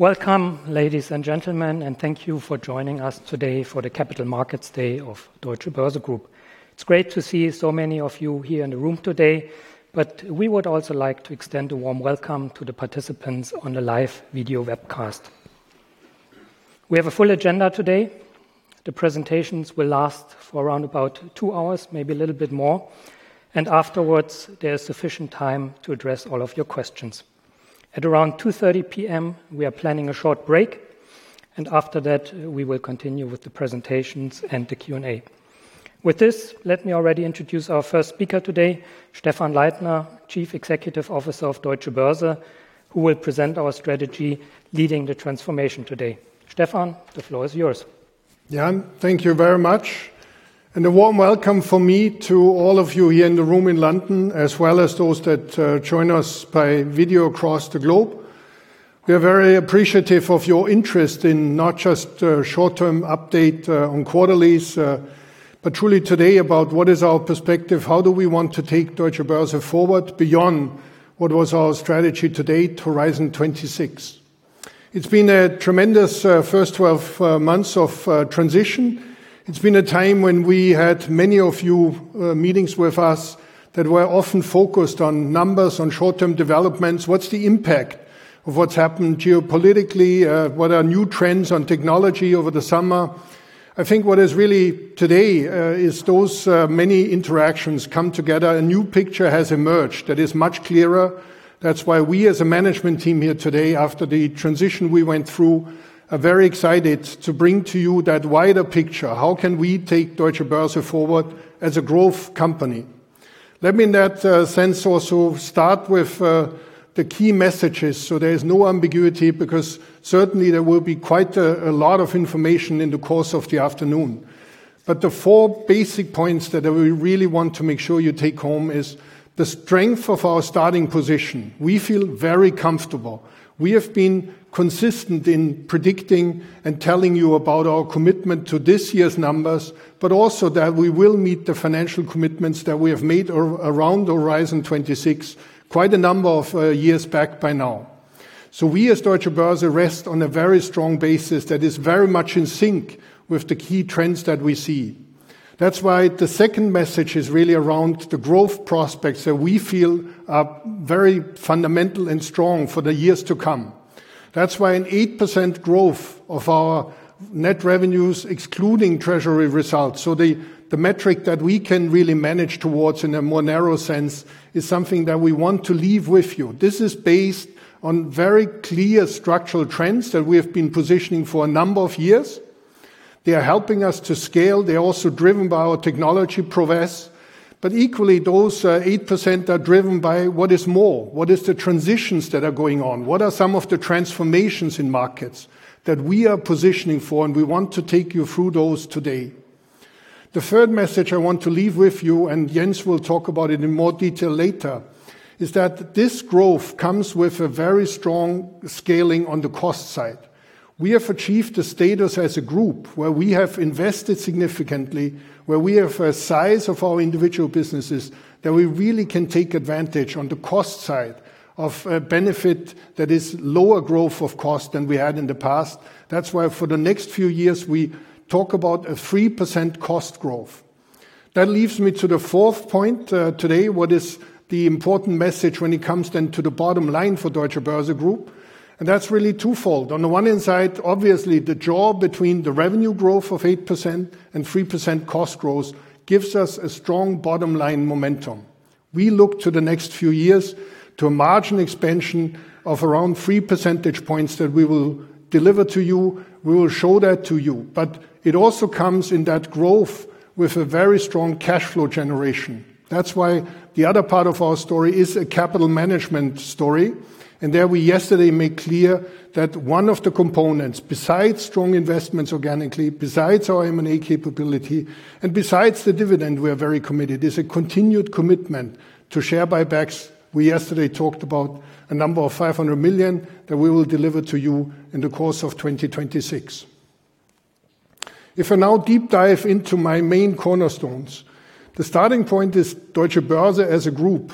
Welcome, ladies and gentlemen, and thank you for joining us today for the Capital Markets Day of Deutsche Börse Group. It's great to see so many of you here in the room today, but we would also like to extend a warm welcome to the participants on the live video webcast. We have a full agenda today. The presentations will last for around about two hours, maybe a little bit more, and afterwards there is sufficient time to address all of your questions. At around 2:30 P.M., we are planning a short break, and after that, we will continue with the presentations and the Q&A. With this, let me already introduce our first speaker today, Stephan Leithner, Chief Executive Officer of Deutsche Börse, who will present our strategy leading the transformation today. Stephan, the floor is yours. Jan, thank you very much, and a warm welcome from me to all of you here in the room in London, as well as those that join us by video across the globe. We are very appreciative of your interest in not just a short-term update on quarterlies, but truly today about what is our perspective, how do we want to take Deutsche Börse forward beyond what was our strategy today to Horizon 2026. It's been a tremendous first 12 months of transition. It's been a time when we had many of you meetings with us that were often focused on numbers, on short-term developments. What's the impact of what's happened geopolitically? What are new trends on technology over the summer? I think what is really today is those many interactions come together, a new picture has emerged that is much clearer. That's why we, as a management team here today, after the transition we went through, are very excited to bring to you that wider picture. How can we take Deutsche Börse forward as a growth company? Let me in that sense also start with the key messages, so there is no ambiguity, because certainly there will be quite a lot of information in the course of the afternoon. But the four basic points that we really want to make sure you take home are the strength of our starting position. We feel very comfortable. We have been consistent in predicting and telling you about our commitment to this year's numbers, but also that we will meet the financial commitments that we have made around Horizon 2026 quite a number of years back by now. So we, as Deutsche Börse, rest on a very strong basis that is very much in sync with the key trends that we see. That's why the second message is really around the growth prospects that we feel are very fundamental and strong for the years to come. That's why an 8% growth of our net revenues, excluding treasury results, so the metric that we can really manage towards in a more narrow sense is something that we want to leave with you. This is based on very clear structural trends that we have been positioning for a number of years. They are helping us to scale. They are also driven by our technology prowess. But equally, those 8% are driven by what is more, what are the transitions that are going on, what are some of the transformations in markets that we are positioning for, and we want to take you through those today. The third message I want to leave with you, and Jens will talk about it in more detail later, is that this growth comes with a very strong scaling on the cost side. We have achieved the status as a group where we have invested significantly, where we have a size of our individual businesses that we really can take advantage on the cost side of a benefit that is lower growth of cost than we had in the past. That's why for the next few years we talk about a 3% cost growth. That leads me to the fourth point today. What is the important message when it comes then to the bottom line for Deutsche Börse Group? And that's really twofold. On the one hand side, obviously the gap between the revenue growth of 8% and 3% cost growth gives us a strong bottom line momentum. We look to the next few years to a margin expansion of around 3 percentage points that we will deliver to you. We will show that to you. But it also comes in that growth with a very strong cash flow generation. That's why the other part of our story is a capital management story. And there we y€STRday made clear that one of the components, besides strong investments organically, besides our M&A capability, and besides the dividend we are very committed to, is a continued commitment to share buybacks. We y€STRday talked about a number of 500 million that we will deliver to you in the course of 2026. If I now deep dive into my main cornerstones, the starting point is Deutsche Börse as a group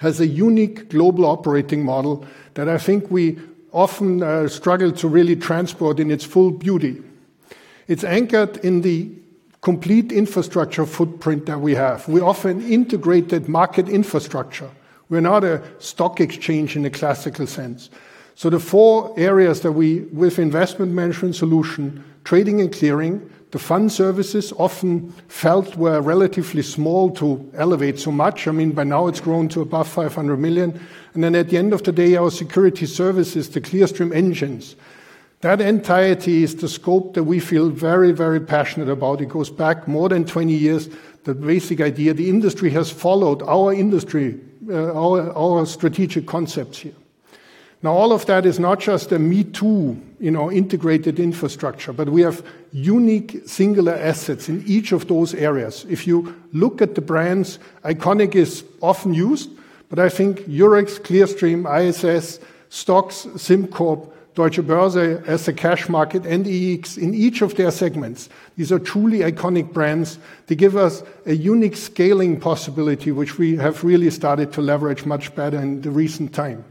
has a unique global operating model that I think we often struggle to really transport in its full beauty. It's anchored in the complete infrastructure footprint that we have. We often integrate that market infrastructure. We're not a stock exchange in a classical sense, so the four areas that we, with Investment Management Solution, Trading & Clearing, the Fund Services, often felt were relatively small to elevate so much. I mean, by now it's grown to above 500 million, and then at the end of the day, our Security Services, the Clearstream engines, that entirety is the scope that we feel very, very passionate about. It goes back more than 20 years. The basic idea, the industry has followed our industry, our strategic concepts here. Now, all of that is not just a me-too in our integrated infrastructure, but we have unique singular assets in each of those areas. If you look at the brands, iconic is often used, but I think Eurex, Clearstream, ISS, STOXX, SimCorp, Deutsche Börse as a cash market, and EEX in each of their segments, these are truly iconic brands. They give us a unique scaling possibility, which we have really started to leverage much better in the recent time.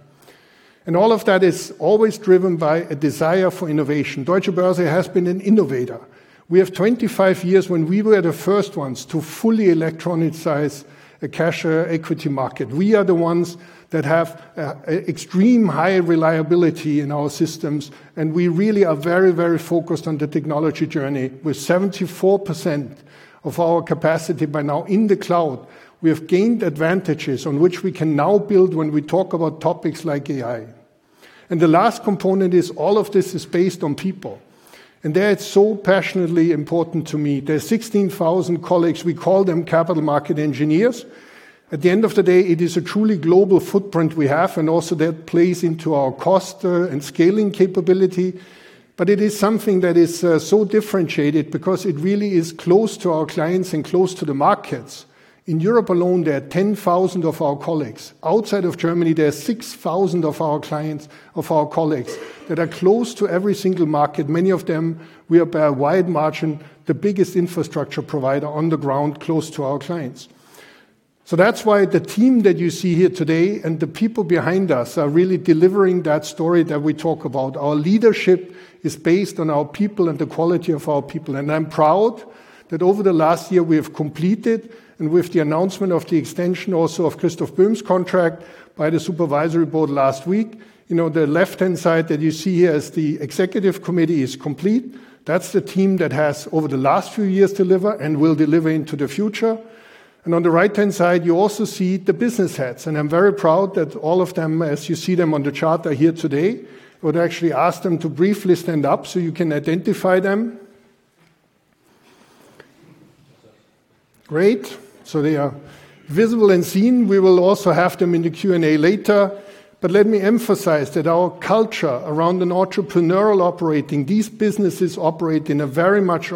And all of that is always driven by a desire for innovation. Deutsche Börse has been an innovator. We have 25 years when we were the first ones to fully electronicize a cash equity market. We are the ones that have extreme high reliability in our systems, and we really are very, very focused on the technology journey. With 74% of our capacity by now in the cloud, we have gained advantages on which we can now build when we talk about topics like AI, and the last component is all of this is based on people, and that's so passionately important to me. There are 16,000 colleagues. We call them Capital Market Engineers. At the end of the day, it is a truly global footprint we have, and also that plays into our cost and scaling capability, but it is something that is so differentiated because it really is close to our clients and close to the markets. In Europe alone, there are 10,000 of our colleagues. Outside of Germany, there are 6,000 of our clients, of our colleagues that are close to every single market. Many of them we are by a wide margin, the biggest infrastructure provider on the ground close to our clients. So that's why the team that you see here today and the people behind us are really delivering that story that we talk about. Our leadership is based on our people and the quality of our people, and I'm proud that over the last year we have completed, and with the announcement of the extension also of Christoph Böhm's contract by the supervisory board last week, you know, the left-hand side that you see here as the executive committee is complete. That's the team that has over the last few years delivered and will deliver into the future, and on the right-hand side, you also see the business heads. And I'm very proud that all of them, as you see them on the chart, are here today. I would actually ask them to briefly stand up so you can identify them. Great. So they are visible and seen. We will also have them in the Q&A later. But let me emphasize that our culture around an entrepreneurial operating, these businesses operate in a very much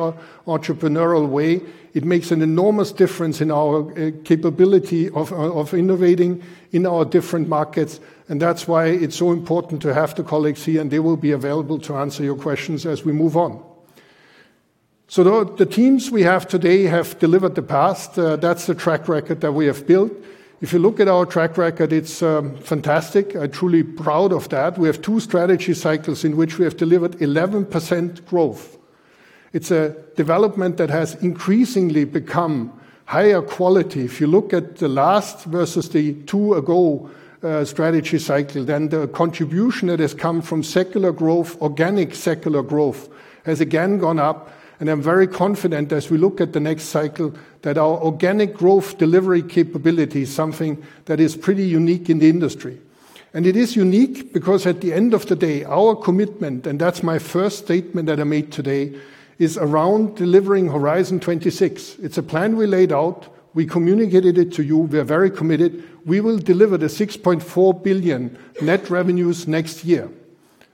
entrepreneurial way. It makes an enormous difference in our capability of innovating in our different markets. And that's why it's so important to have the colleagues here, and they will be available to answer your questions as we move on. So the teams we have today have delivered the past. That's the track record that we have built. If you look at our track record, it's fantastic. I'm truly proud of that. We have two strategy cycles in which we have delivered 11% growth. It's a development that has increasingly become higher quality. If you look at the last versus the two ago strategy cycle, then the contribution that has come from secular growth, organic secular growth, has again gone up, and I'm very confident as we look at the next cycle that our organic growth delivery capability is something that is pretty unique in the industry, and it is unique because at the end of the day, our commitment, and that's my first statement that I made today, is around delivering Horizon 2026. It's a plan we laid out. We communicated it to you. We are very committed. We will deliver the 6.4 billion net revenues next year.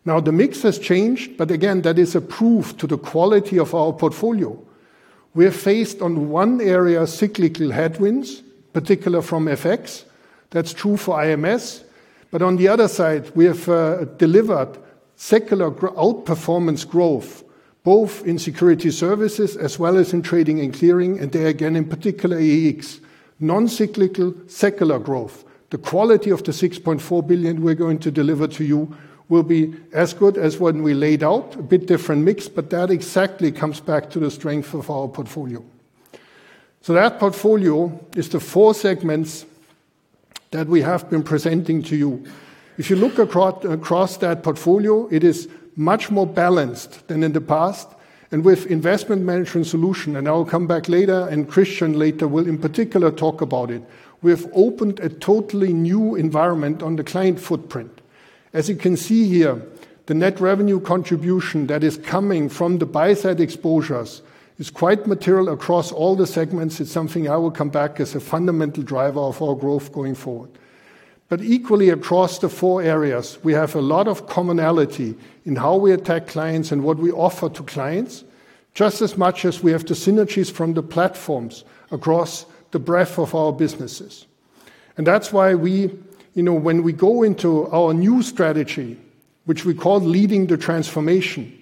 Now, the mix has changed, but again, that is a proof to the quality of our portfolio. We are faced on one area, cyclical headwinds, particularly from FX. That's true for IMS. But on the other side, we have delivered secular outperformance growth, both in Security Services as well as in Trading & Clearing, and there again, in particular, EEX, non-cyclical secular growth. The quality of the 6.4 billion we're going to deliver to you will be as good as what we laid out, a bit different mix, but that exactly comes back to the strength of our portfolio, so that portfolio is the four segments that we have been presenting to you. If you look across that portfolio, it is much more balanced than in the past, and with Investment Management Solution, and I'll come back later, and Christian later will in particular talk about it, we have opened a totally new environment on the client footprint. As you can see here, the net revenue contribution that is coming from the buy-side exposures is quite material across all the segments. It's something I will come back as a fundamental driver of our growth going forward. But equally, across the four areas, we have a lot of commonality in how we attack clients and what we offer to clients, just as much as we have the synergies from the platforms across the breadth of our businesses. And that's why we, you know, when we go into our new strategy, which we call leading the transformation,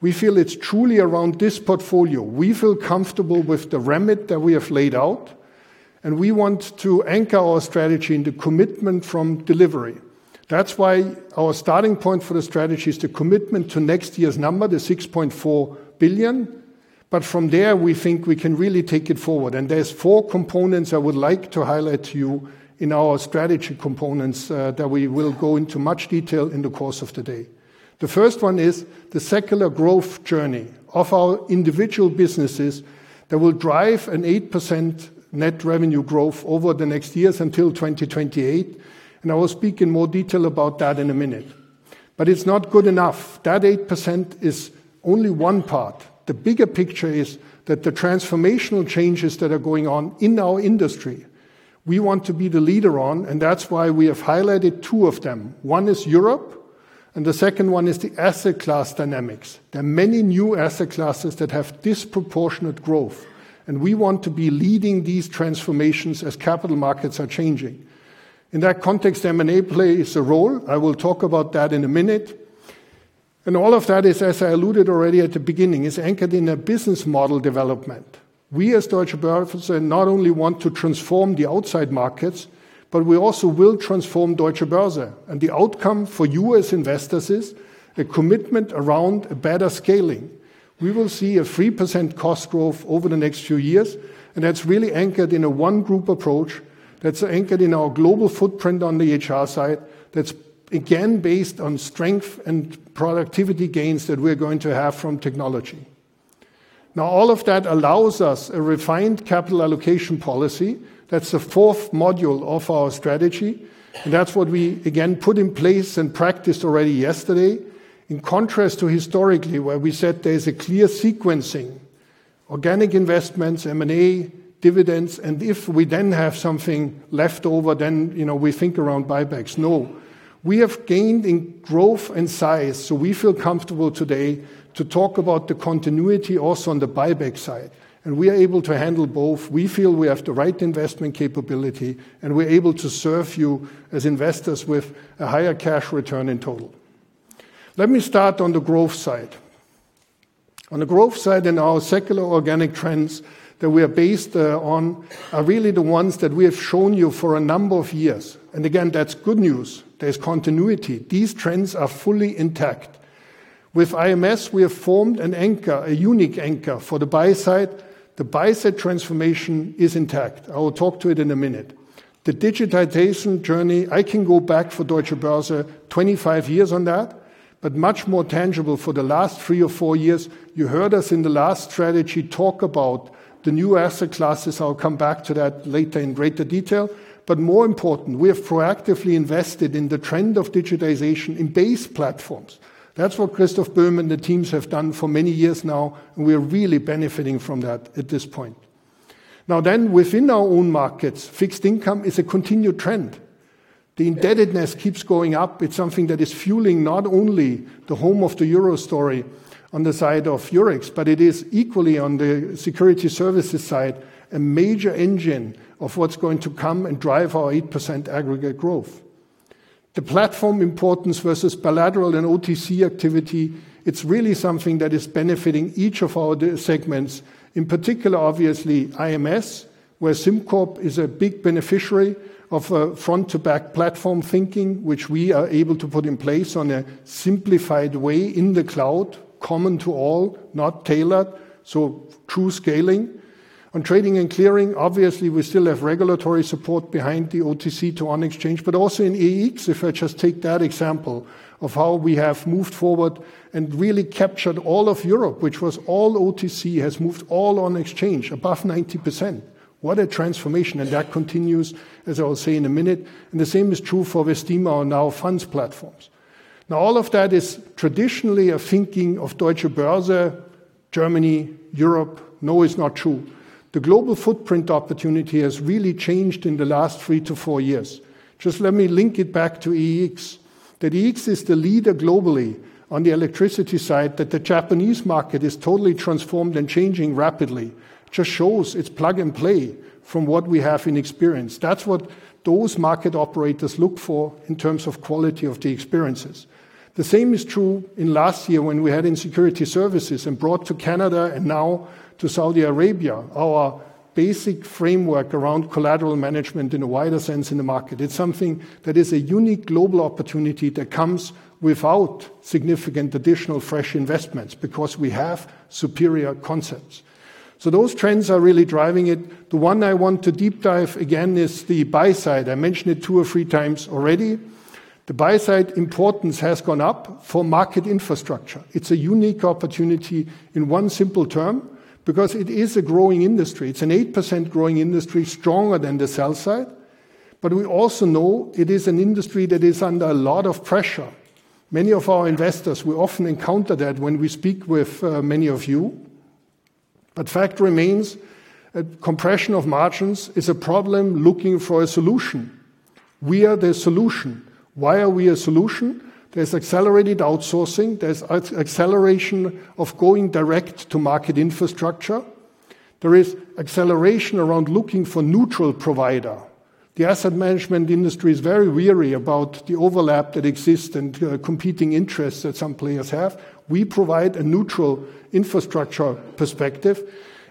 we feel it's truly around this portfolio. We feel comfortable with the remit that we have laid out, and we want to anchor our strategy in the commitment from delivery. That's why our starting point for the strategy is the commitment to next year's number, 6.4 billion. But from there, we think we can really take it forward. And there's four components I would like to highlight to you in our strategy components that we will go into much detail in the course of the day. The first one is the secular growth journey of our individual businesses that will drive an 8% net revenue growth over the next years until 2028, and I will speak in more detail about that in a minute, but it's not good enough. That 8% is only one part. The bigger picture is that the transformational changes that are going on in our industry, we want to be the leader on, and that's why we have highlighted two of them. One is Europe, and the second one is the asset class dynamics. There are many new asset classes that have disproportionate growth, and we want to be leading these transformations as capital markets are changing. In that context, M&A plays a role. I will talk about that in a minute, and all of that, as I alluded already at the beginning, is anchored in a business model development. We, as Deutsche Börse, not only want to transform the outside markets, but we also will transform Deutsche Börse, and the outcome for you as investors is a commitment around a better scaling. We will see a 3% cost growth over the next few years, and that's really anchored in a one-group approach. That's anchored in our global footprint on the HR side. That's again based on strength and productivity gains that we're going to have from technology. Now, all of that allows us a refined capital allocation policy. That's the fourth module of our strategy, and that's what we again put in place and practiced already y€STRday, in contrast to historically where we said there's a clear sequencing, organic investments, M&A, dividends. And if we then have something left over, then, you know, we think around buybacks. No, we have gained in growth and size. So we feel comfortable today to talk about the continuity also on the buyback side. And we are able to handle both. We feel we have the right investment capability, and we're able to serve you as investors with a higher cash return in total. Let me start on the growth side. On the growth side, in our secular organic trends that we are based on are really the ones that we have shown you for a number of years. And again, that's good news. There's continuity. These trends are fully intact. With IMS, we have formed an anchor, a unique anchor for the buy-side. The buy-side transformation is intact. I will talk to it in a minute. The digitization journey, I can go back for Deutsche Börse 25 years on that, but much more tangible for the last three or four years. You heard us in the last strategy talk about the new asset classes. I'll come back to that later in greater detail. But more important, we have proactively invested in the trend of digitization in base platforms. That's what Christoph Böhm and the teams have done for many years now, and we are really benefiting from that at this point. Now then, within our own markets, fixed income is a continued trend. The indebtedness keeps going up. It's something that is fueling not only the Home of the Euro story on the side of Eurex, but it is equally on the Security Services side, a major engine of what's going to come and drive our 8% aggregate growth. The platform importance versus bilateral and OTC activity, it's really something that is benefiting each of our segments, in particular, obviously IMS, where SimCorp is a big beneficiary of front-to-back platform thinking, which we are able to put in place on a simplified way in the cloud, common to all, not tailored. So true scaling on Trading & Clearing. Obviously, we still have regulatory support behind the OTC to on-exchange, but also in EEX. If I just take that example of how we have moved forward and really captured all of Europe, which was all OTC, has moved all on-exchange above 90%. What a transformation. And that continues, as I will say in a minute. And the same is true for Vestima and our funds platforms. Now, all of that is traditionally a thinking of Deutsche Börse, Germany, Europe. No, it's not true. The global footprint opportunity has really changed in the last three to four years. Just let me link it back to EEX. That EEX is the leader globally on the electricity side, that the Japanese market is totally transformed and changing rapidly just shows its plug and play from what we have in experience. That's what those market operators look for in terms of quality of the experiences. The same is true in last year when we had Securities Services and brought to Canada and now to Saudi Arabia, our basic framework around collateral management in a wider sense in the market. It's something that is a unique global opportunity that comes without significant additional fresh investments because we have superior concepts. So those trends are really driving it. The one I want to deep dive again is the buy-side. I mentioned it two or three times already. The buy-side importance has gone up for market infrastructure. It's a unique opportunity in one simple term because it is a growing industry. It's an 8% growing industry, stronger than the sell-side. But we also know it is an industry that is under a lot of pressure. Many of our investors, we often encounter that when we speak with many of you. But fact remains, compression of margins is a problem looking for a solution. We are the solution. Why are we a solution? There's accelerated outsourcing. There's acceleration of going direct to market infrastructure. There is acceleration around looking for neutral provider. The asset management industry is very wary about the overlap that exists and competing interests that some players have. We provide a neutral infrastructure perspective.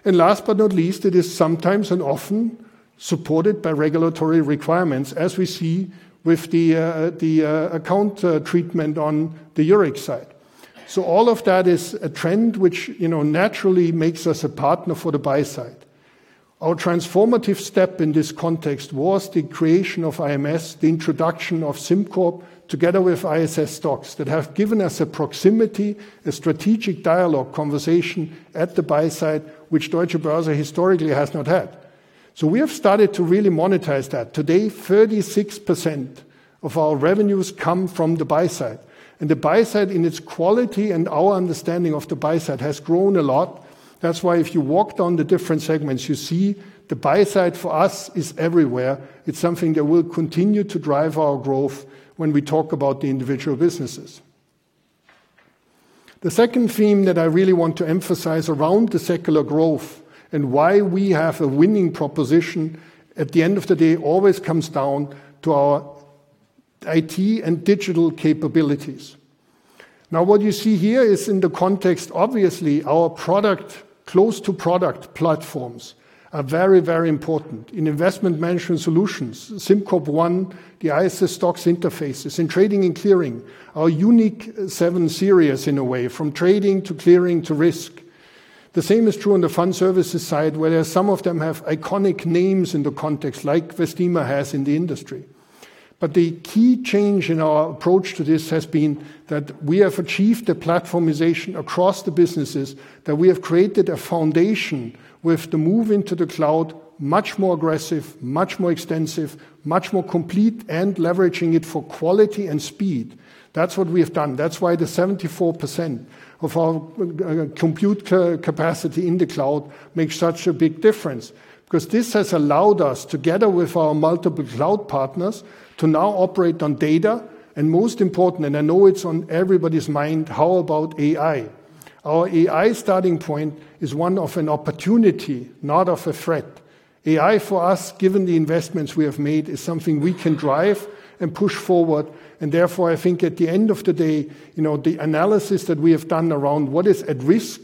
And last but not least, it is sometimes and often supported by regulatory requirements, as we see with the account treatment on the Eurex side. So all of that is a trend which, you know, naturally makes us a partner for the buy-side. Our transformative step in this context was the creation of IMS, the introduction of SimCorp together ISS STOXX that have given us a proximity, a strategic dialogue conversation at the buy-side, which Deutsche Börse historically has not had. So we have started to really monetize that. Today, 36% of our revenues come from the buy-side. And the buy-side in its quality and our understanding of the buy-side has grown a lot. That's why if you walked on the different segments, you see the buy-side for us is everywhere. It's something that will continue to drive our growth when we talk about the individual businesses. The second theme that I really want to emphasize around the secular growth and why we have a winning proposition at the end of the day always comes down to our IT and digital capabilities. Now, what you see here is in the context, obviously our product close to product platforms are very, very important in Investment Management Solutions. SimCorp One, ISS STOXX interfaces in Trading & Clearing, our unique seven series in a way from trading to clearing to risk. The same is true on the Fund Services side, where some of them have iconic names in the context like Vestima has in the industry. But the key change in our approach to this has been that we have achieved a platformization across the businesses, that we have created a foundation with the move into the cloud, much more aggressive, much more extensive, much more complete, and leveraging it for quality and speed. That's what we have done. That's why the 74% of our compute capacity in the cloud makes such a big difference because this has allowed us, together with our multiple cloud partners, to now operate on data. And most important, and I know it's on everybody's mind, how about AI? Our AI starting point is one of an opportunity, not of a threat. AI for us, given the investments we have made, is something we can drive and push forward. And therefore, I think at the end of the day, you know, the analysis that we have done around what is at risk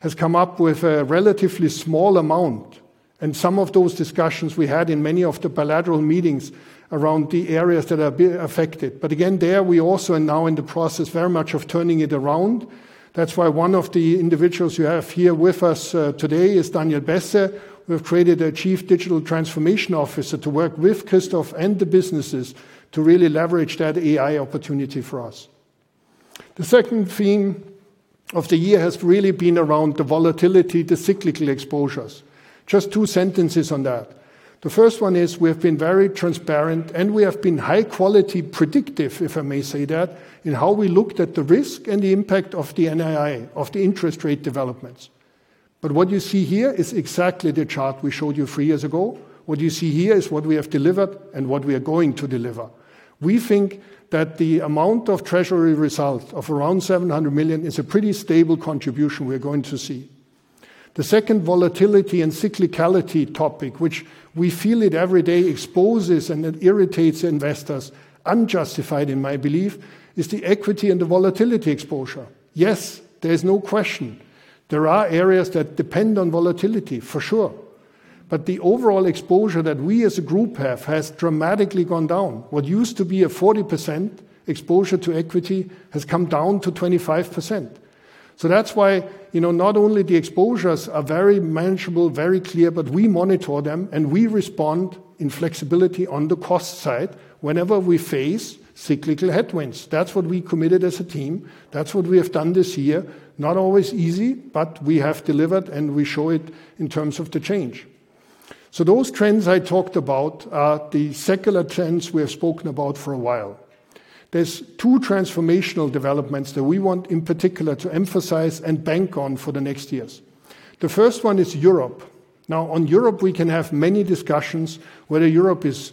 has come up with a relatively small amount, and some of those discussions we had in many of the bilateral meetings around the areas that are affected, but again, there we also are now in the process very much of turning it around. That's why one of the individuals you have here with us today is Daniel Besse. We've created a Chief Digital Transformation Officer to work with Christoph and the businesses to really leverage that AI opportunity for us. The second theme of the year has really been around the volatility, the cyclical exposures. Just two sentences on that. The first one is we have been very transparent and we have been high quality predictive, if I may say that, in how we looked at the risk and the impact of the NII, of the interest rate developments. But what you see here is exactly the chart we showed you three years ago. What you see here is what we have delivered and what we are going to deliver. We think that the amount of treasury results of around 700 million is a pretty stable contribution we are going to see. The second volatility and cyclicality topic, which we feel it every day exposes and it irritates investors, unjustified in my belief, is the equity and the volatility exposure. Yes, there's no question. There are areas that depend on volatility, for sure. But the overall exposure that we as a group have has dramatically gone down. What used to be a 40% exposure to equity has come down to 25%. So that's why, you know, not only the exposures are very manageable, very clear, but we monitor them and we respond in flexibility on the cost side whenever we face cyclical headwinds. That's what we committed as a team. That's what we have done this year. Not always easy, but we have delivered and we show it in terms of the change. So those trends I talked about are the secular trends we have spoken about for a while. There's two transformational developments that we want in particular to emphasize and bank on for the next years. The first one is Europe. Now, on Europe, we can have many discussions whether Europe is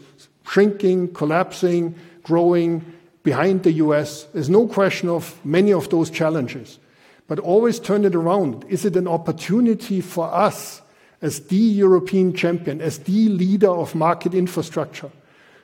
shrinking, collapsing, growing behind the U.S. There's no question of many of those challenges, but always turn it around. Is it an opportunity for us as the European champion, as the leader of market infrastructure?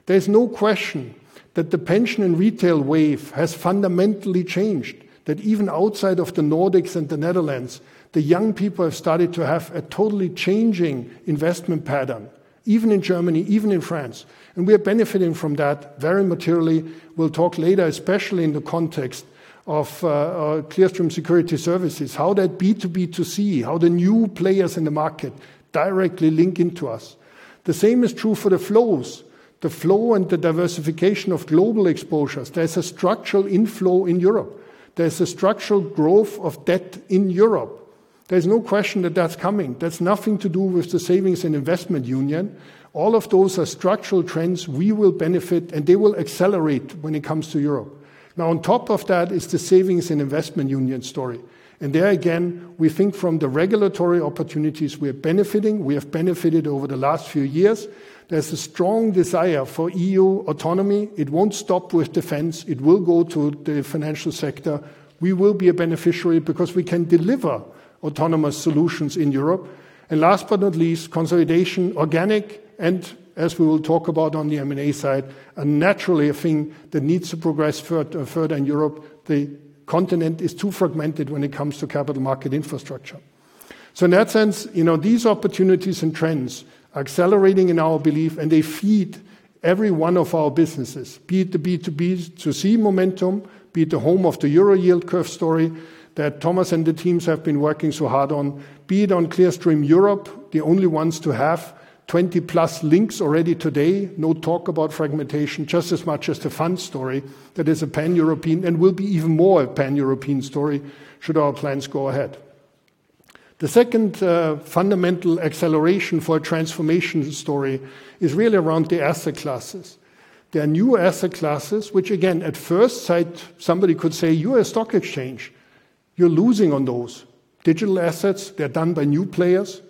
There's no question that the pension and retail wave has fundamentally changed, that even outside of the Nordics and the Netherlands, the young people have started to have a totally changing investment pattern, even in Germany, even in France, and we are benefiting from that very materially. We'll talk later, especially in the context of Clearstream Securities Services, how that B2B2C, how the new players in the market directly link into us. The same is true for the flows, the flow and the diversification of global exposures. There's a structural inflow in Europe. There's a structural growth of debt in Europe. There's no question that that's coming. That's nothing to do with the Savings and Investment Union. All of those are structural trends we will benefit and they will accelerate when it comes to Europe. Now, on top of that is the Savings and Investment Union story. And there again, we think from the regulatory opportunities we are benefiting, we have benefited over the last few years. There's a strong desire for EU autonomy. It won't stop with defense. It will go to the financial sector. We will be a beneficiary because we can deliver autonomous solutions in Europe. And last but not least, consolidation, organic, and as we will talk about on the M&A side, naturally a thing that needs to progress further in Europe. The continent is too fragmented when it comes to capital market infrastructure. So in that sense, you know, these opportunities and trends are accelerating in our belief, and they feed every one of our businesses, be it the B2B2C momentum, be it the Home of the Euro Yield Curve story that Thomas and the teams have been working so hard on, be it on Clearstream Europe, the only ones to have 20+ links already today. No talk about fragmentation, just as much as the fund story that is a pan-European and will be even more a pan-European story should our plans go ahead. The second fundamental acceleration for a transformation story is really around the asset classes. There are new asset classes which, again, at first sight, somebody could say you're a stock exchange. You're losing on those digital assets. They're done by new players.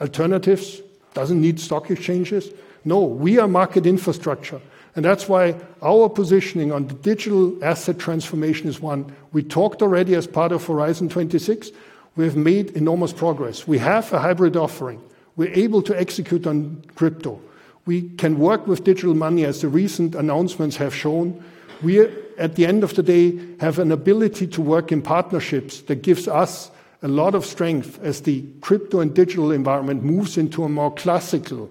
Alternatives doesn't need stock exchanges. No, we are market infrastructure. And that's why our positioning on the Digital Asset transformation is one. We talked already as part of Horizon 2026. We have made enormous progress. We have a hybrid offering. We're able to execute on crypto. We can work with digital money as the recent announcements have shown. We at the end of the day have an ability to work in partnerships that gives us a lot of strength as the crypto and digital environment moves into a more classical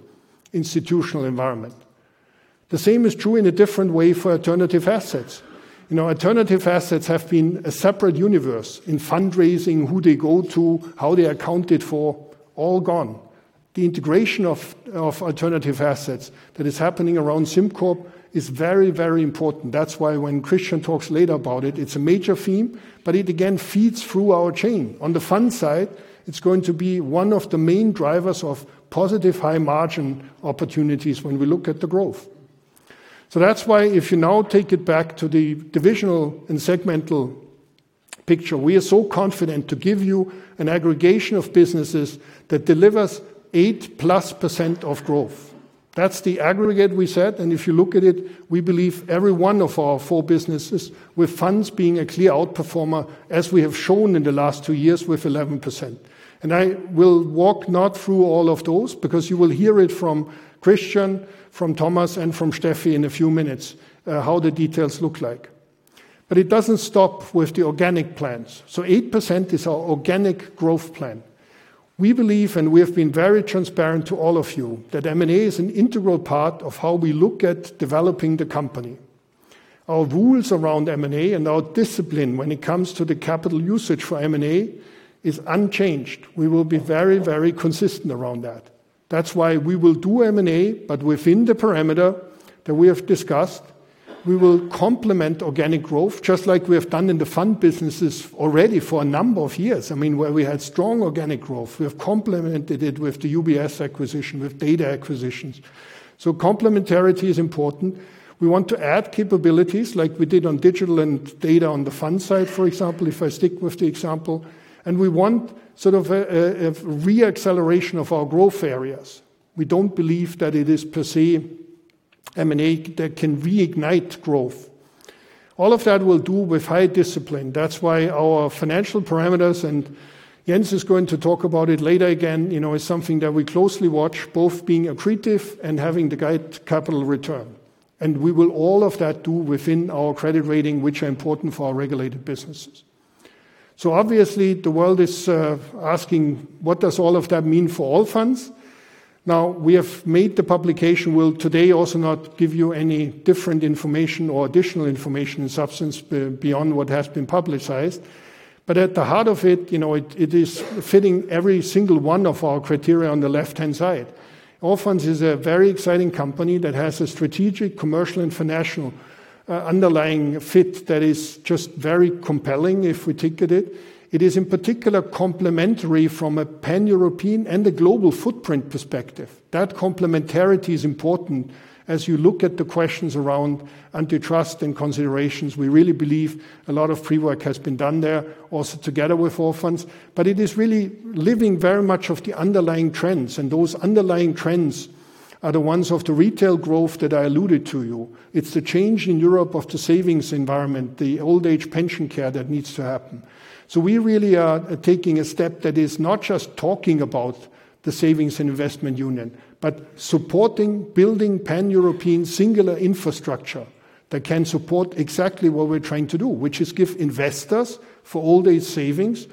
institutional environment. The same is true in a different way for alternative assets. You know, alternative assets have been a separate universe in fundraising, who they go to, how they accounted for, all gone. The integration of alternative assets that is happening around SimCorp is very, very important. That's why when Christian talks later about it, it's a major theme, but it again feeds through our chain. On the fund side, it's going to be one of the main drivers of positive high margin opportunities when we look at the growth, so that's why if you now take it back to the divisional and segmental picture, we are so confident to give you an aggregation of businesses that delivers 8%+ of growth. That's the aggregate we said, and if you look at it, we believe every one of our four businesses with funds being a clear outperformer, as we have shown in the last two years with 11%, and I will not walk through all of those because you will hear it from Christian, from Thomas, and from Steffi in a few minutes, how the details look like, but it doesn't stop with the organic plans, so 8% is our organic growth plan. We believe, and we have been very transparent to all of you, that M&A is an integral part of how we look at developing the company. Our rules around M&A and our discipline when it comes to the capital usage for M&A is unchanged. We will be very, very consistent around that. That's why we will do M&A, but within the parameter that we have discussed, we will complement organic growth just like we have done in the fund businesses already for a number of years. I mean, where we had strong organic growth, we have complemented it with the UBS acquisition, with data acquisitions. So complementarity is important. We want to add capabilities like we did on digital and data on the fund side, for example, if I stick with the example, and we want sort of a re-acceleration of our growth areas. We don't believe that it is per se M&A that can reignite growth. All of that we'll do with high discipline. That's why our financial parameters, and Jens is going to talk about it later again, you know, is something that we closely watch, both being accretive and having the guide capital return. And we will all of that do within our credit rating, which are important for our regulated businesses. So obviously the world is asking, what does all of that mean for Allfunds? Now, we have made the publication. We'll today also not give you any different information or additional information in substance beyond what has been publicized. But at the heart of it, you know, it is fitting every single one of our criteria on the left-hand side. Allfunds is a very exciting company that has a strategic commercial and financial underlying fit that is just very compelling if we ticket it. It is in particular complementary from a pan-European and a global footprint perspective. That complementarity is important as you look at the questions around antitrust and considerations. We really believe a lot of pre-work has been done there also together with Allfunds, but it is really living very much of the underlying trends, and those underlying trends are the ones of the retail growth that I alluded to you. It's the change in Europe of the savings environment, the old age pension care that needs to happen. So we really are taking a step that is not just talking about the Savings and Investment Union, but supporting, building pan-European singular infrastructure that can support exactly what we're trying to do, which is give investors for all these savings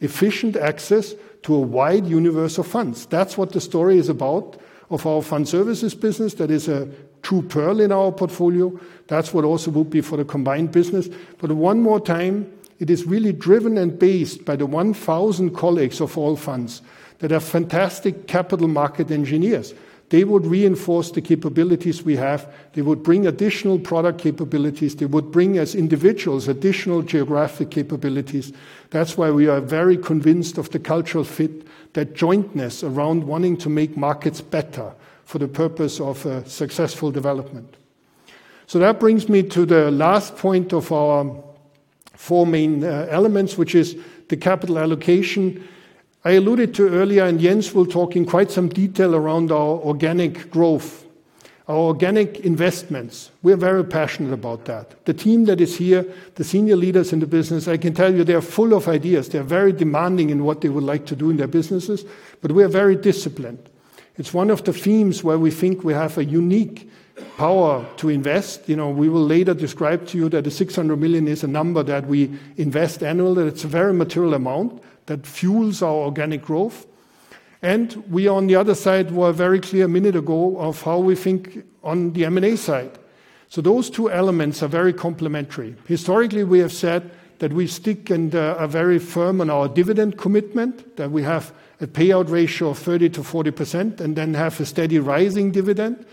efficient access to a wide universe of funds. That's what the story is about of our Fund Services business. That is a true pearl in our portfolio. That's what also will be for the combined business. But one more time, it is really driven and based by the 1,000 colleagues of Allfunds that are fantastic Capital Market Engineers. They would reinforce the capabilities we have. They would bring additional product capabilities. They would bring us individuals, additional geographic capabilities. That's why we are very convinced of the cultural fit, that jointness around wanting to make markets better for the purpose of a successful development. So that brings me to the last point of our four main elements, which is the capital allocation. I alluded to earlier, and Jens will talk in quite some detail around our organic growth, our organic investments. We're very passionate about that. The team that is here, the senior leaders in the business, I can tell you they're full of ideas. They're very demanding in what they would like to do in their businesses, but we are very disciplined. It's one of the themes where we think we have a unique power to invest. You know, we will later describe to you that the 600 million is a number that we invest annually. It's a very material amount that fuels our organic growth. And we on the other side were very clear a minute ago of how we think on the M&A side. So those two elements are very complementary. Historically, we have said that we stick and are very firm on our dividend commitment, that we have a payout ratio of 30%-40% and then have a steady rising dividend.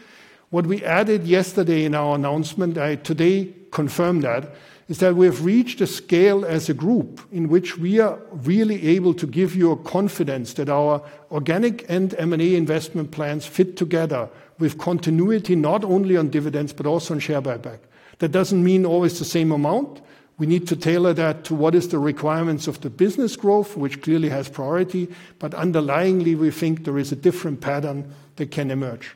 What we added y€STRday in our announcement, I today confirmed that, is that we have reached a scale as a group in which we are really able to give you a confidence that our organic and M&A investment plans fit together with continuity, not only on dividends, but also on share buyback. That doesn't mean always the same amount. We need to tailor that to what is the requirements of the business growth, which clearly has priority. But underlyingly, we think there is a different pattern that can emerge.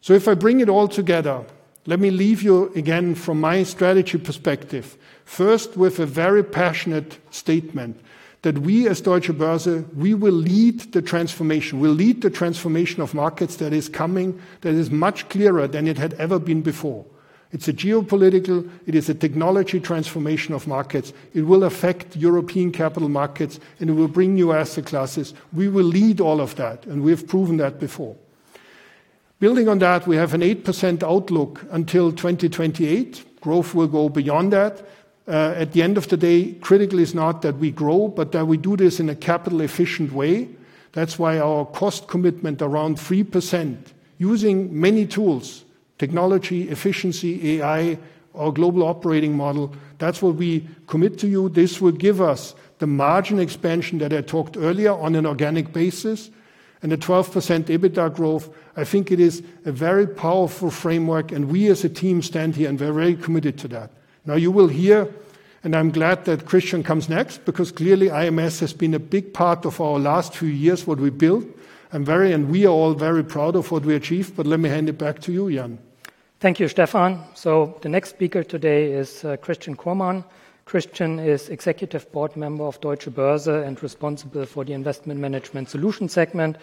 So if I bring it all together, let me leave you again from my strategy perspective. First, with a very passionate statement that we as Deutsche Börse will lead the transformation. We'll lead the transformation of markets that is coming, that is much clearer than it had ever been before. It's a geopolitical, it is a technology transformation of markets. It will affect European capital markets and it will bring new asset classes. We will lead all of that and we've proven that before. Building on that, we have an 8% outlook until 2028. Growth will go beyond that. At the end of the day, critical is not that we grow, but that we do this in a capital efficient way. That's why our cost commitment around 3% using many tools, technology, efficiency, AI, our global operating model. That's what we commit to you. This will give us the margin expansion that I talked earlier on an organic basis and a 12% EBITDA growth. I think it is a very powerful framework and we as a team stand here and we're very committed to that. Now you will hear, and I'm glad that Christian comes next because clearly IMS has been a big part of our last few years, what we built. And we are all very proud of what we achieved, but let me hand it back to you, Jan. Thank you, Stephan. So the next speaker today is Christian Kromann. Christian is Executive Board member of Deutsche Börse and responsible for the Investment Management Solution segment.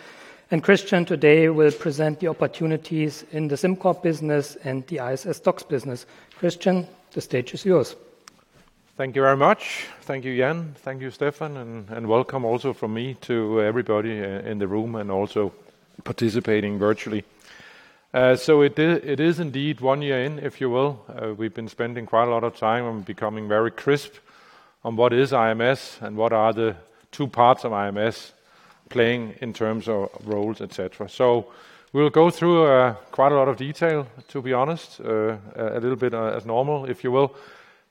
And Christian today will present the opportunities in the SimCorp business and ISS STOXX business. Christian, the stage is yours. Thank you very much. Thank you, Jan. Thank you, Stephan, and welcome also from me to everybody in the room and also participating virtually. So it is indeed one year in, if you will. We've been spending quite a lot of time and becoming very crisp on what is IMS and what are the two parts of IMS playing in terms of roles, etc. So we'll go through quite a lot of detail, to be honest, a little bit as normal, if you will.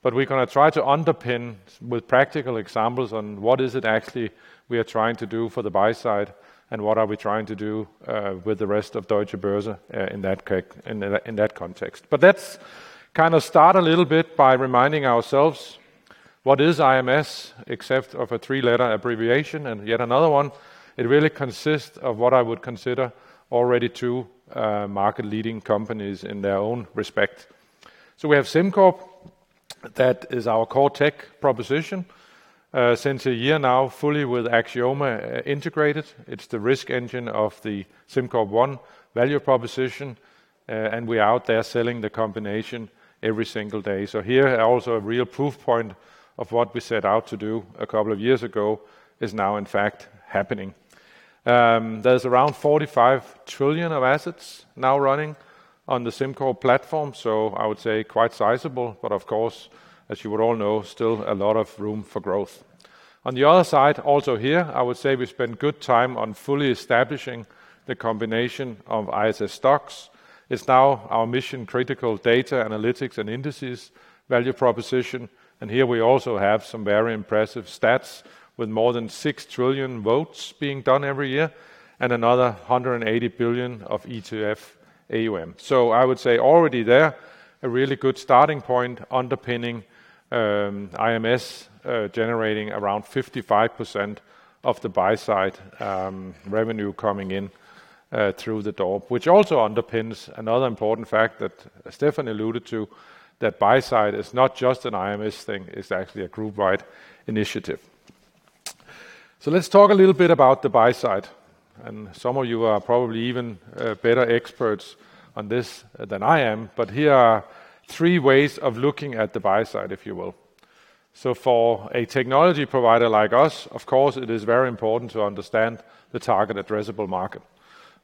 But we're going to try to underpin with practical examples on what is it actually we are trying to do for the buy-side and what are we trying to do with the rest of Deutsche Börse in that context. But let's kind of start a little bit by reminding ourselves what is IMS, except of a three-letter abbreviation and yet another one. It really consists of what I would consider already two market-leading companies in their own respect. So we have SimCorp. That is our core tech proposition. Since a year now, fully with Axioma integrated. It's the risk engine of the SimCorp One value proposition. And we are out there selling the combination every single day. So here, also a real proof point of what we set out to do a couple of years ago is now in fact happening. There's around 45 trillion of assets now running on the SimCorp platform. So I would say quite sizable, but of course, as you would all know, still a lot of room for growth. On the other side, also here, I would say we spend good time on fully establishing the combination ISS STOXX. It's now our mission-critical data analytics and indices value proposition. And here we also have some very impressive stats with more than 6 trillion votes being done every year and another 180 billion of ETF AUM. I would say already there a really good starting point underpinning IMS generating around 55% of the buy-side revenue coming in through the door, which also underpins another important fact that Stephan alluded to, that buy-side is not just an IMS thing. It's actually a group-wide initiative. Let's talk a little bit about the buy-side. Some of you are probably even better experts on this than I am, but here are three ways of looking at the buy-side, if you will. For a technology provider like us, of course, it is very important to understand the target addressable market.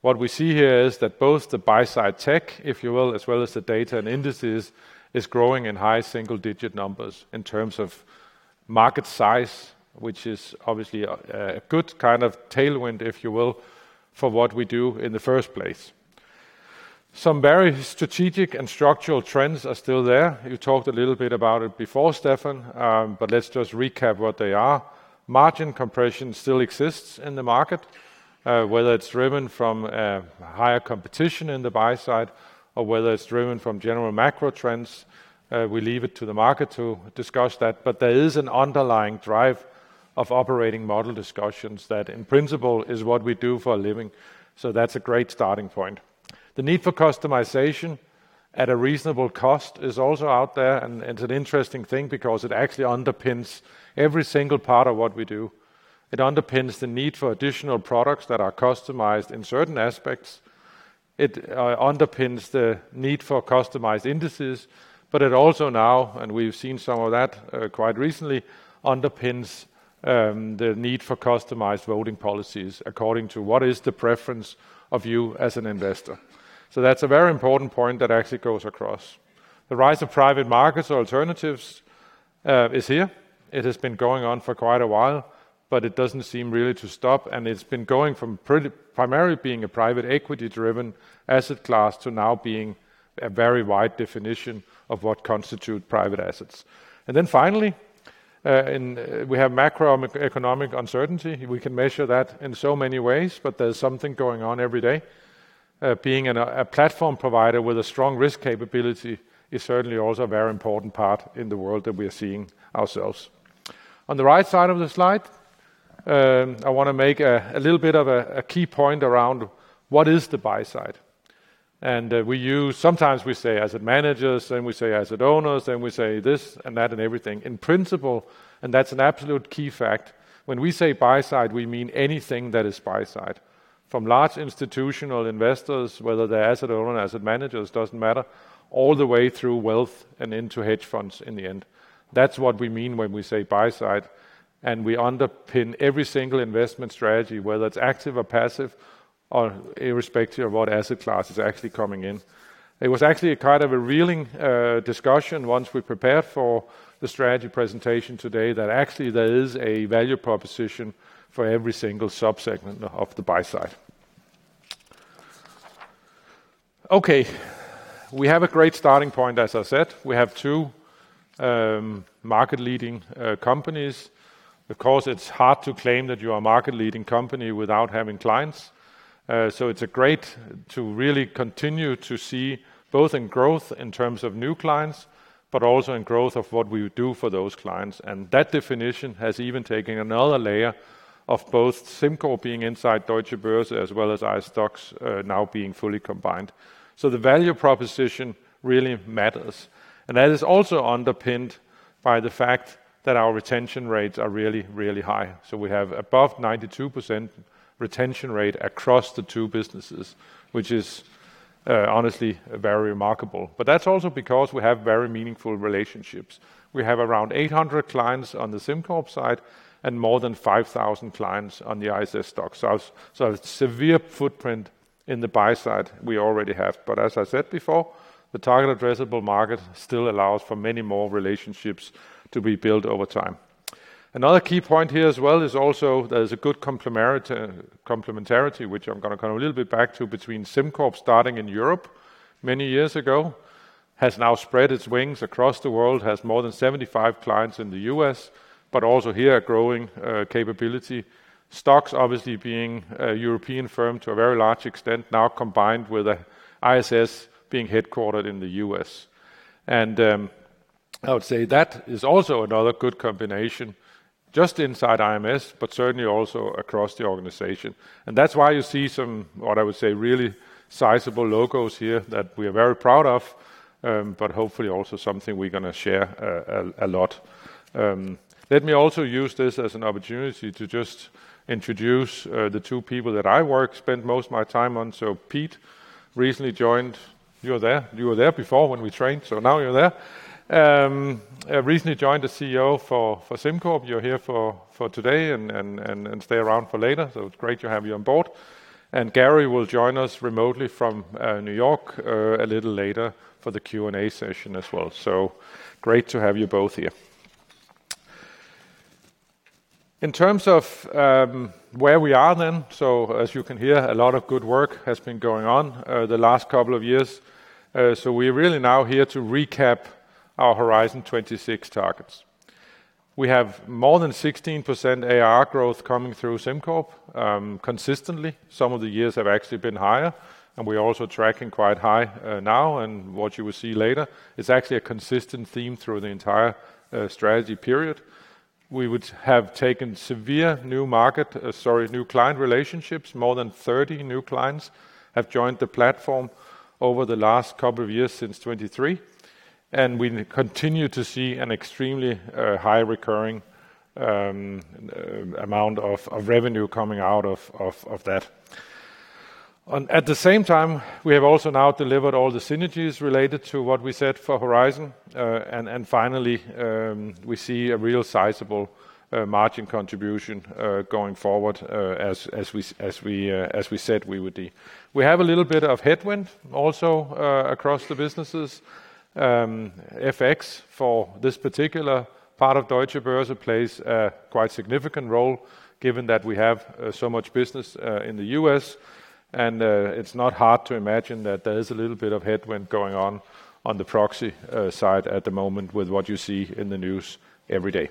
What we see here is that both the buy-side tech, if you will, as well as the data and indices is growing in high single-digit numbers in terms of market size, which is obviously a good kind of tailwind, if you will, for what we do in the first place. Some very strategic and structural trends are still there. You talked a little bit about it before, Stephan, but let's just recap what they are. Margin compression still exists in the market, whether it's driven from higher competition in the buy-side or whether it's driven from general macro trends. We leave it to the market to discuss that, but there is an underlying drive of operating model discussions that in principle is what we do for a living. So that's a great starting point. The need for customization at a reasonable cost is also out there. It's an interesting thing because it actually underpins every single part of what we do. It underpins the need for additional products that are customized in certain aspects. It underpins the need for customized indices, but it also now, and we've seen some of that quite recently, underpins the need for customized voting policies according to what is the preference of you as an investor. So that's a very important point that actually goes across. The rise of private markets or alternatives is here. It has been going on for quite a while, but it doesn't seem really to stop. And it's been going from primarily being a private equity-driven asset class to now being a very wide definition of what constitutes private assets. And then finally, we have macroeconomic uncertainty. We can measure that in so many ways, but there's something going on every day. Being a platform provider with a strong risk capability is certainly also a very important part in the world that we are seeing ourselves. On the right side of the slide, I want to make a little bit of a key point around what is the buy-side, and we use, sometimes we say asset managers, then we say asset owners, then we say this and that and everything in principle, and that's an absolute key fact. When we say buy-side, we mean anything that is buy-side. From large institutional investors, whether they're asset owners, asset managers, doesn't matter, all the way through wealth and into hedge funds in the end. That's what we mean when we say buy-side, and we underpin every single investment strategy, whether it's active or passive or irrespective of what asset class is actually coming in. It was actually a kind of a revealing discussion once we prepared for the strategy presentation today that actually there is a value proposition for every single subsegment of the buy-side. Okay, we have a great starting point, as I said. We have two market-leading companies. Of course, it's hard to claim that you are a market-leading company without having clients, so it's great to really continue to see both in growth in terms of new clients, but also in growth of what we do for those clients, and that definition has even taken another layer of both SimCorp being inside Deutsche Börse as ISS STOXX now being fully combined, so the value proposition really matters, and that is also underpinned by the fact that our retention rates are really, really high, so we have above 92% retention rate across the two businesses, which is honestly very remarkable. But that's also because we have very meaningful relationships. We have around 800 clients on the SimCorp side and more than 5,000 clients on ISS STOXX. So a severe footprint in the buy-side we already have. But as I said before, the target addressable market still allows for many more relationships to be built over time. Another key point here as well is also there's a good complementarity, which I'm going to come a little bit back to, between SimCorp starting in Europe many years ago, has now spread its wings across the world, has more than 75 clients in the U.S., but also here a growing capability. STOXX obviously being a European firm to a very large extent, now combined with ISS being headquartered in the U.S. And I would say that is also another good combination just inside IMS, but certainly also across the organization. And that's why you see some, what I would say, really sizable logos here that we are very proud of, but hopefully also something we're going to share a lot. Let me also use this as an opportunity to just introduce the two people that I work, spend most of my time on. So Pete recently joined. You were there before when we trained, so now you're there. Recently joined as CEO for SimCorp. You're here for today and stay around for later. So it's great to have you on board. And Gary will join us remotely from New York a little later for the Q&A session as well. So great to have you both here. In terms of where we are then, so as you can hear, a lot of good work has been going on the last couple of years. So we are really now here to recap our Horizon 2026 targets. We have more than 16% AR growth coming through SimCorp consistently. Some of the years have actually been higher, and we're also tracking quite high now. And what you will see later is actually a consistent theme through the entire strategy period. We would have taken several new market, sorry, new client relationships. More than 30 new clients have joined the platform over the last couple of years since 2023. And we continue to see an extremely high recurring amount of revenue coming out of that. At the same time, we have also now delivered all the synergies related to what we said for Horizon. And finally, we see a real sizable margin contribution going forward as we said we would be. We have a little bit of headwind also across the businesses. FX for this particular part of Deutsche Börse plays a quite significant role given that we have so much business in the U.S., and it's not hard to imagine that there is a little bit of headwind going on the proxy side at the moment with what you see in the news every day,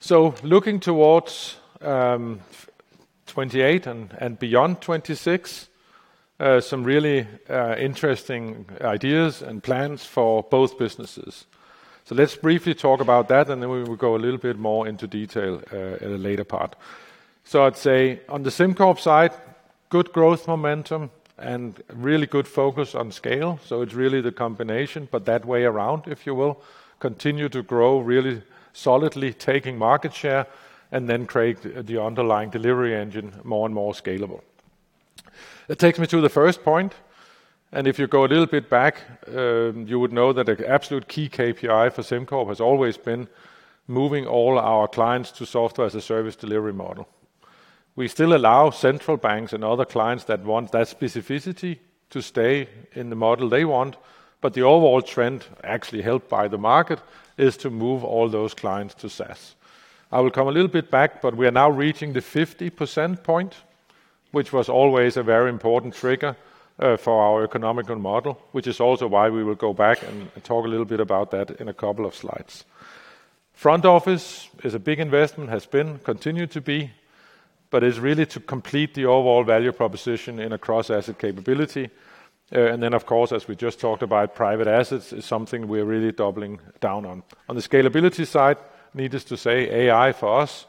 so looking towards 2028 and beyond 2026, some really interesting ideas and plans for both businesses, so let's briefly talk about that, and then we will go a little bit more into detail in a later part, so I'd say on the SimCorp side, good growth momentum and really good focus on scale, so it's really the combination, but that way around, if you will, continue to grow really solidly, taking market share and then create the underlying delivery engine more and more scalable. That takes me to the first point. And if you go a little bit back, you would know that an absolute key KPI for SimCorp has always been moving all our clients to software as a service delivery model. We still allow central banks and other clients that want that specificity to stay in the model they want, but the overall trend, actually helped by the market, is to move all those clients to SaaS. I will come a little bit back, but we are now reaching the 50% point, which was always a very important trigger for our economical model, which is also why we will go back and talk a little bit about that in a couple of slides. Front office is a big investment, has been, continued to be, but it's really to complete the overall value proposition in a cross-asset capability. And then, of course, as we just talked about, private assets is something we are really doubling down on. On the scalability side, needless to say, AI for us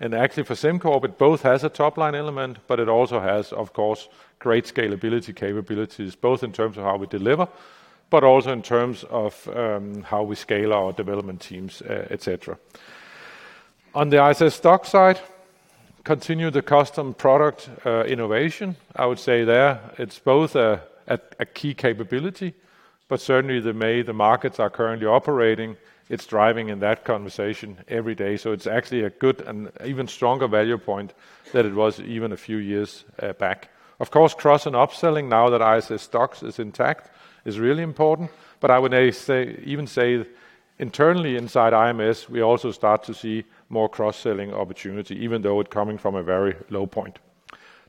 and actually for SimCorp, it both has a top-line element, but it also has, of course, great scalability capabilities, both in terms of how we deliver, but also in terms of how we scale our development teams, etc. On ISS STOXX side, continue the custom product innovation. I would say there it's both a key capability, but certainly the way the markets are currently operating, it's driving in that conversation every day. So it's actually a good and even stronger value point than it was even a few years back. Of course, cross and upselling now ISS STOXX is intact is really important, but I would even say internally inside IMS, we also start to see more cross-selling opportunity, even though it's coming from a very low point.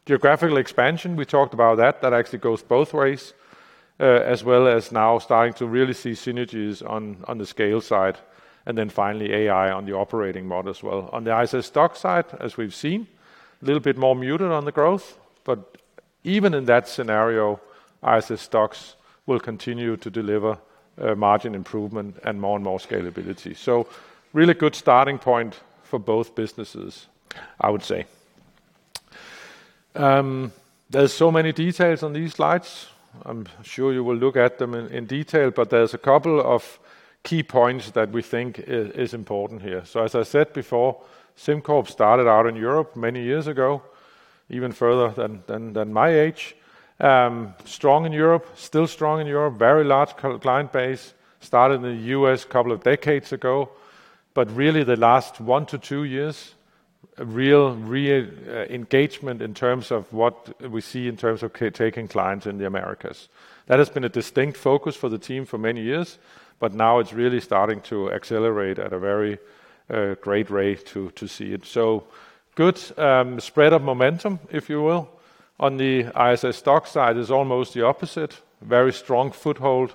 Geographical expansion, we talked about that. That actually goes both ways, as well as now starting to really see synergies on the scale side, and then finally AI on the operating model as well. On ISS STOXX side, as we've seen, a little bit more muted on the growth, but even in that ISS STOXX will continue to deliver margin improvement and more and more scalability. So really good starting point for both businesses, I would say. There's so many details on these slides. I'm sure you will look at them in detail, but there's a couple of key points that we think are important here. So as I said before, SimCorp started out in Europe many years ago, even further than my age. Strong in Europe, still strong in Europe, very large client base, started in the U.S. a couple of decades ago, but really the last one to two years, real engagement in terms of what we see in terms of taking clients in the Americas. That has been a distinct focus for the team for many years, but now it's really starting to accelerate at a very great rate to see it. So good spread of momentum, if you will. On ISS STOXX side, it's almost the opposite. Very strong foothold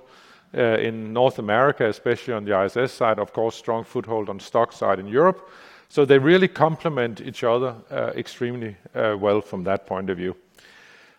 in North America, especially on the ISS side, of course, strong foothold on STOXX side in Europe. So they really complement each other extremely well from that point of view.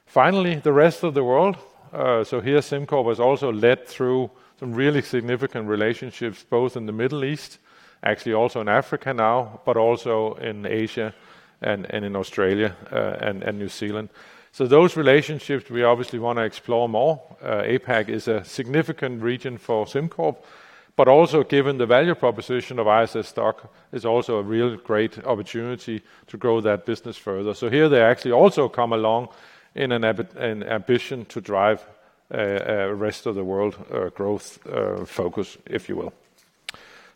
Finally, the rest of the world. So here, SimCorp has also led through some really significant relationships, both in the Middle East, actually also in Africa now, but also in Asia and in Australia and New Zealand. So those relationships we obviously want to explore more. APAC is a significant region for SimCorp, but also given the value proposition ISS STOXX, it's also a real great opportunity to grow that business further. So here they actually also come along in an ambition to drive the rest of the world growth focus, if you will.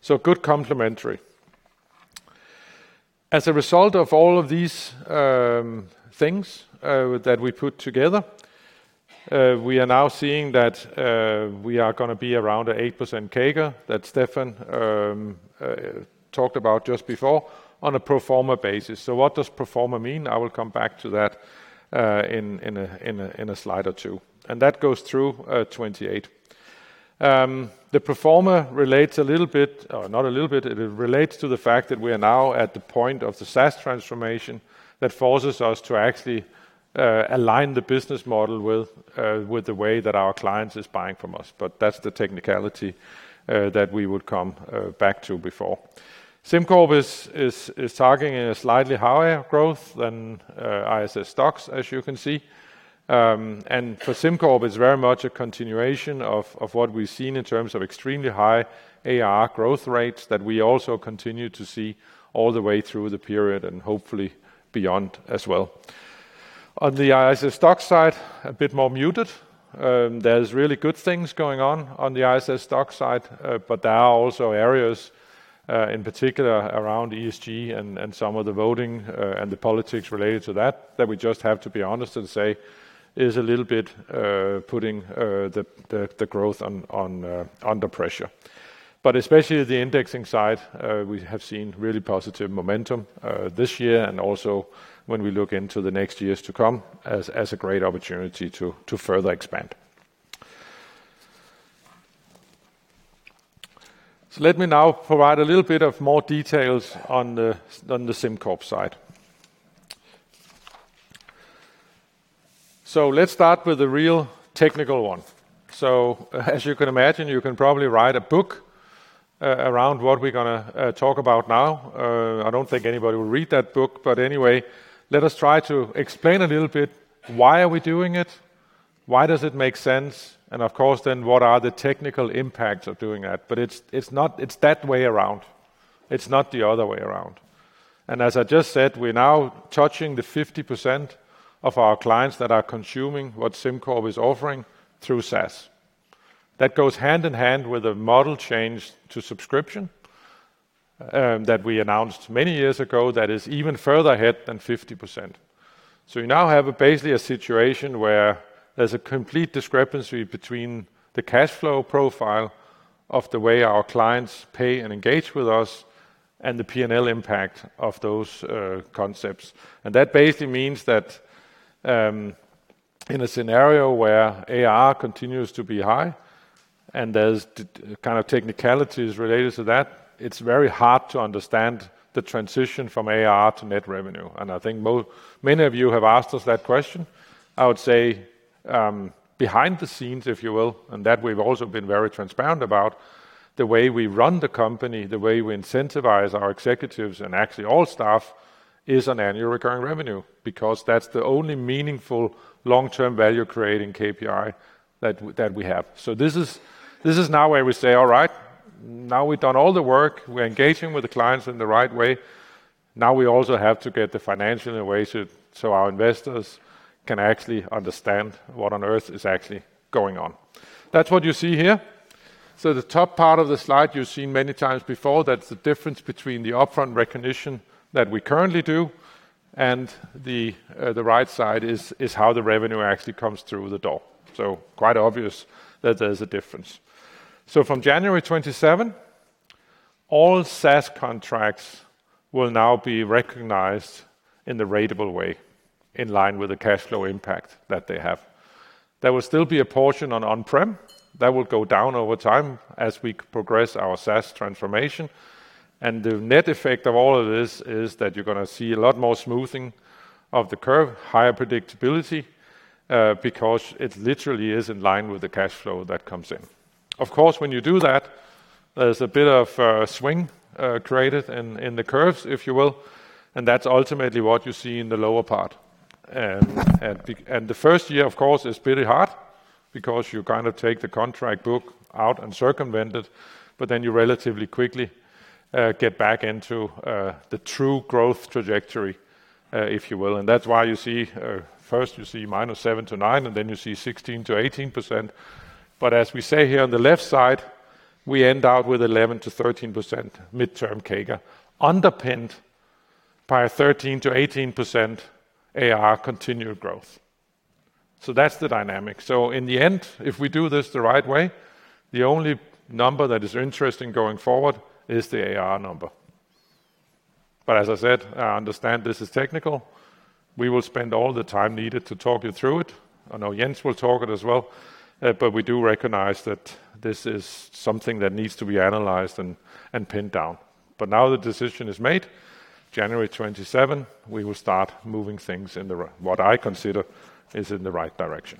So good complementary. As a result of all of these things that we put together, we are now seeing that we are going to be around an 8% CAGR that Stephan talked about just before on a pro forma basis. So what does pro forma mean? I will come back to that in a slide or two. And that goes through 2028. The pro forma relates a little bit, or not a little bit. It relates to the fact that we are now at the point of the SaaS transformation that forces us to actually align the business model with the way that our clients are buying from us, but that's the technicality that we would come back to before. SimCorp is targeting a slightly higher growth ISS STOXX, as you can see, and for SimCorp, it's very much a continuation of what we've seen in terms of extremely high ARR growth rates that we also continue to see all the way through the period and hopefully beyond as well. On ISS STOXX side, a bit more muted. There's really good things going on on ISS STOXX side, but there are also areas in particular around ESG and some of the voting and the politics related to that that we just have to be honest and say is a little bit putting the growth under pressure. But especially the indexing side, we have seen really positive momentum this year and also when we look into the next years to come as a great opportunity to further expand. So let me now provide a little bit of more details on the SimCorp side. So let's start with a real technical one. So as you can imagine, you can probably write a book around what we're going to talk about now. I don't think anybody will read that book, but anyway, let us try to explain a little bit why are we doing it, why does it make sense, and of course then what are the technical impacts of doing that, but it's that way around. It's not the other way around, and as I just said, we're now touching the 50% of our clients that are consuming what SimCorp is offering through SaaS. That goes hand in hand with a model change to subscription that we announced many years ago that is even further ahead than 50%, so we now have basically a situation where there's a complete discrepancy between the cash flow profile of the way our clients pay and engage with us and the P&L impact of those concepts. And that basically means that in a scenario where AR continues to be high and there's kind of technicalities related to that, it's very hard to understand the transition from AR to net revenue. And I think many of you have asked us that question. I would say behind the scenes, if you will, and that we've also been very transparent about the way we run the company, the way we incentivize our executives and actually all staff is on annual recurring revenue because that's the only meaningful long-term value-creating KPI that we have. So this is now where we say, all right, now we've done all the work, we're engaging with the clients in the right way. Now we also have to get the financial in a way so our investors can actually understand what on earth is actually going on. That's what you see here. So the top part of the slide you've seen many times before, that's the difference between the upfront recognition that we currently do and the right side is how the revenue actually comes through the door. So quite obvious that there's a difference. So from January 2027, all SaaS contracts will now be recognized in the ratable way in line with the cash flow impact that they have. There will still be a portion on On-prem that will go down over time as we progress our SaaS transformation. And the net effect of all of this is that you're going to see a lot more smoothing of the curve, higher predictability because it literally is in line with the cash flow that comes in. Of course, when you do that, there's a bit of swing created in the curves, if you will, and that's ultimately what you see in the lower part. And the first year, of course, is pretty hard because you kind of take the contract book out and circumvent it, but then you relatively quickly get back into the true growth trajectory, if you will. And that's why you see first -7%-9%, and then you see 16%-18%. But as we say here on the left side, we end up with 11%-13% midterm CAGR underpinned by 13%-18% AR continued growth. So that's the dynamic. So in the end, if we do this the right way, the only number that is interesting going forward is the AR number. But as I said, I understand this is technical. We will spend all the time needed to talk you through it. I know Jens will talk it as well, but we do recognize that this is something that needs to be analyzed and pinned down. But now the decision is made. January 2027, we will start moving things in what I consider is in the right direction.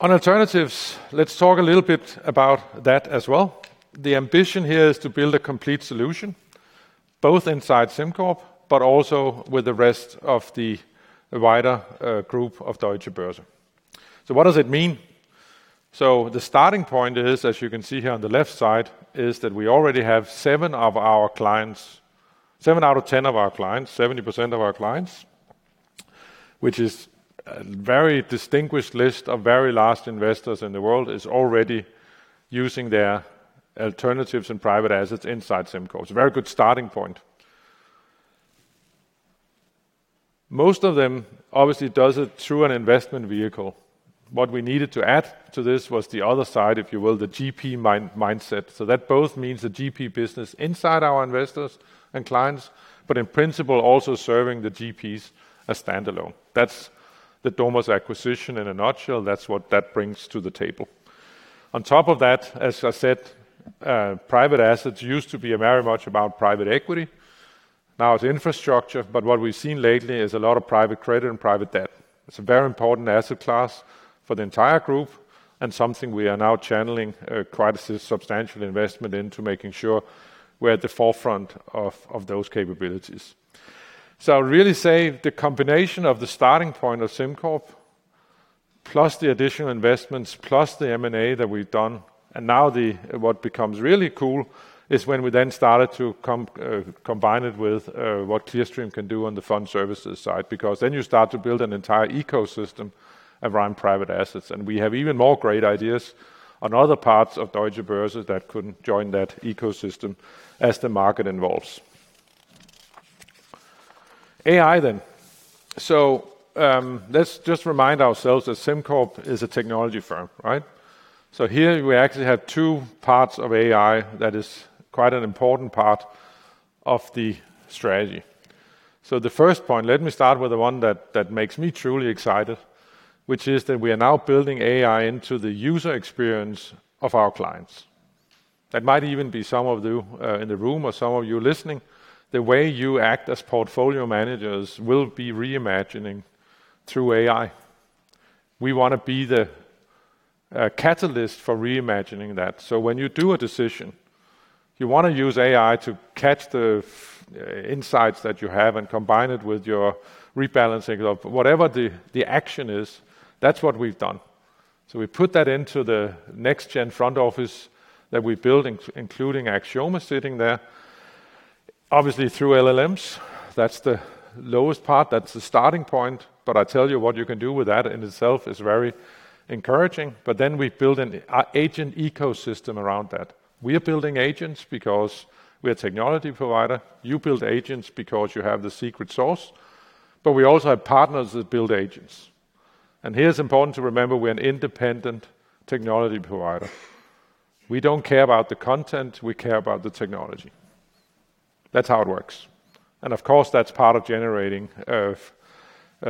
On alternatives, let's talk a little bit about that as well. The ambition here is to build a complete solution both inside SimCorp, but also with the rest of the wider group of Deutsche Börse. So what does it mean? So the starting point is, as you can see here on the left side, is that we already have seven of our clients, 7/10 of our clients, 70% of our clients, which is a very distinguished list of very largest investors in the world is already using their alternatives and private assets inside SimCorp. It's a very good starting point. Most of them obviously does it through an investment vehicle. What we needed to add to this was the other side, if you will, the GP mindset. So that both means the GP business inside our investors and clients, but in principle also serving the GPs as standalone. That's the Domos acquisition in a nutshell. That's what that brings to the table. On top of that, as I said, private assets used to be very much about private equity. Now it's infrastructure, but what we've seen lately is a lot of private credit and private debt. It's a very important asset class for the entire group and something we are now channeling quite a substantial investment into making sure we're at the forefront of those capabilities. So I would really say the combination of the starting point of SimCorp plus the additional investments plus the M&A that we've done, and now what becomes really cool is when we then started to combine it with what Clearstream can do on the Fund Services side because then you start to build an entire ecosystem around private assets. And we have even more great ideas on other parts of Deutsche Börse that could join that ecosystem as the market evolves. AI then. So let's just remind ourselves that SimCorp is a technology firm, right? So here we actually have two parts of AI that is quite an important part of the strategy. So the first point, let me start with the one that makes me truly excited, which is that we are now building AI into the user experience of our clients. That might even be some of you in the room or some of you listening. The way you act as portfolio managers will be reimagining through AI. We want to be the catalyst for reimagining that. So when you do a decision, you want to use AI to catch the insights that you have and combine it with your rebalancing of whatever the action is, that's what we've done. So we put that into the next-gen front office that we're building, including Axioma sitting there, obviously through LLMs. That's the lowest part. That's the starting point. But I tell you, what you can do with that in itself is very encouraging. But then we build an agent ecosystem around that. We are building agents because we're a technology provider. You build agents because you have the secret sauce. But we also have partners that build agents. And here's important to remember, we're an independent technology provider. We don't care about the content. We care about the technology. That's how it works. And of course, that's part of generating a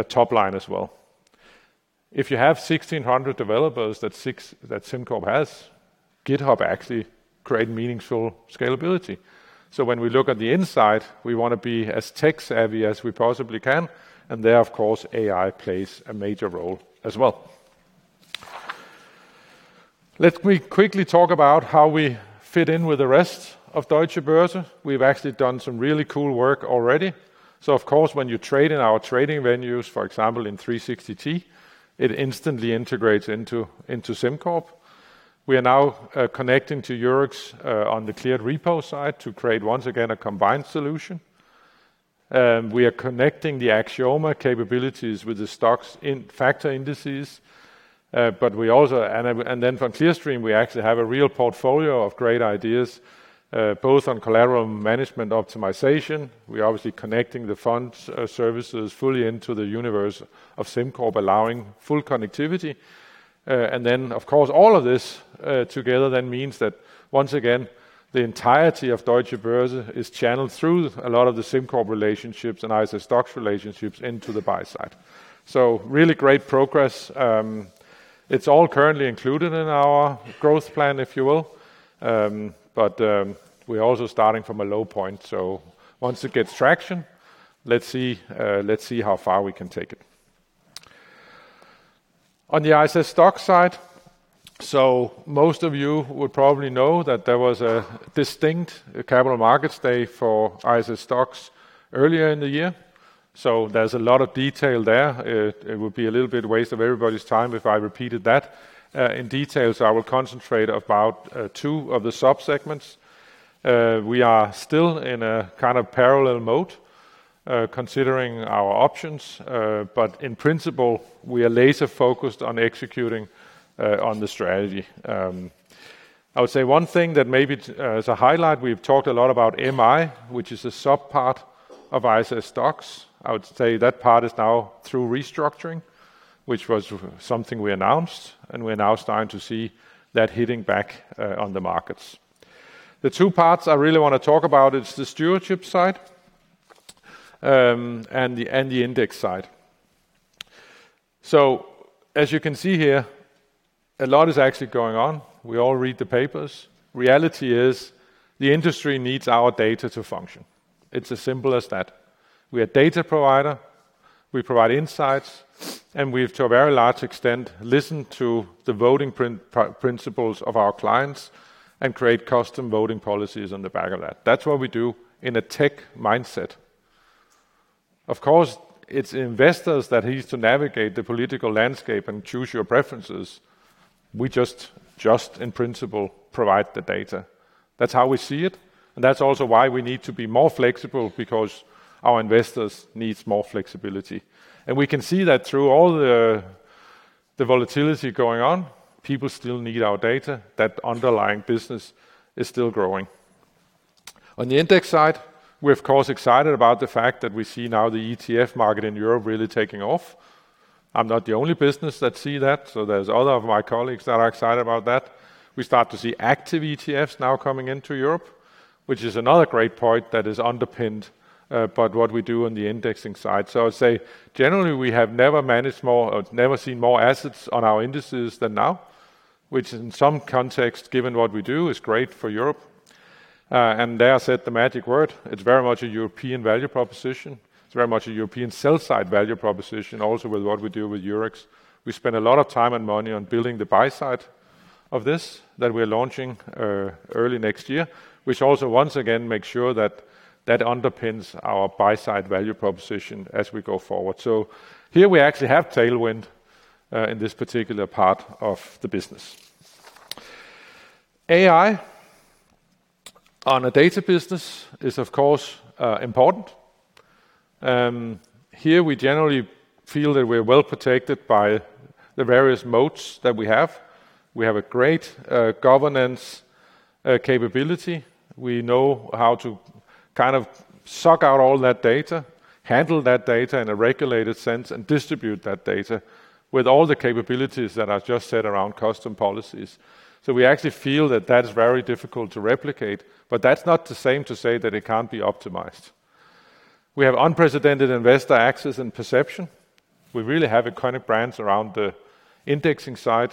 top line as well. If you have 1,600 developers that SimCorp has, GitHub actually creates meaningful scalability. So when we look at the inside, we want to be as tech-savvy as we possibly can. And there, of course, AI plays a major role as well. Let me quickly talk about how we fit in with the rest of Deutsche Börse. We've actually done some really cool work already. So of course, when you trade in our trading venues, for example, in 360T, it instantly integrates into SimCorp. We are now connecting to Eurex on the cleared Repo side to create once again a combined solution. We are connecting the Axioma capabilities with the STOXX in factor indices. But we also, and then from Clearstream, we actually have a real portfolio of great ideas, both on collateral management optimization. We're obviously connecting the Fund Services fully into the universe of SimCorp, allowing full connectivity. And then, of course, all of this together then means that once again, the entirety of Deutsche Börse is channeled through a lot of the SimCorp relationships ISS STOXX relationships into the buy-side. So really great progress. It's all currently included in our growth plan, if you will. But we're also starting from a low point. So once it gets traction, let's see how far we can take it. On ISS STOXX side, so most of you would probably know that there was a distinct capital markets day ISS STOXX earlier in the year. So there's a lot of detail there. It would be a little bit waste of everybody's time if I repeated that in detail. So I will concentrate about two of the subsegments. We are still in a kind of parallel mode considering our options. But in principle, we are laser-focused on executing on the strategy. I would say one thing that maybe as a highlight, we've talked a lot about MI, which is a subpart of ISS STOXX. I would say that part is now through restructuring, which was something we announced, and we're now starting to see that hitting back on the markets. The two parts I really want to talk about is the stewardship side and the index side. So as you can see here, a lot is actually going on. We all read the papers. Reality is the industry needs our data to function. It's as simple as that. We are a data provider. We provide insights, and we've to a very large extent listened to the voting principles of our clients and create custom voting policies on the back of that. That's what we do in a tech mindset. Of course, it's investors that need to navigate the political landscape and choose your preferences. We just, in principle, provide the data. That's how we see it. And that's also why we need to be more flexible because our investors need more flexibility. And we can see that through all the volatility going on, people still need our data. That underlying business is still growing. On the index side, we're, of course, excited about the fact that we see now the ETF market in Europe really taking off. I'm not the only business that sees that. So there's other of my colleagues that are excited about that. We start to see active ETFs now coming into Europe, which is another great point that is underpinned by what we do on the indexing side. So I'd say generally we have never managed more or never seen more assets on our indices than now, which in some context, given what we do, is great for Europe. And there I said the magic word. It's very much a European value proposition. It's very much a European sell-side value proposition, also with what we do with Eurex. We spend a lot of time and money on building the buy-side of this that we're launching early next year, which also once again makes sure that that underpins our buy-side value proposition as we go forward. So here we actually have tailwind in this particular part of the business. AI on a data business is, of course, important. Here we generally feel that we're well protected by the various modes that we have. We have a great governance capability. We know how to kind of suck out all that data, handle that data in a regulated sense, and distribute that data with all the capabilities that I've just said around custom policies. So we actually feel that that is very difficult to replicate, but that's not the same to say that it can't be optimized. We have unprecedented investor access and perception. We really have iconic brands around the indexing side,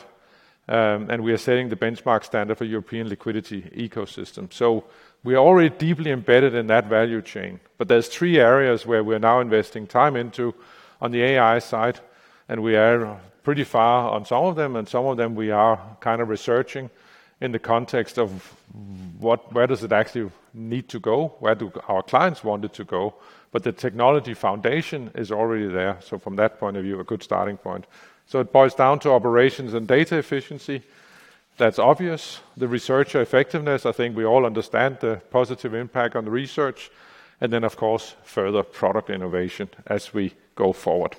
and we are setting the benchmark standard for European liquidity ecosystem. So we are already deeply embedded in that value chain. But there's three areas where we're now investing time into on the AI side, and we are pretty far on some of them. And some of them we are kind of researching in the context of where does it actually need to go, where do our clients want it to go. But the technology foundation is already there. So from that point of view, a good starting point. So it boils down to operations and data efficiency. That's obvious. The research effectiveness, I think we all understand the positive impact on the research. And then, of course, further product innovation as we go forward.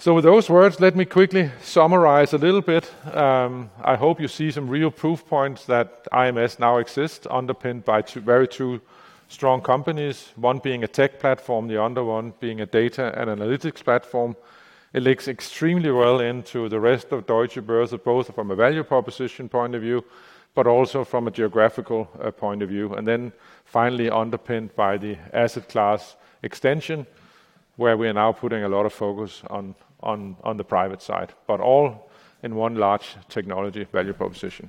So with those words, let me quickly summarize a little bit. I hope you see some real proof points that IMS now exists underpinned by very two strong companies, one being a tech platform, the other one being a data and analytics platform. It links extremely well into the rest of Deutsche Börse, both from a value proposition point of view, but also from a geographical point of view. And then finally underpinned by the asset class extension, where we are now putting a lot of focus on the private side, but all in one large technology value proposition.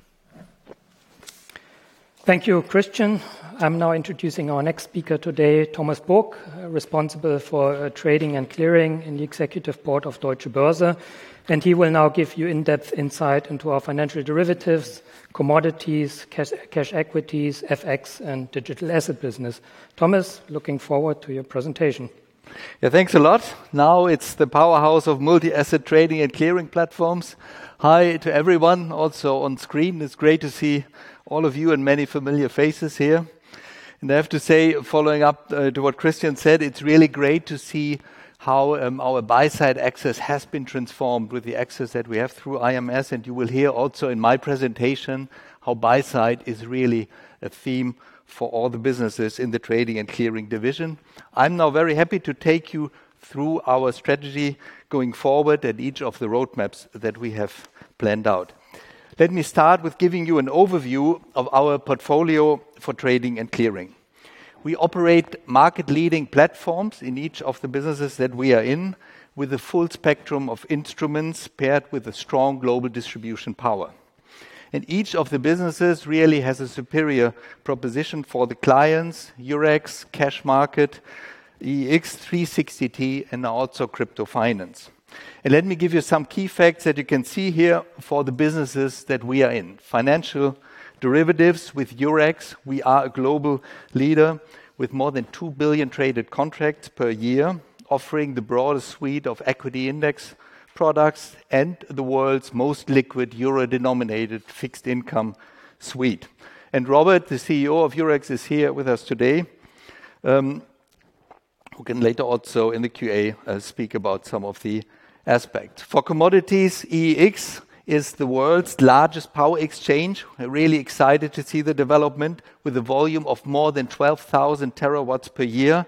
Thank you, Christian. I'm now introducing our next speaker today, Thomas Book, responsible for Trading & Clearing in the Executive Board of Deutsche Börse. And he will now give you in-depth insight into our Financial Derivatives, Commodities, Cash Equities, FX, and Digital Asset business. Thomas, looking forward to your presentation. Yeah, thanks a lot. Now it's the powerhouse of multi-asset Trading & Clearing platforms. Hi to everyone also on screen. It's great to see all of you and many familiar faces here. And I have to say, following up to what Christian said, it's really great to see how our buy-side access has been transformed with the access that we have through IMS. And you will hear also in my presentation how buy-side is really a theme for all the businesses in the Trading & Clearing division. I'm now very happy to take you through our strategy going forward and each of the roadmaps that we have planned out. Let me start with giving you an overview of our portfolio for Trading & Clearing. We operate market-leading platforms in each of the businesses that we are in with a full spectrum of instruments paired with a strong global distribution power, and each of the businesses really has a superior proposition for the clients, Eurex, cash market, EEX, 360T, and also Crypto Finance, and let me give you some key facts that you can see here for the businesses that we are in. Financial Derivatives with Eurex, we are a global leader with more than 2 billion traded contracts per year, offering the broader suite of equity index products and the world's most liquid euro-denominated fixed income suite, and Robbert, the CEO of Eurex, is here with us today, who can later also in the Q&A speak about some of the aspects. For Commodities, EEX is the world's largest power exchange. Really excited to see the development with a volume of more than 12,000 TW per year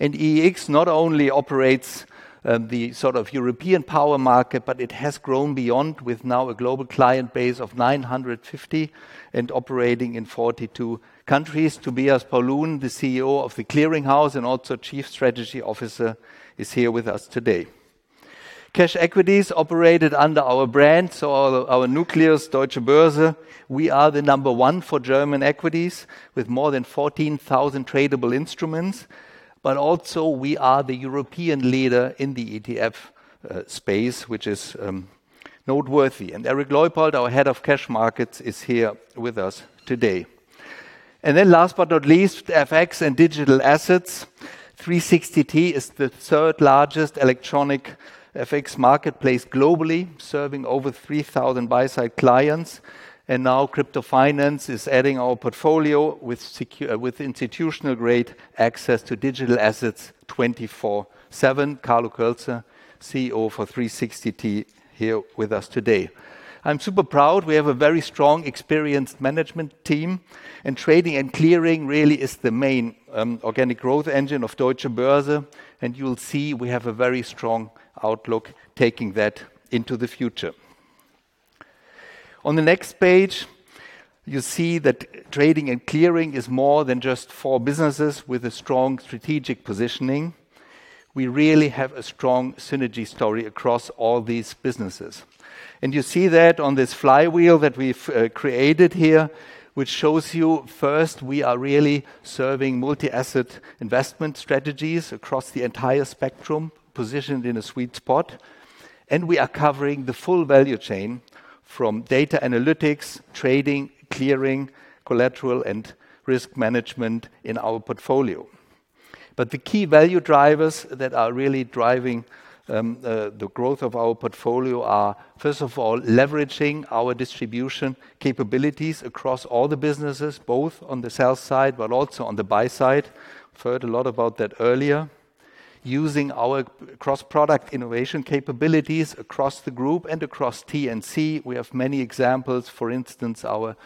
and EEX not only operates the sort of European power market, but it has grown beyond with now a global client base of 950 and operating in 42 countries. Tobias Paulun, the CEO of the Clearing House and also Chief Strategy Officer, is here with us today. Cash Equities operated under our brand Xetra, our nucleus, Deutsche Börse. We are the number one for German equities with more than 14,000 tradable instruments, but also we are the European leader in the ETF space, which is noteworthy. Eric Leupold, our Head of Cash Markets, is here with us today, and then last but not least, FX and Digital Assets. 360T is the third largest electronic FX marketplace globally, serving over 3,000 buy-side clients. And now Crypto Finance is adding our portfolio with institutional-grade access to Digital Assets 24/7. Carlo Kölzer, CEO for 360T, here with us today. I'm super proud. We have a very strong, experienced management team, and Trading & Clearing really is the main organic growth engine of Deutsche Börse. And you'll see we have a very strong outlook taking that into the future. On the next page, you see that Trading & Clearing is more than just four businesses with a strong strategic positioning. We really have a strong synergy story across all these businesses. And you see that on this flywheel that we've created here, which shows you first, we are really serving multi-asset investment strategies across the entire spectrum positioned in a sweet spot. And we are covering the full value chain from data analytics, trading, clearing, collateral, and risk management in our portfolio. But the key value drivers that are really driving the growth of our portfolio are, first of all, leveraging our distribution capabilities across all the businesses, both on the sell-side but also on the buy-side. I've heard a lot about that earlier. Using our cross-product innovation capabilities across the group and across T&C, we have many examples, for instance, our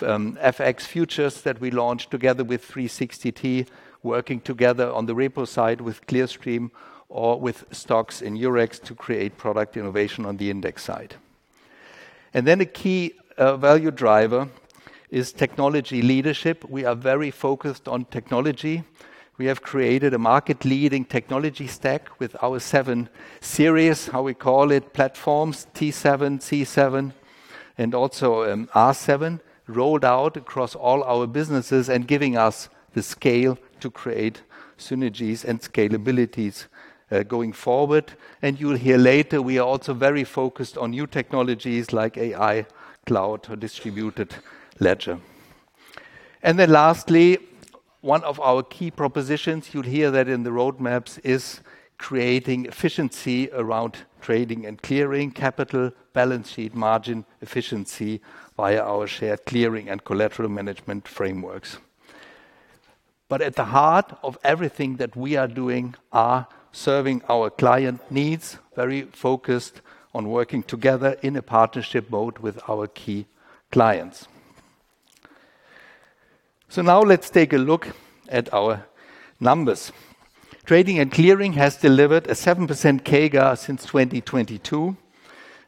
FX futures that we launched together with 360T, working together on the Repo side with Clearstream or with STOXX in Eurex to create product innovation on the index side. And then a key value driver is technology leadership. We are very focused on technology. We have created a market-leading technology stack with our seven series, how we call it, platforms, T7, C7, and also R7, rolled out across all our businesses and giving us the scale to create synergies and scalabilities going forward. You'll hear later, we are also very focused on new technologies like AI, cloud, or distributed ledger. Then lastly, one of our key propositions, you'll hear that in the roadmaps, is creating efficiency around Trading & Clearing capital, balance sheet margin efficiency via our shared clearing and collateral management frameworks. At the heart of everything that we are doing are serving our client needs, very focused on working together in a partnership mode with our key clients. Now let's take a look at our numbers. Trading and clearing has delivered a 7% CAGR since 2022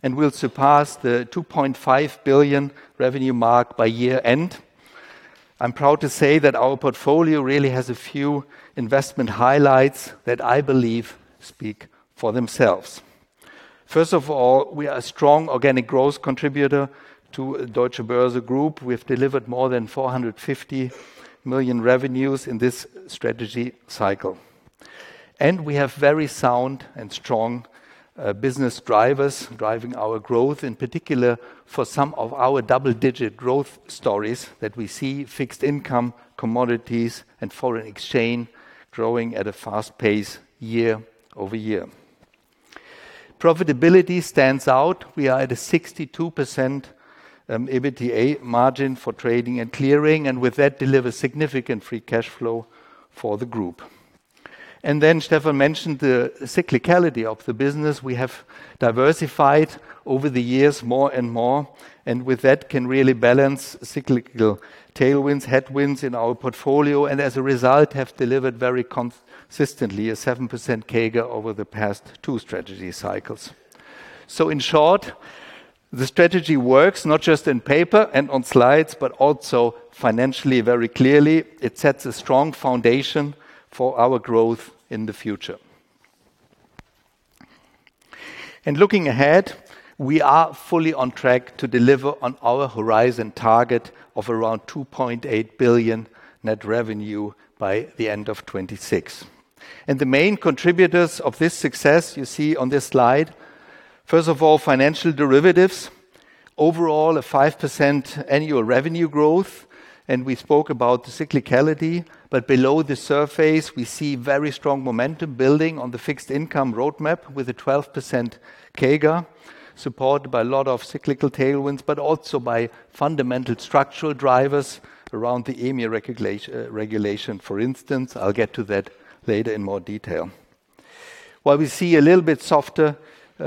and will surpass the 2.5 billion revenue mark by year-end. I'm proud to say that our portfolio really has a few investment highlights that I believe speak for themselves. First of all, we are a strong organic growth contributor to the Deutsche Börse Group. We have delivered more than 450 million revenues in this strategy cycle, and we have very sound and strong business drivers driving our growth, in particular for some of our double-digit growth stories that we see: fixed income, Commodities, and Foreign Exchange growing at a fast pace year over year. Profitability stands out. We are at a 62% EBITDA margin for Trading & Clearing, and with that deliver significant free cash flow for the group, and then Stephan mentioned the cyclicality of the business. We have diversified over the years more and more, and with that can really balance cyclical tailwinds, headwinds in our portfolio, and as a result have delivered very consistently a 7% CAGR over the past two strategy cycles, so in short, the strategy works not just on paper and on slides, but also financially very clearly. It sets a strong foundation for our growth in the future. Looking ahead, we are fully on track to deliver on our Horizon target of around 2.8 billion net revenue by the end of 2026. The main contributors of this success you see on this slide, first of all, Financial Derivatives, overall a 5% annual revenue growth. We spoke about the cyclicality, but below the surface, we see very strong momentum building on the fixed income roadmap with a 12% CAGR supported by a lot of cyclical tailwinds, but also by fundamental structural drivers around the EMI regulation, for instance. I'll get to that later in more detail. While we see a little bit softer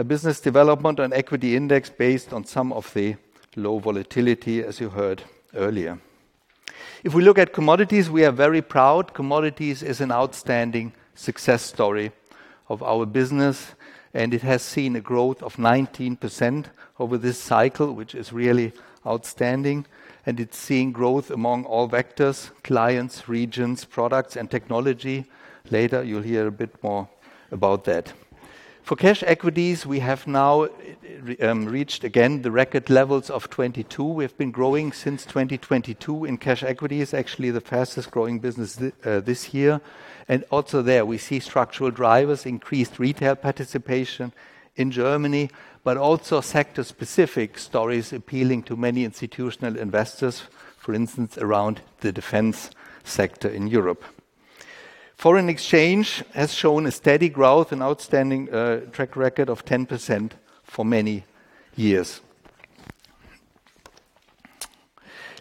business development on equity index based on some of the low volatility, as you heard earlier. If we look at Commodities, we are very proud. Commodities is an outstanding success story of our business, and it has seen a growth of 19% over this cycle, which is really outstanding, and it's seeing growth among all vectors: clients, regions, products, and technology. Later, you'll hear a bit more about that. For Cash Equities, we have now reached again the record levels of 2022. We have been growing since 2022 in Cash Equities, actually the fastest growing business this year, and also there, we see structural drivers, increased retail participation in Germany, but also sector-specific stories appealing to many institutional investors, for instance, around the defense sector in Europe. Foreign exchange has shown a steady growth and outstanding track record of 10% for many years.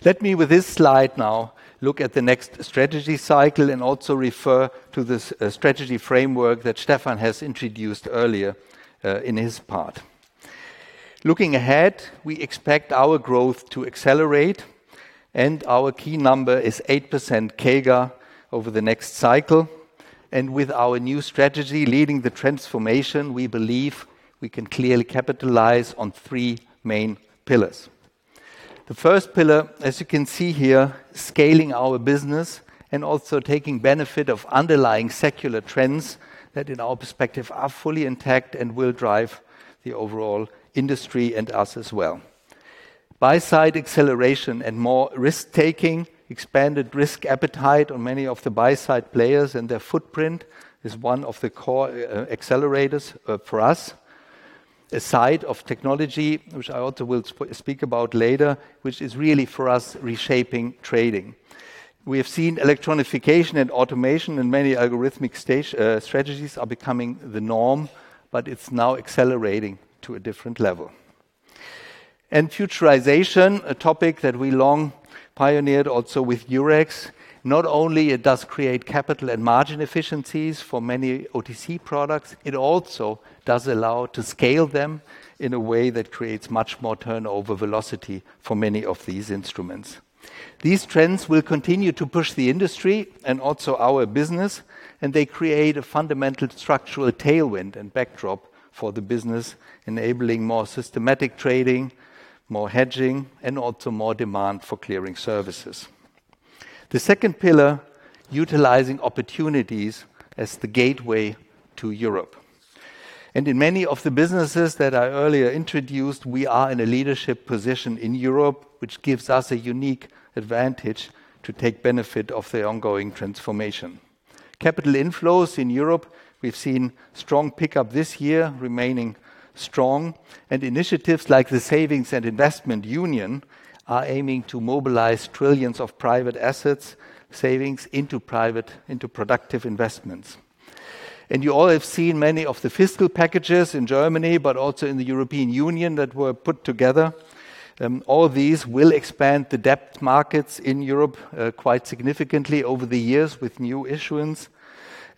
Let me, with this slide now, look at the next strategy cycle and also refer to the strategy framework that Stephan has introduced earlier in his part. Looking ahead, we expect our growth to accelerate, and our key number is 8% CAGR over the next cycle, and with our new strategy leading the transformation, we believe we can clearly capitalize on three main pillars. The first pillar, as you can see here, is scaling our business and also taking benefit of underlying secular trends that, in our perspective, are fully intact and will drive the overall industry and us as well. Buy-side acceleration and more risk-taking, expanded risk appetite on many of the buy-side players and their footprint is one of the core accelerators for us. A side of technology, which I also will speak about later, which is really for us reshaping trading. We have seen electronification and automation and many algorithmic strategies are becoming the norm, but it's now accelerating to a different level, and futurization, a topic that we long pioneered also with Eurex. Not only does it create capital and margin efficiencies for many OTC products, it also does allow to scale them in a way that creates much more turnover velocity for many of these instruments. These trends will continue to push the industry and also our business, and they create a fundamental structural tailwind and backdrop for the business, enabling more systematic trading, more hedging, and also more demand for clearing services. The second pillar, utilizing opportunities as the gateway to Europe, and in many of the businesses that I earlier introduced, we are in a leadership position in Europe, which gives us a unique advantage to take benefit of the ongoing transformation. Capital inflows in Europe, we've seen strong pickup this year, remaining strong, and initiatives like the Savings and Investment Union are aiming to mobilize trillions of private assets savings into productive investments. You all have seen many of the fiscal packages in Germany, but also in the European Union that were put together. All these will expand the debt markets in Europe quite significantly over the years with new issuance.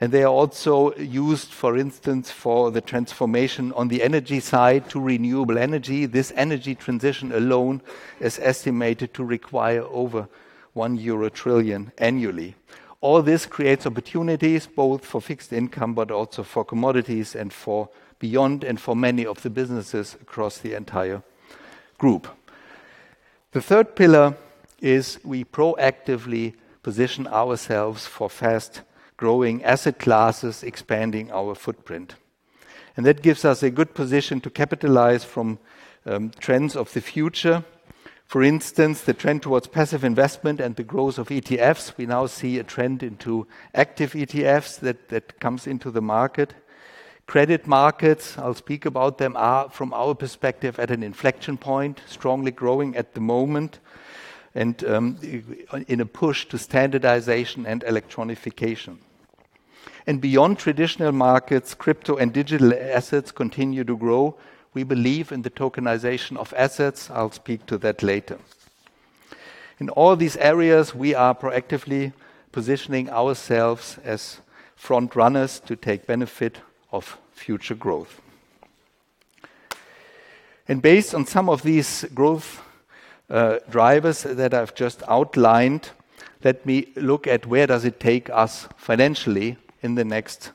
And they are also used, for instance, for the transformation on the energy side to renewable energy. This energy transition alone is estimated to require over 1 trillion euro annually. All this creates opportunities both for fixed income, but also for Commodities and for beyond and for many of the businesses across the entire group. The third pillar is we proactively position ourselves for fast-growing asset classes, expanding our footprint. And that gives us a good position to capitalize from trends of the future. For instance, the trend towards passive investment and the growth of ETFs. We now see a trend into active ETFs that comes into the market. Credit markets, I'll speak about them, are from our perspective at an inflection point, strongly growing at the moment and in a push to standardization and electronification. And beyond traditional markets, Crypto and Digital Assets continue to grow. We believe in the tokenization of assets. I'll speak to that later. In all these areas, we are proactively positioning ourselves as front runners to take benefit of future growth. And based on some of these growth drivers that I've just outlined, let me look at where does it take us financially in the next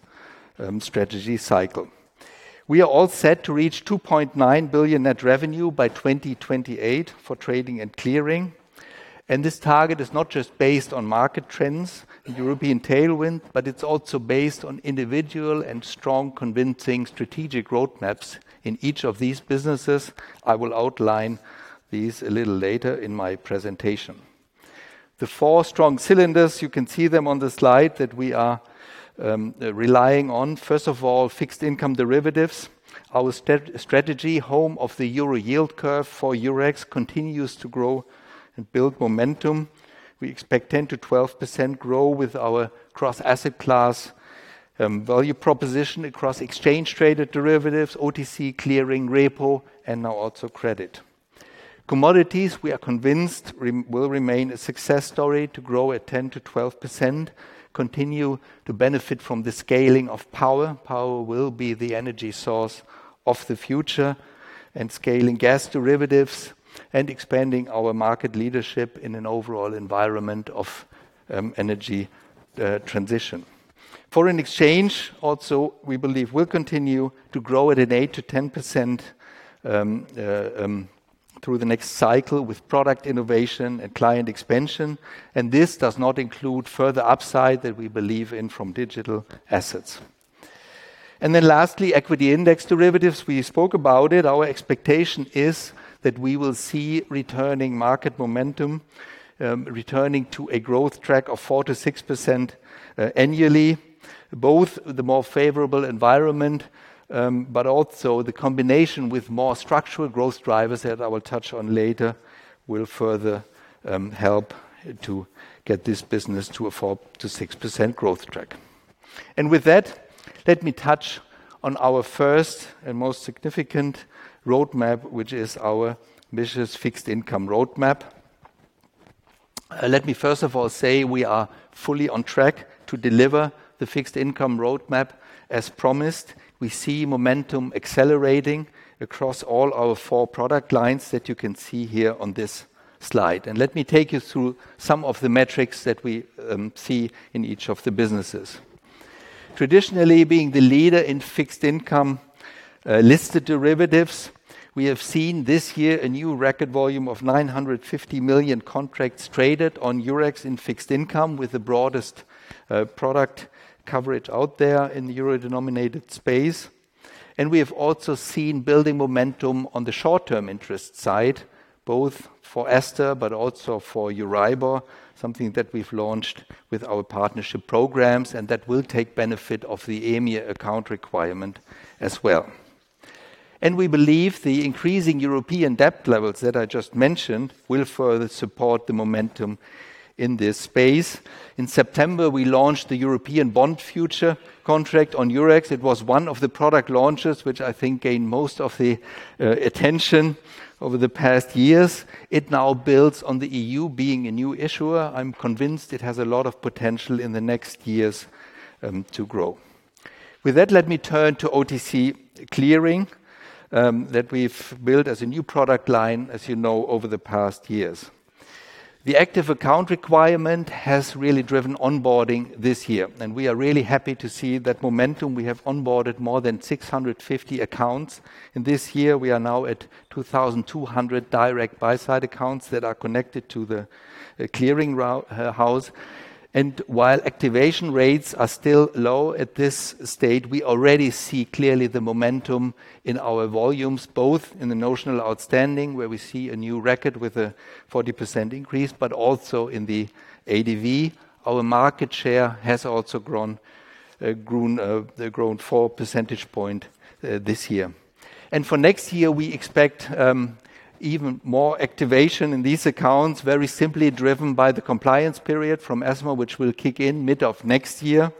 strategy cycle. We are all set to reach 2.9 billion net revenue by 2028 for Trading & Clearing. And this target is not just based on market trends, European tailwind, but it's also based on individual and strong convincing strategic roadmaps in each of these businesses. I will outline these a little later in my presentation. The four strong cylinders, you can see them on the slide that we are relying on. First of all, Fixed Income Derivatives. Our strategy, Home of the Euro Yield Curve for Eurex, continues to grow and build momentum. We expect 10%-12% growth with our cross-asset class value proposition across exchange-traded derivatives, OTC, clearing, Repo, and now also credit. Commodities, we are convinced, will remain a success story to grow at 10%-12%, continue to benefit from the scaling of power. Power will be the energy source of the future and scaling gas derivatives and expanding our market leadership in an overall environment of energy transition. Foreign exchange, also, we believe will continue to grow at an 8%-10% through the next cycle with product innovation and client expansion, and this does not include further upside that we believe in from Digital Assets. Then lastly, Equity Index Derivatives. We spoke about it. Our expectation is that we will see returning market momentum to a growth track of 4%-6% annually, both the more favorable environment, but also the combination with more structural growth drivers that I will touch on later will further help to get this business to a 4%-6% growth track. With that, let me touch on our first and most significant roadmap, which is our ambitious fixed income roadmap. Let me first of all say we are fully on track to deliver the fixed income roadmap as promised. We see momentum accelerating across all our four product lines that you can see here on this slide. Let me take you through some of the metrics that we see in each of the businesses. Traditionally, being the leader in fixed income listed derivatives, we have seen this year a new record volume of 950 million contracts traded on Eurex in fixed income with the broadest product coverage out there in the euro-denominated space. And we have also seen building momentum on the short-term interest side, both for €STR, but also for Euribor, something that we've launched with our partnership programs and that will take benefit of the EMIR Account Requirement as well. And we believe the increasing European debt levels that I just mentioned will further support the momentum in this space. In September, we launched the European bond future contract on Eurex. It was one of the product launches which I think gained most of the attention over the past years. It now builds on the EU being a new issuer. I'm convinced it has a lot of potential in the next years to grow. With that, let me turn to OTC clearing that we've built as a new product line, as you know, over the past years. The active account requirement has really driven onboarding this year, and we are really happy to see that momentum. We have onboarded more than 650 accounts in this year. We are now at 2,200 direct buy-side accounts that are connected to the clearing house. And while activation rates are still low at this state, we already see clearly the momentum in our volumes, both in the notional outstanding, where we see a new record with a 40% increase, but also in the ADV. Our market share has also grown 4 percentage points this year. And for next year, we expect even more activation in these accounts, very simply driven by the compliance period from ESMA, which will kick in mid of next year.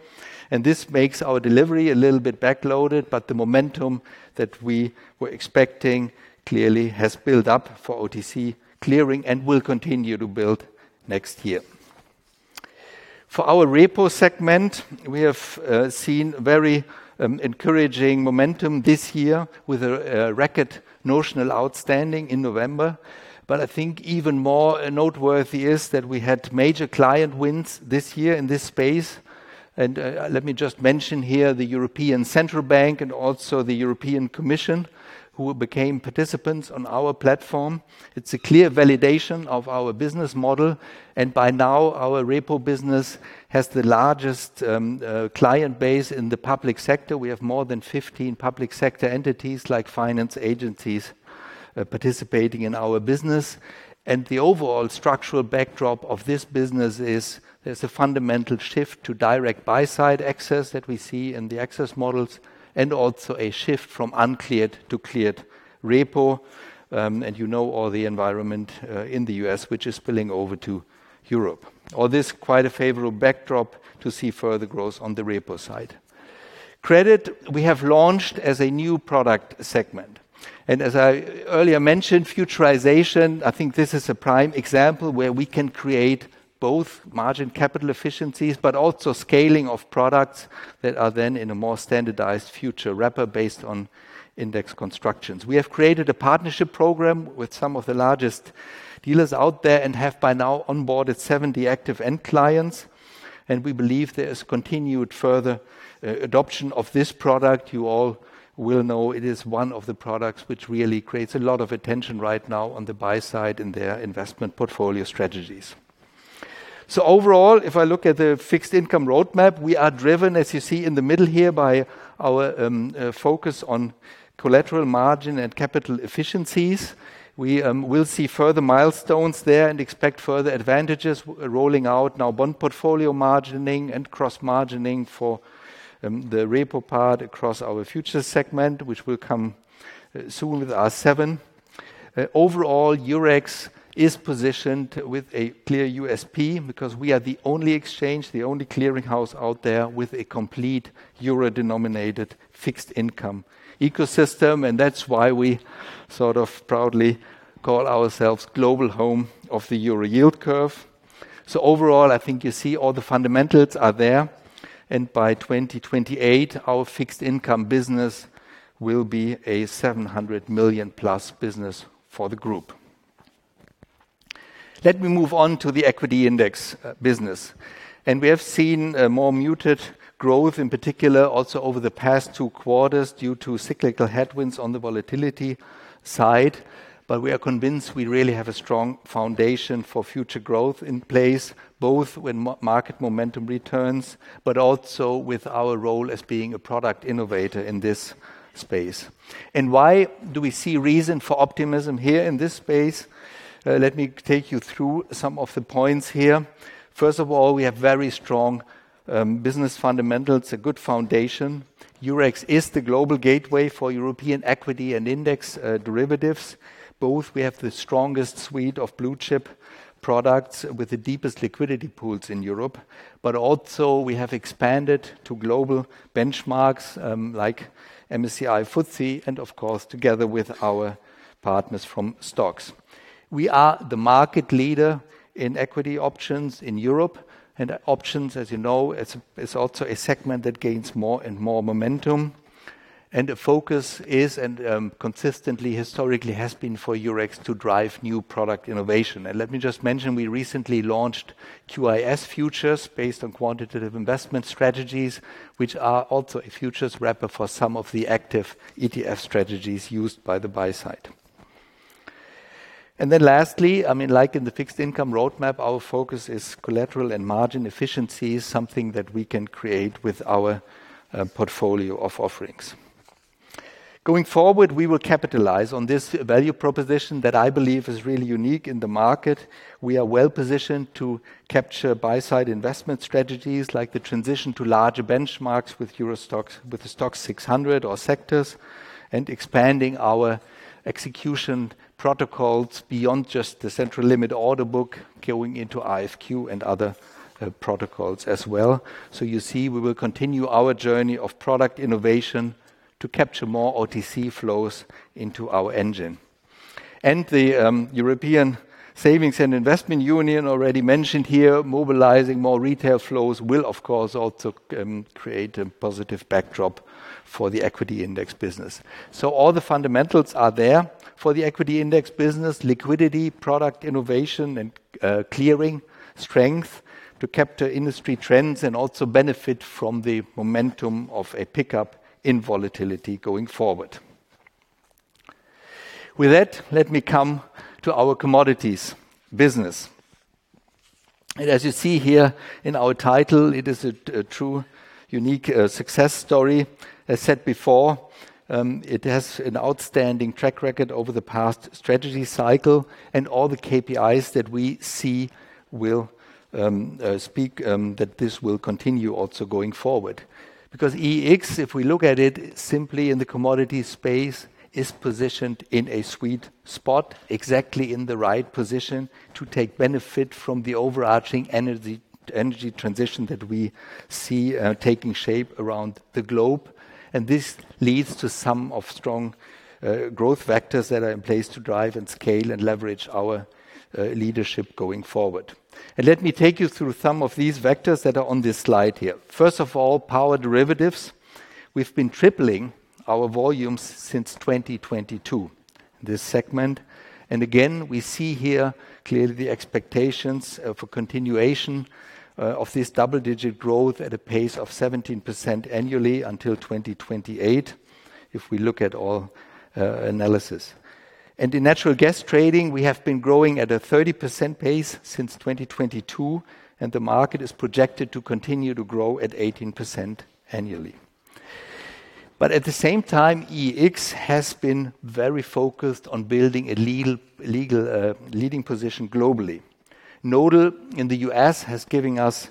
And this makes our delivery a little bit backloaded, but the momentum that we were expecting clearly has built up for OTC clearing and will continue to build next year. For our Repo segment, we have seen very encouraging momentum this year with a record notional outstanding in November. But I think even more noteworthy is that we had major client wins this year in this space. And let me just mention here the European Central Bank and also the European Commission, who became participants on our platform. It's a clear validation of our business model. And by now, our Repo business has the largest client base in the public sector. We have more than 15 public sector entities like finance agencies participating in our business, and the overall structural backdrop of this business is there's a fundamental shift to direct buy-side access that we see in the access models and also a shift from uncleared to cleared Repo, and you know all the environment in the U.S., which is spilling over to Europe. All this, quite a favorable backdrop to see further growth on the Repo side. Credit, we have launched as a new product segment, and as I earlier mentioned, futurization, I think this is a prime example where we can create both margin capital efficiencies, but also scaling of products that are then in a more standardized future wrapper based on index constructions. We have created a partnership program with some of the largest dealers out there and have by now onboarded 70 active end clients. And we believe there is continued further adoption of this product. You all will know it is one of the products which really creates a lot of attention right now on the buy-side in their investment portfolio strategies. So overall, if I look at the fixed income roadmap, we are driven, as you see in the middle here, by our focus on collateral margin and capital efficiencies. We will see further milestones there and expect further advantages rolling out now, bond portfolio margining and cross-margining for the Repo part across our futures segment, which will come soon with R7. Overall, Eurex is positioned with a clear USP because we are the only exchange, the only clearing house out there with a complete euro-denominated fixed income ecosystem. And that's why we sort of proudly call ourselves global Home of the Euro Yield Curve. So overall, I think you see all the fundamentals are there. And by 2028, our fixed income business will be a 700 million+ business for the group. Let me move on to the Equity Index business. And we have seen more muted growth, in particular also over the past two quarters due to cyclical headwinds on the volatility side. But we are convinced we really have a strong foundation for future growth in place, both when market momentum returns, but also with our role as being a product innovator in this space. And why do we see reason for optimism here in this space? Let me take you through some of the points here. First of all, we have very strong business fundamentals. It's a good foundation. Eurex is the global gateway for European Equity and Index Derivatives. Both we have the strongest suite of blue-chip products with the deepest liquidity pools in Europe, but also we have expanded to global benchmarks like MSCI FTSE and, of course, together with our partners from STOXX. We are the market leader in equity options in Europe, and options, as you know, is also a segment that gains more and more momentum, and the focus is and consistently historically has been for Eurex to drive new product innovation, and let me just mention we recently launched QIS Futures based on quantitative investment strategies, which are also a futures wrapper for some of the active ETF strategies used by the buy-side, and then lastly, I mean, like in the fixed-income roadmap, our focus is collateral and margin efficiencies, something that we can create with our portfolio of offerings. Going forward, we will capitalize on this value proposition that I believe is really unique in the market. We are well positioned to capture buy-side investment strategies like the transition to larger benchmarks EURO STOXX, with STOXX 600 or sectors and expanding our execution protocols beyond just the central limit order book going into RFQ and other protocols as well, so you see we will continue our journey of product innovation to capture more OTC flows into our engine, and the European Savings and Investment Union, already mentioned here, mobilizing more retail flows will, of course, also create a positive backdrop for the equity index business, so all the fundamentals are there for the equity index business: liquidity, product innovation, and clearing strength to capture industry trends and also benefit from the momentum of a pickup in volatility going forward. With that, let me come to our Commodities business. And as you see here in our title, it is a true unique success story. As said before, it has an outstanding track record over the past strategy cycle, and all the KPIs that we see will speak that this will continue also going forward. Because EEX, if we look at it simply in the Commodity space, is positioned in a sweet spot, exactly in the right position to take benefit from the overarching energy transition that we see taking shape around the globe. And this leads to some of strong growth vectors that are in place to drive and scale and leverage our leadership going forward. And let me take you through some of these vectors that are on this slide here. First of all, power derivatives. We've been tripling our volumes since 2022, this segment. Again, we see here clearly the expectations for continuation of this double-digit growth at a pace of 17% annually until 2028, if we look at all analysis. In natural gas trading, we have been growing at a 30% pace since 2022, and the market is projected to continue to grow at 18% annually. At the same time, EEX has been very focused on building a leading position globally. Nodal in the U.S. has given us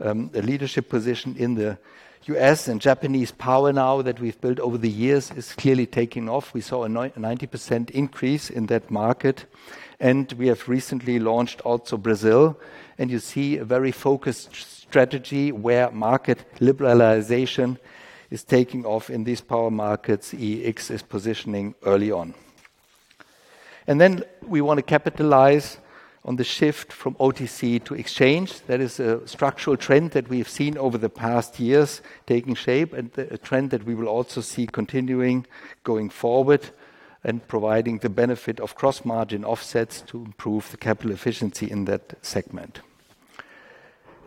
a leadership position in the U.S., and Japanese power now that we've built over the years is clearly taking off. We saw a 90% increase in that market, and we have recently launched also Brazil. You see a very focused strategy where market liberalization is taking off in these power markets. EEX is positioning early on. Then we want to capitalize on the shift from OTC to exchange. That is a structural trend that we've seen over the past years taking shape and a trend that we will also see continuing going forward and providing the benefit of cross-margin offsets to improve the capital efficiency in that segment.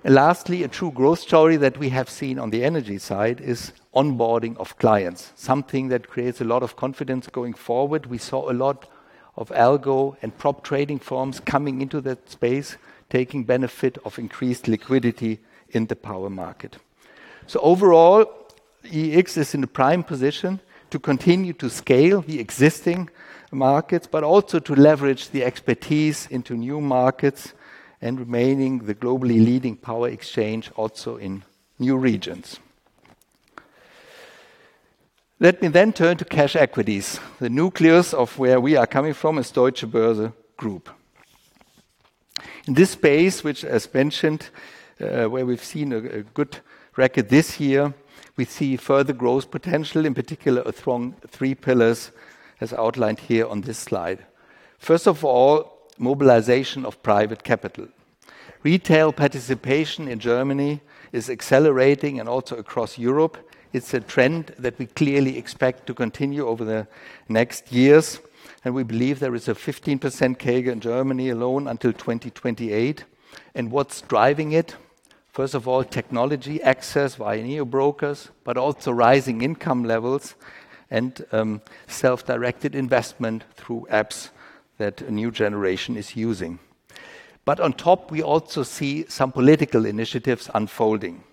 Lastly, a true growth story that we have seen on the energy side is onboarding of clients, something that creates a lot of confidence going forward. We saw a lot of algo and prop trading firms coming into that space, taking benefit of increased liquidity in the power market. So overall, EEX is in a prime position to continue to scale the existing markets, but also to leverage the expertise into new markets and remaining the globally leading power exchange also in new regions. Let me then turn to Cash Equities. The nucleus of where we are coming from is Deutsche Börse Group. In this space, which, as mentioned, where we've seen a good record this year, we see further growth potential, in particular, among three pillars as outlined here on this slide. First of all, mobilization of private capital. Retail participation in Germany is accelerating and also across Europe. It's a trend that we clearly expect to continue over the next years, and we believe there is a 15% CAGR in Germany alone until 2028. And what's driving it? First of all, technology access via neobrokers, but also rising income levels and self-directed investment through apps that a new generation is using, but on top, we also see some political initiatives unfolding.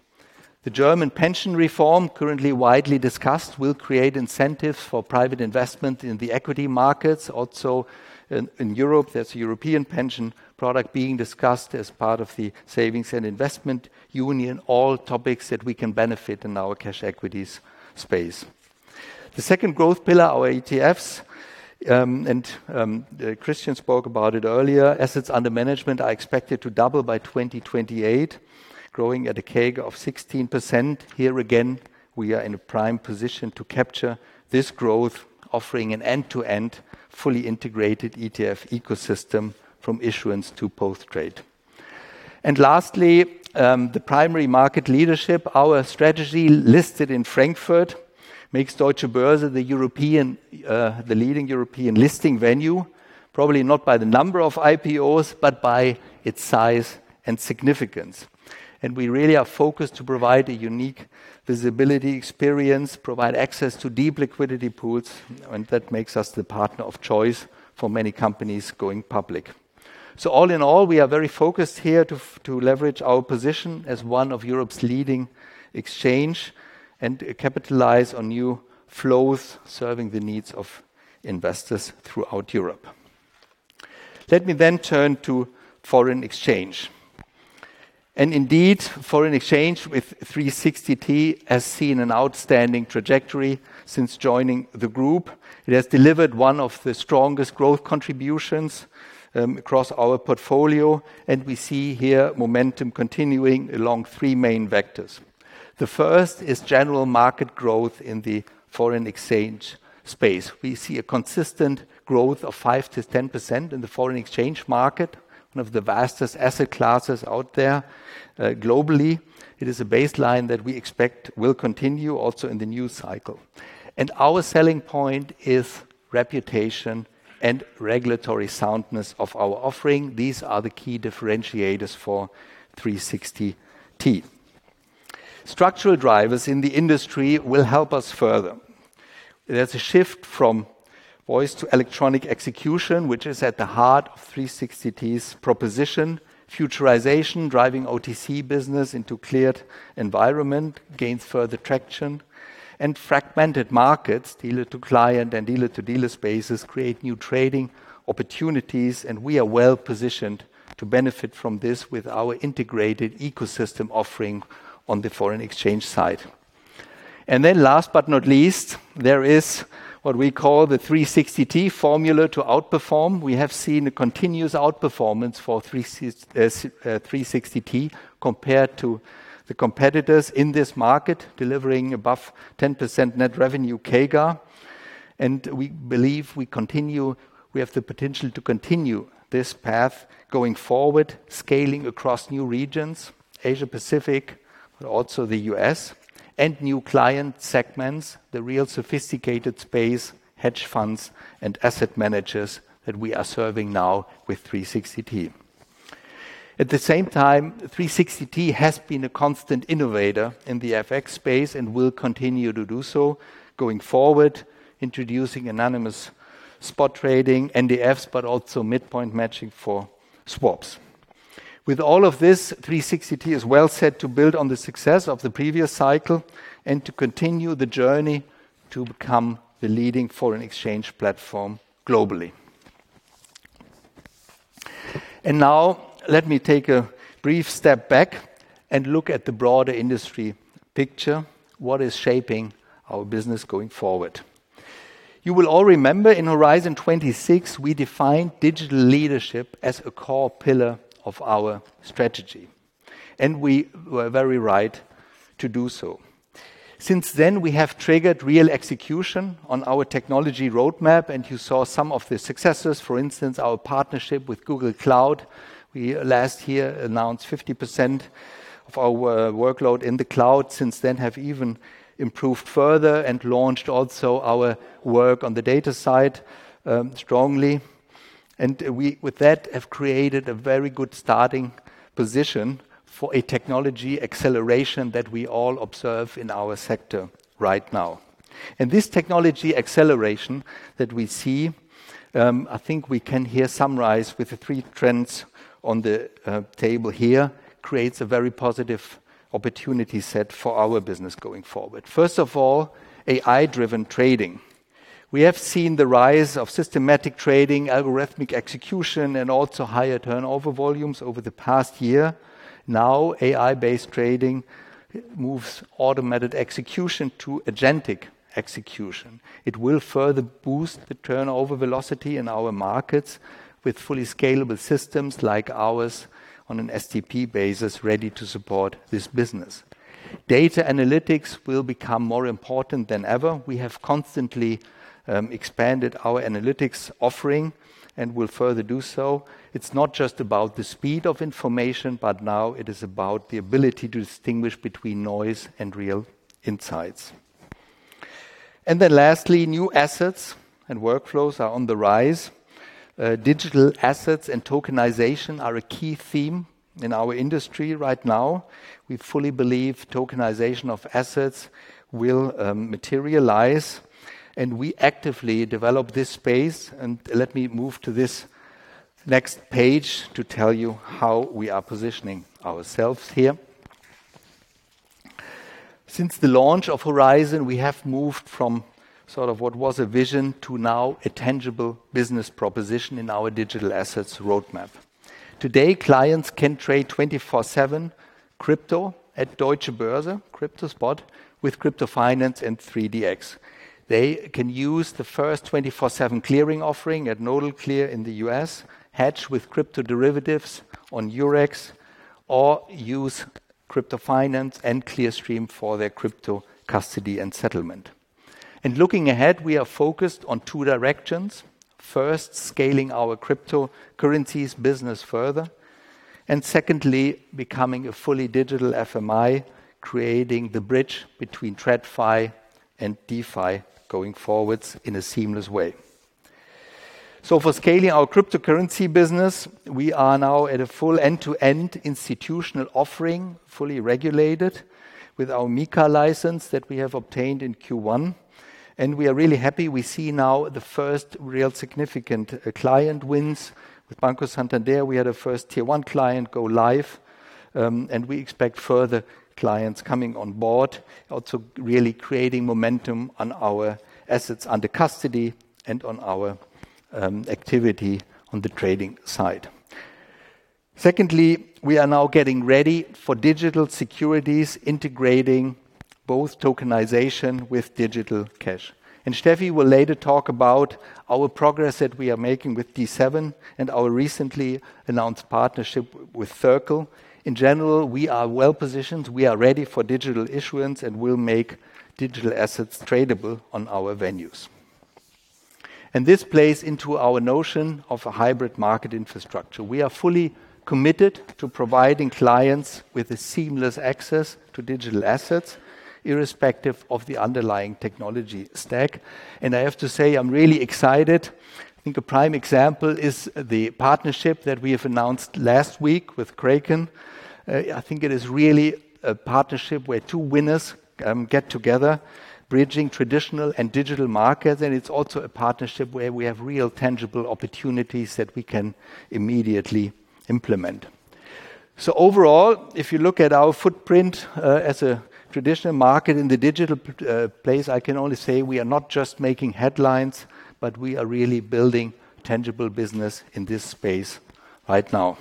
The German pension reform, currently widely discussed, will create incentives for private investment in the equity markets. Also in Europe, there's a European pension product being discussed as part of the Savings and Investment Union, all topics that we can benefit in our Cash Equities space. The second growth pillar, our ETFs, and Christian spoke about it earlier. Assets under management are expected to double by 2028, growing at a CAGR of 16%. Here again, we are in a prime position to capture this growth, offering an end-to-end fully integrated ETF ecosystem from issuance to post-trade. And lastly, the primary market leadership, our strategy listed in Frankfurt, makes Deutsche Börse the leading European listing venue, probably not by the number of IPOs, but by its size and significance. And we really are focused to provide a unique visibility experience, provide access to deep liquidity pools, and that makes us the partner of choice for many companies going public. So all in all, we are very focused here to leverage our position as one of Europe's leading exchanges and capitalize on new flows serving the needs of investors throughout Europe. Let me then turn to Foreign Exchange. And indeed, Foreign Exchange with 360T has seen an outstanding trajectory since joining the group. It has delivered one of the strongest growth contributions across our portfolio, and we see here momentum continuing along three main vectors. The first is general market growth in the Foreign Exchange space. We see a consistent growth of 5%-10% in the Foreign Exchange market, one of the vastest asset classes out there globally. It is a baseline that we expect will continue also in the new cycle. And our selling point is reputation and regulatory soundness of our offering. These are the key differentiators for 360T. Structural drivers in the industry will help us further. There's a shift from voice to electronic execution, which is at the heart of 360T's proposition. Futurization, driving OTC business into cleared environment, gains further traction. And fragmented markets, dealer-to-client and dealer-to-dealer spaces, create new trading opportunities, and we are well positioned to benefit from this with our integrated ecosystem offering on the Foreign Exchange side. And then last but not least, there is what we call the 360T formula to outperform. We have seen a continuous outperformance for 360T compared to the competitors in this market, delivering above 10% net revenue CAGR. And we believe we have the potential to continue this path going forward, scaling across new regions, Asia-Pacific, but also the US, and new client segments, the real sophisticated space, hedge funds, and asset managers that we are serving now with 360T. At the same time, 360T has been a constant innovator in the FX space and will continue to do so going forward, introducing anonymous spot trading, NDFs, but also midpoint matching for swaps. With all of this, 360T is well set to build on the success of the previous cycle and to continue the journey to become the leading Foreign Exchange platform globally. And now let me take a brief step back and look at the broader industry picture. What is shaping our business going forward? You will all remember in Horizon 2026, we defined digital leadership as a core pillar of our strategy. And we were very right to do so. Since then, we have triggered real execution on our technology roadmap, and you saw some of the successes, for instance, our partnership with Google Cloud. We last year announced 50% of our workload in the cloud. Since then, we have even improved further and launched also our work on the data side strongly, and we, with that, have created a very good starting position for a technology acceleration that we all observe in our sector right now, and this technology acceleration that we see, I think we can here summarize with the three trends on the table here, creates a very positive opportunity set for our business going forward. First of all, AI-driven trading. We have seen the rise of systematic trading, algorithmic execution, and also higher turnover volumes over the past year. Now, AI-based trading moves automated execution to agentic execution. It will further boost the turnover velocity in our markets with fully scalable systems like ours on an STP basis ready to support this business. Data analytics will become more important than ever. We have constantly expanded our analytics offering and will further do so. It's not just about the speed of information, but now it is about the ability to distinguish between noise and real insights, and then lastly, new assets and workflows are on the rise. Digital assets and tokenization are a key theme in our industry right now. We fully believe tokenization of assets will materialize, and we actively develop this space, and let me move to this next page to tell you how we are positioning ourselves here. Since the launch of Horizon, we have moved from sort of what was a vision to now a tangible business proposition in our Digital Assets roadmap. Today, clients can trade 24/7 Crypto at Deutsche Börse, Crypto Spot, with Crypto Finance and 360T. They can use the first 24/7 clearing offering at Nodal Clear in the U.S., hedge with crypto derivatives on Eurex, or use Crypto Finance and Clearstream for their crypto custody and settlement, and looking ahead, we are focused on two directions: first, scaling our cryptocurrencies business further, and secondly, becoming a fully digital FMI, creating the bridge between TradFi and DeFi going forward in a seamless way, so for scaling our cryptocurrency business, we are now at a full end-to-end institutional offering, fully regulated with our MiCA license that we have obtained in Q1, and we are really happy. We see now the first real significant client wins. With Banco Santander, we had a first tier one client go live, and we expect further clients coming on board, also really creating momentum on our assets under custody and on our activity on the trading side. Secondly, we are now getting ready for digital securities, integrating both tokenization with digital cash, and Steffi will later talk about our progress that we are making with D7 and our recently announced partnership with Circle. In general, we are well positioned. We are ready for digital issuance and will make digital assets tradable on our venues, and this plays into our notion of a hybrid market infrastructure. We are fully committed to providing clients with a seamless access to digital assets, irrespective of the underlying technology stack, and I have to say, I'm really excited. I think a prime example is the partnership that we have announced last week with Kraken. I think it is really a partnership where two winners get together, bridging traditional and digital markets, and it's also a partnership where we have real tangible opportunities that we can immediately implement. So overall, if you look at our footprint as a traditional market in the digital space, I can only say we are not just making headlines, but we are really building tangible business in this space right now.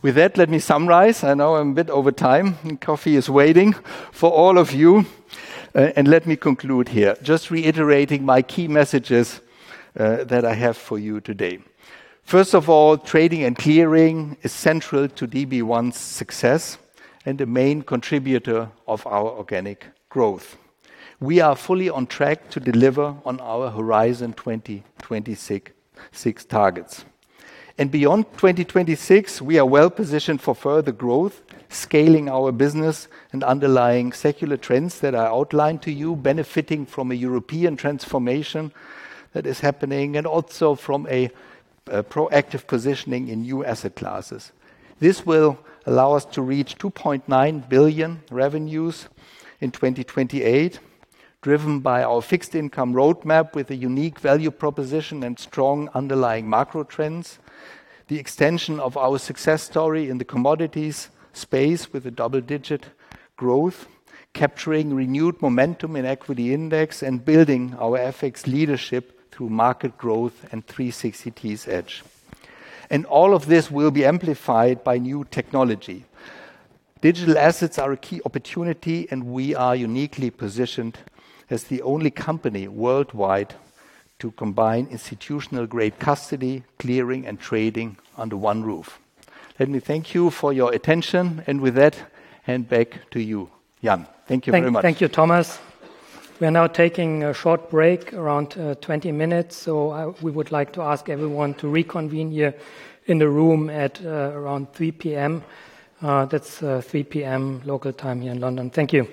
With that, let me summarize. I know I'm a bit over time. Coffee is waiting for all of you. And let me conclude here, just reiterating my key messages that I have for you today. First of all, Trading & Clearing is central to DB1's success and the main contributor of our organic growth. We are fully on track to deliver on our Horizon 2026 targets. And beyond 2026, we are well positioned for further growth, scaling our business and underlying secular trends that I outlined to you, benefiting from a European transformation that is happening and also from a proactive positioning in new asset classes. This will allow us to reach 2.9 billion revenues in 2028, driven by our fixed income roadmap with a unique value proposition and strong underlying macro trends, the extension of our success story in the Commodities space with a double-digit growth, capturing renewed momentum in equity index and building our FX leadership through market growth and 360T's edge, and all of this will be amplified by new technology. Digital assets are a key opportunity, and we are uniquely positioned as the only company worldwide to combine institutional-grade custody, clearing, and trading under one roof. Let me thank you for your attention, and with that, hand back to you, Jan. Thank you very much. Thank you, Thomas. We're now taking a short break, around 20 minutes, so we would like to ask everyone to reconvene here in the room at around 3:00 P.M. That's 3:00 P.M. local time here in London. Thank you.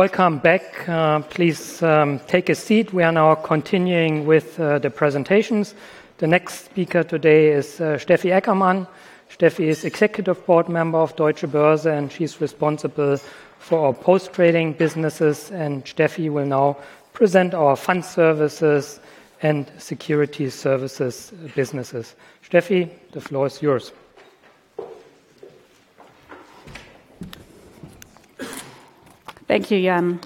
Welcome back. Please take a seat. We are now continuing with the presentations. The next speaker today is Steffi Eckermann. Steffi is Executive Board Member of Deutsche Börse, and she's responsible for our post trading businesses, and Steffi will now present our Fund Services and Securities Services businesses. Steffi, the floor is yours. Thank you, Jan,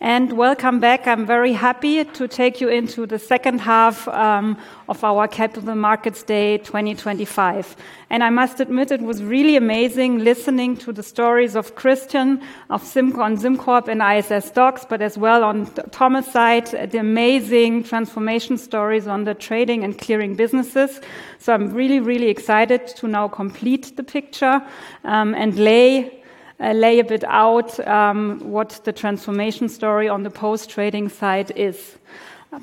and welcome back. I'm very happy to take you into the second half of our Capital Markets Day 2025, and I must admit, it was really amazing listening to the stories of Christian, of SimCorp and SimCorp ISS STOXX, but as well on Thomas' side, the amazing transformation stories on the Trading & Clearing businesses. So I'm really, really excited to now complete the picture and lay a bit out what the transformation story on the post trading side is.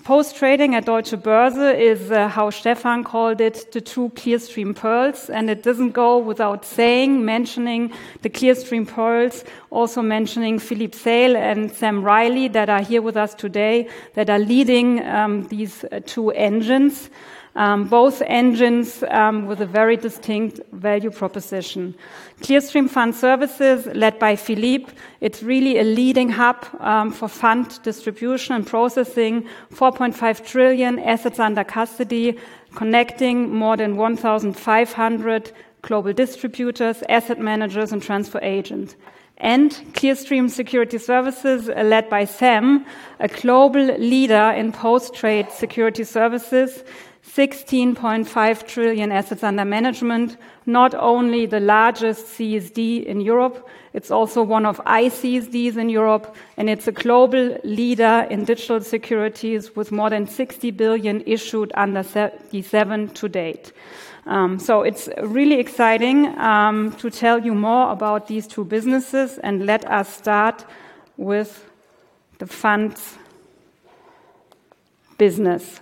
Post trading at Deutsche Börse is, how Stephan called it, the two Clearstream pearls. And it doesn't go without saying, mentioning the Clearstream pearls, also mentioning Philippe Seyll and Sam Riley that are here with us today, that are leading these two engines, both engines with a very distinct value proposition. Clearstream Fund Services, led by Philippe, it's really a leading hub for fund distribution and processing, 4.5 trillion assets under custody, connecting more than 1,500 global distributors, asset managers, and transfer agents. And Clearstream Securities Services, led by Sam, a global leader in post-trade Securities Services, 16.5 trillion assets under management, not only the largest CSD in Europe, it's also one of ICSDs in Europe, and it's a global leader in digital securities with more than 60 billion issued under D7 to date. So it's really exciting to tell you more about these two businesses. And let us start with the Funds business.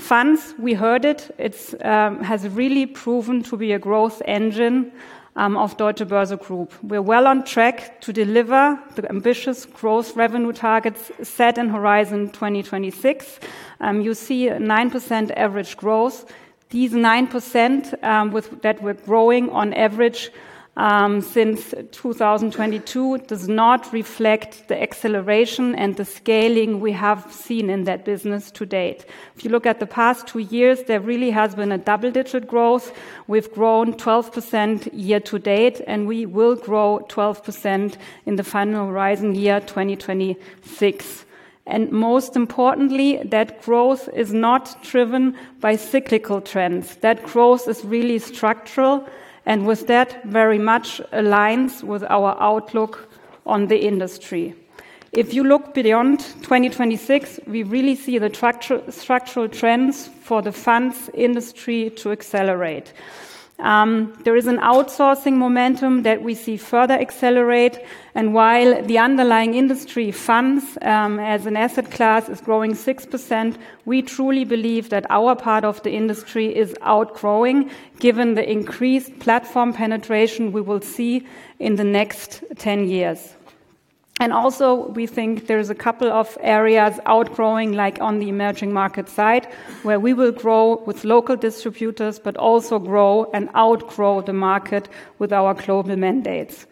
Funds, we heard it, it has really proven to be a growth engine of Deutsche Börse Group. We're well on track to deliver the ambitious gross revenue targets set in Horizon 2026. You see a 9% average growth. These 9% that we're growing on average since 2022 does not reflect the acceleration and the scaling we have seen in that business to date. If you look at the past two years, there really has been a double-digit growth. We've grown 12% year-to-date, and we will grow 12% in the final Horizon year 2026. And most importantly, that growth is not driven by cyclical trends. That growth is really structural, and with that very much aligns with our outlook on the industry. If you look beyond 2026, we really see the structural trends for the funds industry to accelerate. There is an outsourcing momentum that we see further accelerate. And while the underlying industry funds as an asset class is growing 6%, we truly believe that our part of the industry is outgrowing given the increased platform penetration we will see in the next 10 years. And also, we think there is a couple of areas outgrowing, like on the emerging market side, where we will grow with local distributors, but also grow and outgrow the market with our global mandates.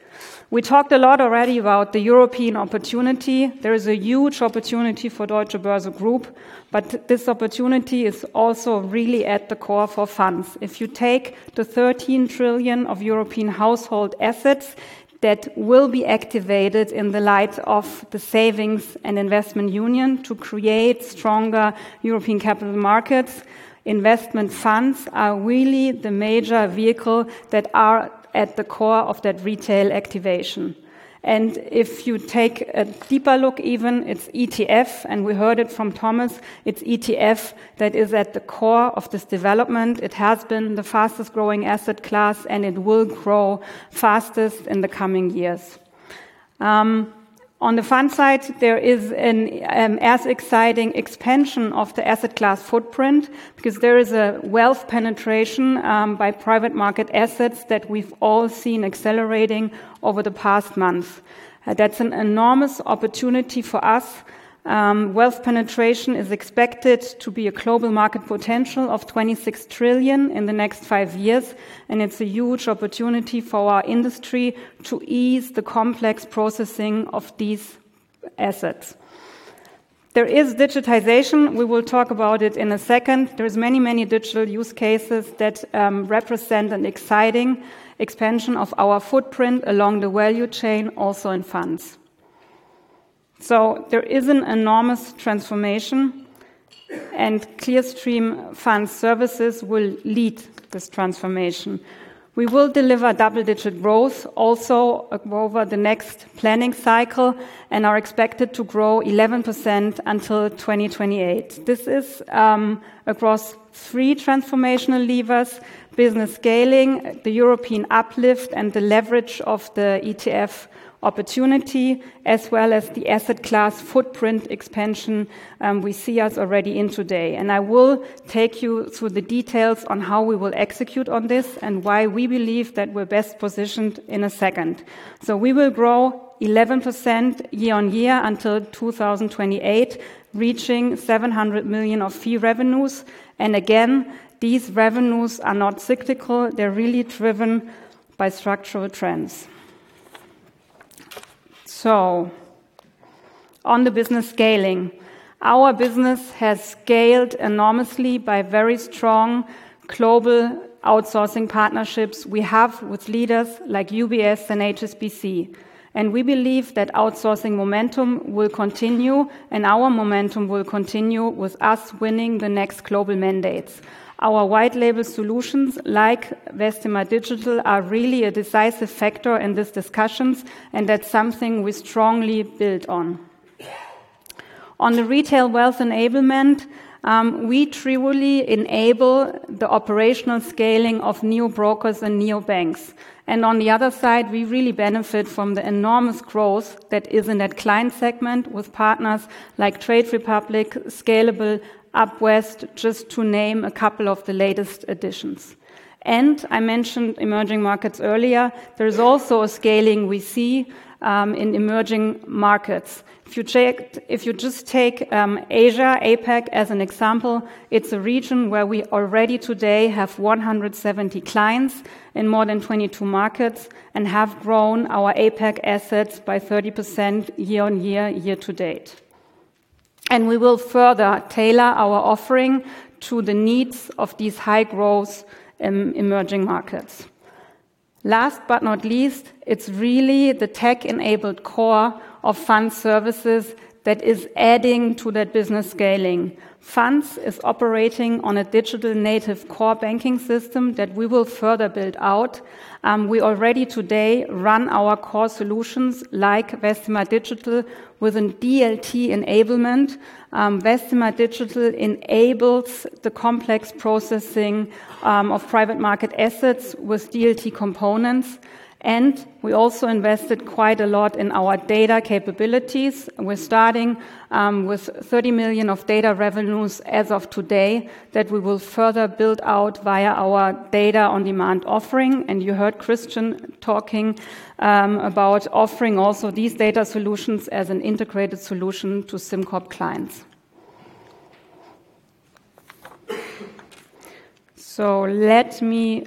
We talked a lot already about the European opportunity. There is a huge opportunity for Deutsche Börse Group, but this opportunity is also really at the core for funds. If you take the 13 trillion of European household assets that will be activated in the light of the Savings and Investment Union to create stronger European capital markets, investment funds are really the major vehicle that are at the core of that retail activation. And if you take a deeper look, even it's ETF, and we heard it from Thomas, it's ETF that is at the core of this development. It has been the fastest growing asset class, and it will grow fastest in the coming years. On the Fund side, there is as exciting an expansion of the asset class footprint because there is a wealth penetration by private market assets that we've all seen accelerating over the past months. That's an enormous opportunity for us. Wealth penetration is expected to be a global market potential of $26 trillion in the next five years, and it's a huge opportunity for our industry to ease the complex processing of these assets. There is digitization. We will talk about it in a second. There are many, many digital use cases that represent an exciting expansion of our footprint along the value chain, also in funds. So there is an enormous transformation, and Clearstream Fund Services will lead this transformation. We will deliver double-digit growth also over the next planning cycle and are expected to grow 11% until 2028. This is across three transformational levers: business scaling, the European uplift, and the leverage of the ETF opportunity, as well as the asset class footprint expansion we see us already in today, and I will take you through the details on how we will execute on this and why we believe that we're best positioned in a second, so we will grow 11% year-on-year until 2028, reaching 700 million of fee revenues, and again, these revenues are not cyclical. They're really driven by structural trends, so on the business scaling, our business has scaled enormously by very strong global outsourcing partnerships we have with leaders like UBS and HSBC, and we believe that outsourcing momentum will continue, and our momentum will continue with us winning the next global mandates. Our white-label solutions like Vestima Digital are really a decisive factor in these discussions, and that's something we strongly build on. On the retail wealth enablement, we truly enable the operational scaling of neobrokers and neobanks, and on the other side, we really benefit from the enormous growth that is in that client segment with partners like Trade Republic, Scalable, Upvest, just to name a couple of the latest additions, and I mentioned emerging markets earlier. There is also a scaling we see in emerging markets. If you just take Asia, APAC as an example, it's a region where we already today have 170 clients in more than 22 markets and have grown our APAC assets by 30% year-on-year year-to-date, and we will further tailor our offering to the needs of these high growth emerging markets. Last but not least, it's really the tech-enabled core of Fund Services that is adding to that business scaling. Funds is operating on a digital native core banking system that we will further build out. We already today run our core solutions like Vestima Digital with a DLT enablement. Vestima Digital enables the complex processing of private market assets with DLT components. And we also invested quite a lot in our data capabilities. We're starting with 30 million of data revenues as of today that we will further build out via our data on demand offering. And you heard Christian talking about offering also these data solutions as an integrated solution to SimCorp clients. So let me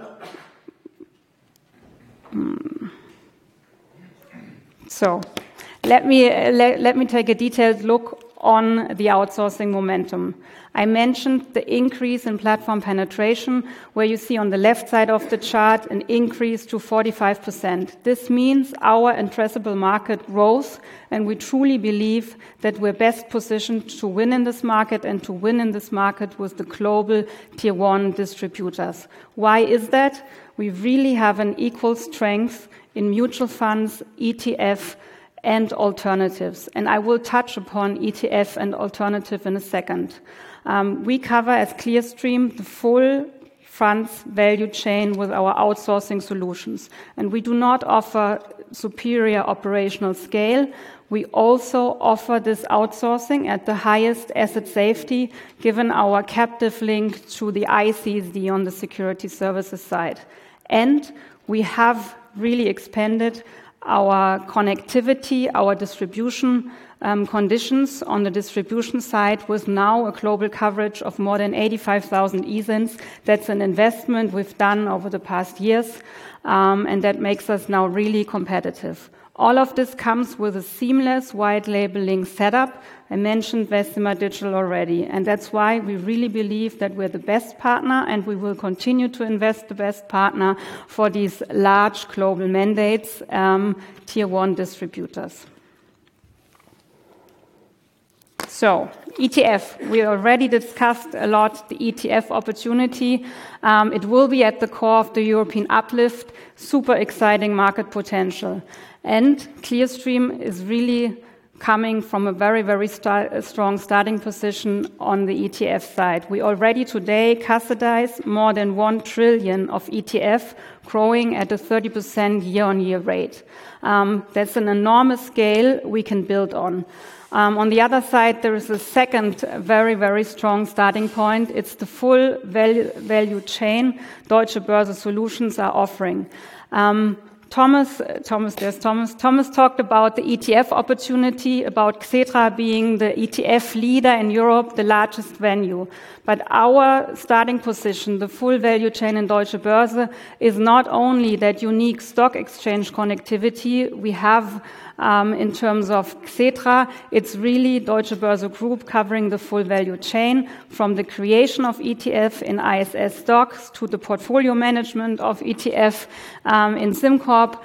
take a detailed look on the outsourcing momentum. I mentioned the increase in platform penetration, where you see on the left side of the chart an increase to 45%. This means our addressable market growth, and we truly believe that we're best positioned to win in this market and to win in this market with the global tier one distributors. Why is that? We really have an equal strength in mutual funds, ETFs, and alternatives, and I will touch upon ETF and alternative in a second. We cover as Clearstream the full funds value chain with our outsourcing solutions, and we do offer superior operational scale. We also offer this outsourcing at the highest asset safety, given our captive link to the ICSD on the Security Services side, and we have really expanded our connectivity, our distribution connections on the distribution side with now a global coverage of more than 85,000 ISINs. That's an investment we've done over the past years, and that makes us now really competitive. All of this comes with a seamless white labeling setup. I mentioned Vestima Digital already, and that's why we really believe that we're the best partner, and we will continue to invest the best partner for these large global mandates, tier one distributors. So ETF, we already discussed a lot the ETF opportunity. It will be at the core of the European uplift, super exciting market potential. And Clearstream is really coming from a very, very strong starting position on the ETF side. We already today custody more than 1 trillion of ETF growing at a 30% year-on-year rate. That's an enormous scale we can build on. On the other side, there is a second very, very strong starting point. It's the full value chain Deutsche Börse Solutions are offering. Thomas, Thomas, there's Thomas. Thomas talked about the ETF opportunity, about Xetra being the ETF leader in Europe, the largest venue. But our starting position, the full value chain in Deutsche Börse, is not only that unique stock exchange connectivity we have in terms of Xetra. It's really Deutsche Börse Group covering the full value chain from the creation of ISS STOXX to the portfolio management of ETF in SimCorp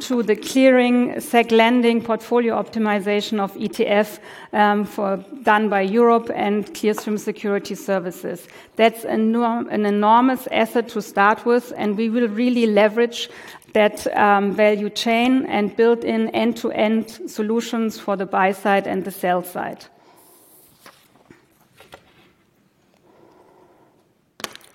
to the clearing, settlement and portfolio optimization of ETF done by Europe and Clearstream Securities Services. That's an enormous asset to start with, and we will really leverage that value chain and build in end-to-end solutions for the buy-side and the sell-side.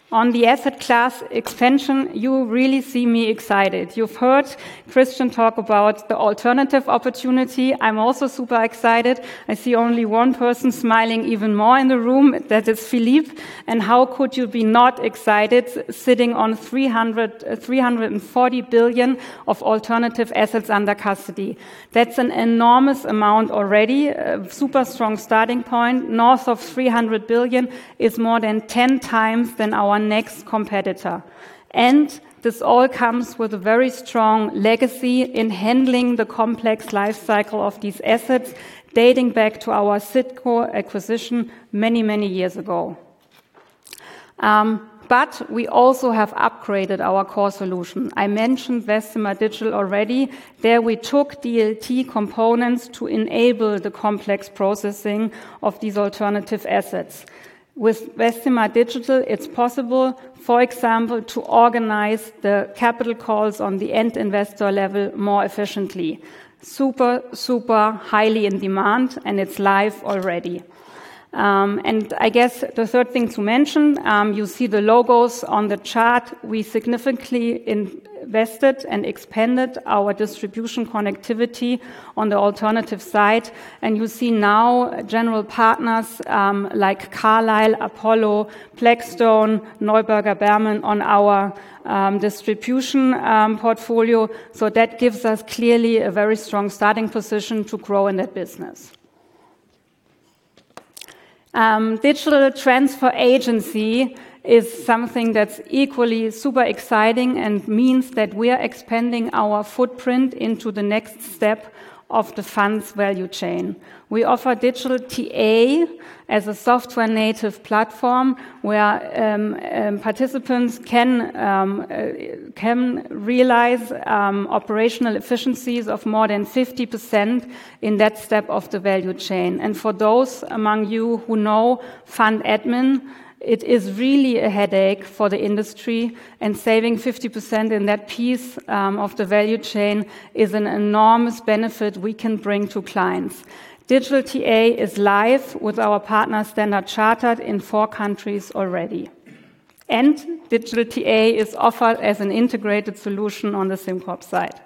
On the asset class expansion, you really see me excited. You've heard Christian talk about the alternative opportunity. I'm also super excited. I see only one person smiling even more in the room. That is Philippe. And how could you be not excited sitting on 340 billion of alternative assets under custody? That's an enormous amount already, a super strong starting point. North of 300 billion is more than 10x than our next competitor. And this all comes with a very strong legacy in handling the complex life cycle of these assets dating back to our Citco acquisition many, many years ago. But we also have upgraded our core solution. I mentioned Vestima Digital already. There we took DLT components to enable the complex processing of these alternative assets. With Vestima Digital, it's possible, for example, to organize the capital calls on the end investor level more efficiently. Super, super highly in demand, and it's live already. And I guess the third thing to mention, you see the logos on the chart. We significantly invested and expanded our distribution connectivity on the alternative side. And you see now general partners like Carlyle, Apollo, Blackstone, Neuberger Berman on our distribution portfolio. So that gives us clearly a very strong starting position to grow in that business. Digital transfer agency is something that's equally super exciting and means that we are expanding our footprint into the next step of the funds value chain. We offer digital TA as a software-native platform where participants can realize operational efficiencies of more than 50% in that step of the value chain. And for those among you who know fund admin, it is really a headache for the industry. And saving 50% in that piece of the value chain is an enormous benefit we can bring to clients. Digital TA is live with our partner Standard Chartered in four countries already. And digital TA is offered as an integrated solution on the SimCorp side.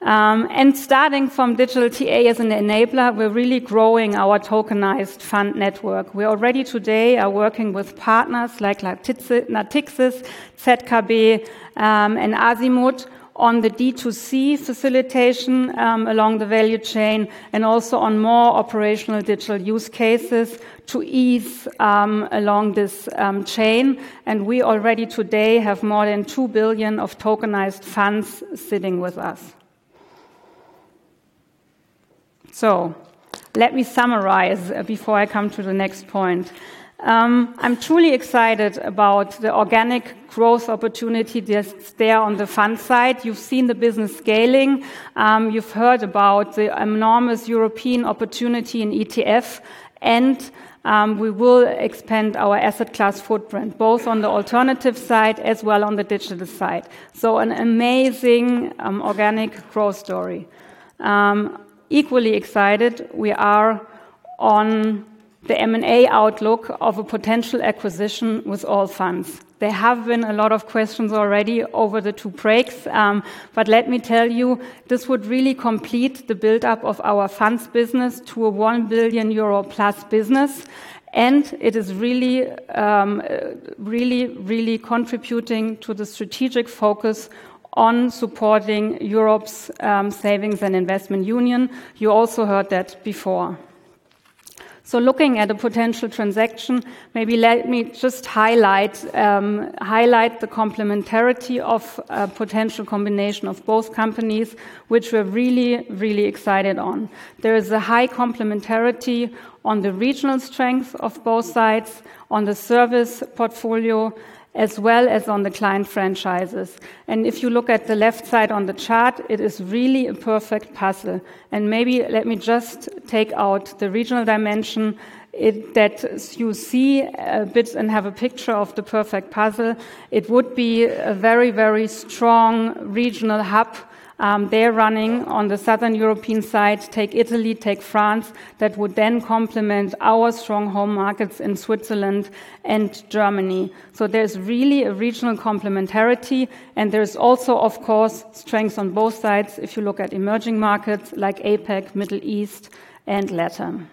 And starting from digital TA as an enabler, we're really growing our tokenized fund network. We already today are working with partners like Natixis, ZKB, and Azimut on the D2C facilitation along the value chain and also on more operational digital use cases to ease along this chain. And we already today have more than 2 billion of tokenized funds sitting with us. So let me summarize before I come to the next point. I'm truly excited about the organic growth opportunity there on the fund side. You've seen the business scaling. You've heard about the enormous European opportunity in ETF, and we will expand our asset class footprint both on the alternative side as well on the digital side. So an amazing organic growth story. Equally excited, we are on the M&A outlook of a potential acquisition with Allfunds. There have been a lot of questions already over the two breaks, but let me tell you, this would really complete the build-up of our funds business to a 1 billion euro+ business, and it is really, really, really contributing to the strategic focus on supporting Europe's Savings and Investment Union. You also heard that before, so looking at a potential transaction, maybe let me just highlight the complementarity of a potential combination of both companies, which we're really, really excited on. There is a high complementarity on the regional strength of both sides, on the service portfolio, as well as on the client franchises, and if you look at the left side on the chart, it is really a perfect puzzle, and maybe let me just take out the regional dimension that you see a bit and have a picture of the perfect puzzle. It would be a very, very strong regional hub there running on the southern European side, take Italy, take France, that would then complement our strong home markets in Switzerland and Germany, so there's really a regional complementarity, and there's also, of course, strengths on both sides if you look at emerging markets like APAC, Middle East, and LatAm.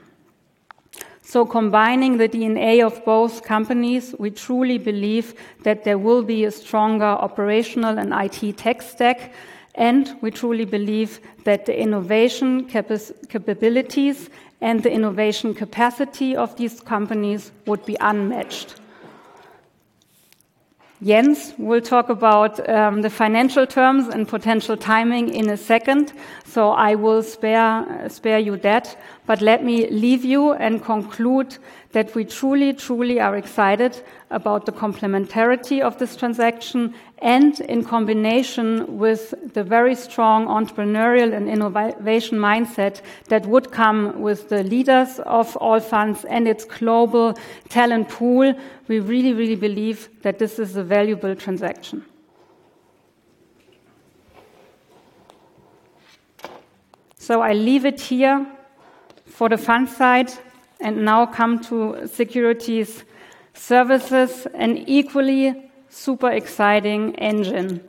So combining the DNA of both companies, we truly believe that there will be a stronger operational and IT tech stack, and we truly believe that the innovation capabilities and the innovation capacity of these companies would be unmatched. Jens will talk about the financial terms and potential timing in a second, so I will spare you that, but let me leave you and conclude that we truly, truly are excited about the complementarity of this transaction. In combination with the very strong entrepreneurial and innovation mindset that would come with the leaders of Allfunds and its global talent pool, we really, really believe that this is a valuable transaction, so I leave it here for the fund side and now come to Securities Services, an equally super exciting engine.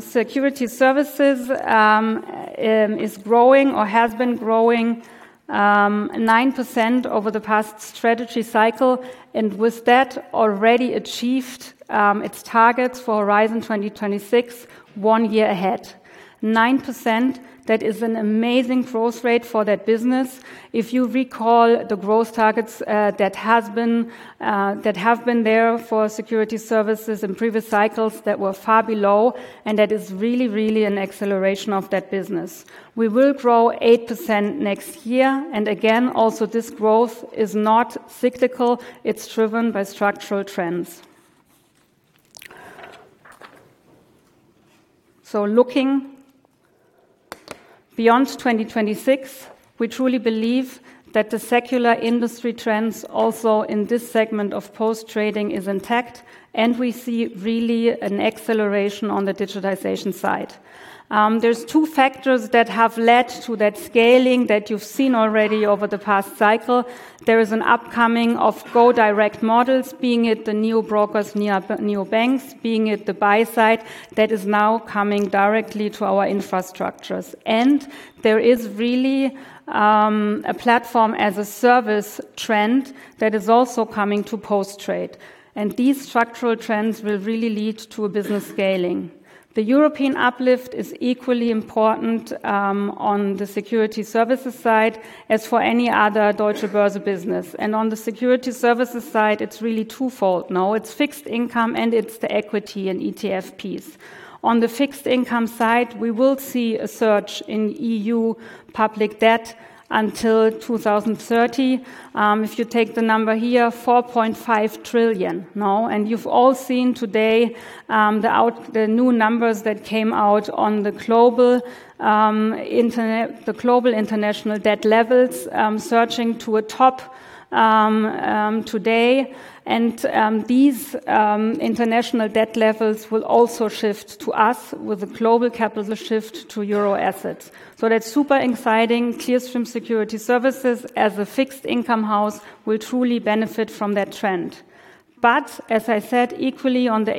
Securities Services is growing or has been growing 9% over the past strategy cycle and with that already achieved its targets for Horizon 2026 one year ahead. 9%, that is an amazing growth rate for that business. If you recall the growth targets that have been there for Securities Services in previous cycles that were far below, and that is really, really an acceleration of that business. We will grow 8% next year, and again, also this growth is not cyclical. It's driven by structural trends. So looking beyond 2026, we truly believe that the secular industry trends also in this segment of post-trading is intact, and we see really an acceleration on the digitization side. There's two factors that have led to that scaling that you've seen already over the past cycle. There is an upcoming of go direct models, be it the neobrokers, neobanks, be it the buy-side that is now coming directly to our infrastructures. And there is really a Platform as a Service trend that is also coming to post-trade. And these structural trends will really lead to business scaling. The European uplift is equally important on the Security Services side as for any other Deutsche Börse business. And on the Security Services side, it's really twofold now. It's fixed income and it's the equity and ETF piece. On the fixed income side, we will see a surge in EU public debt until 2030. If you take the number here, 4.5 trillion now, and you've all seen today the new numbers that came out on the global international debt levels surging to a top today, and these international debt levels will also shift to us with a global capital shift to euro assets. So that's super exciting. Clearstream Securities Services as a fixed income house will truly benefit from that trend, but as I said, equally on the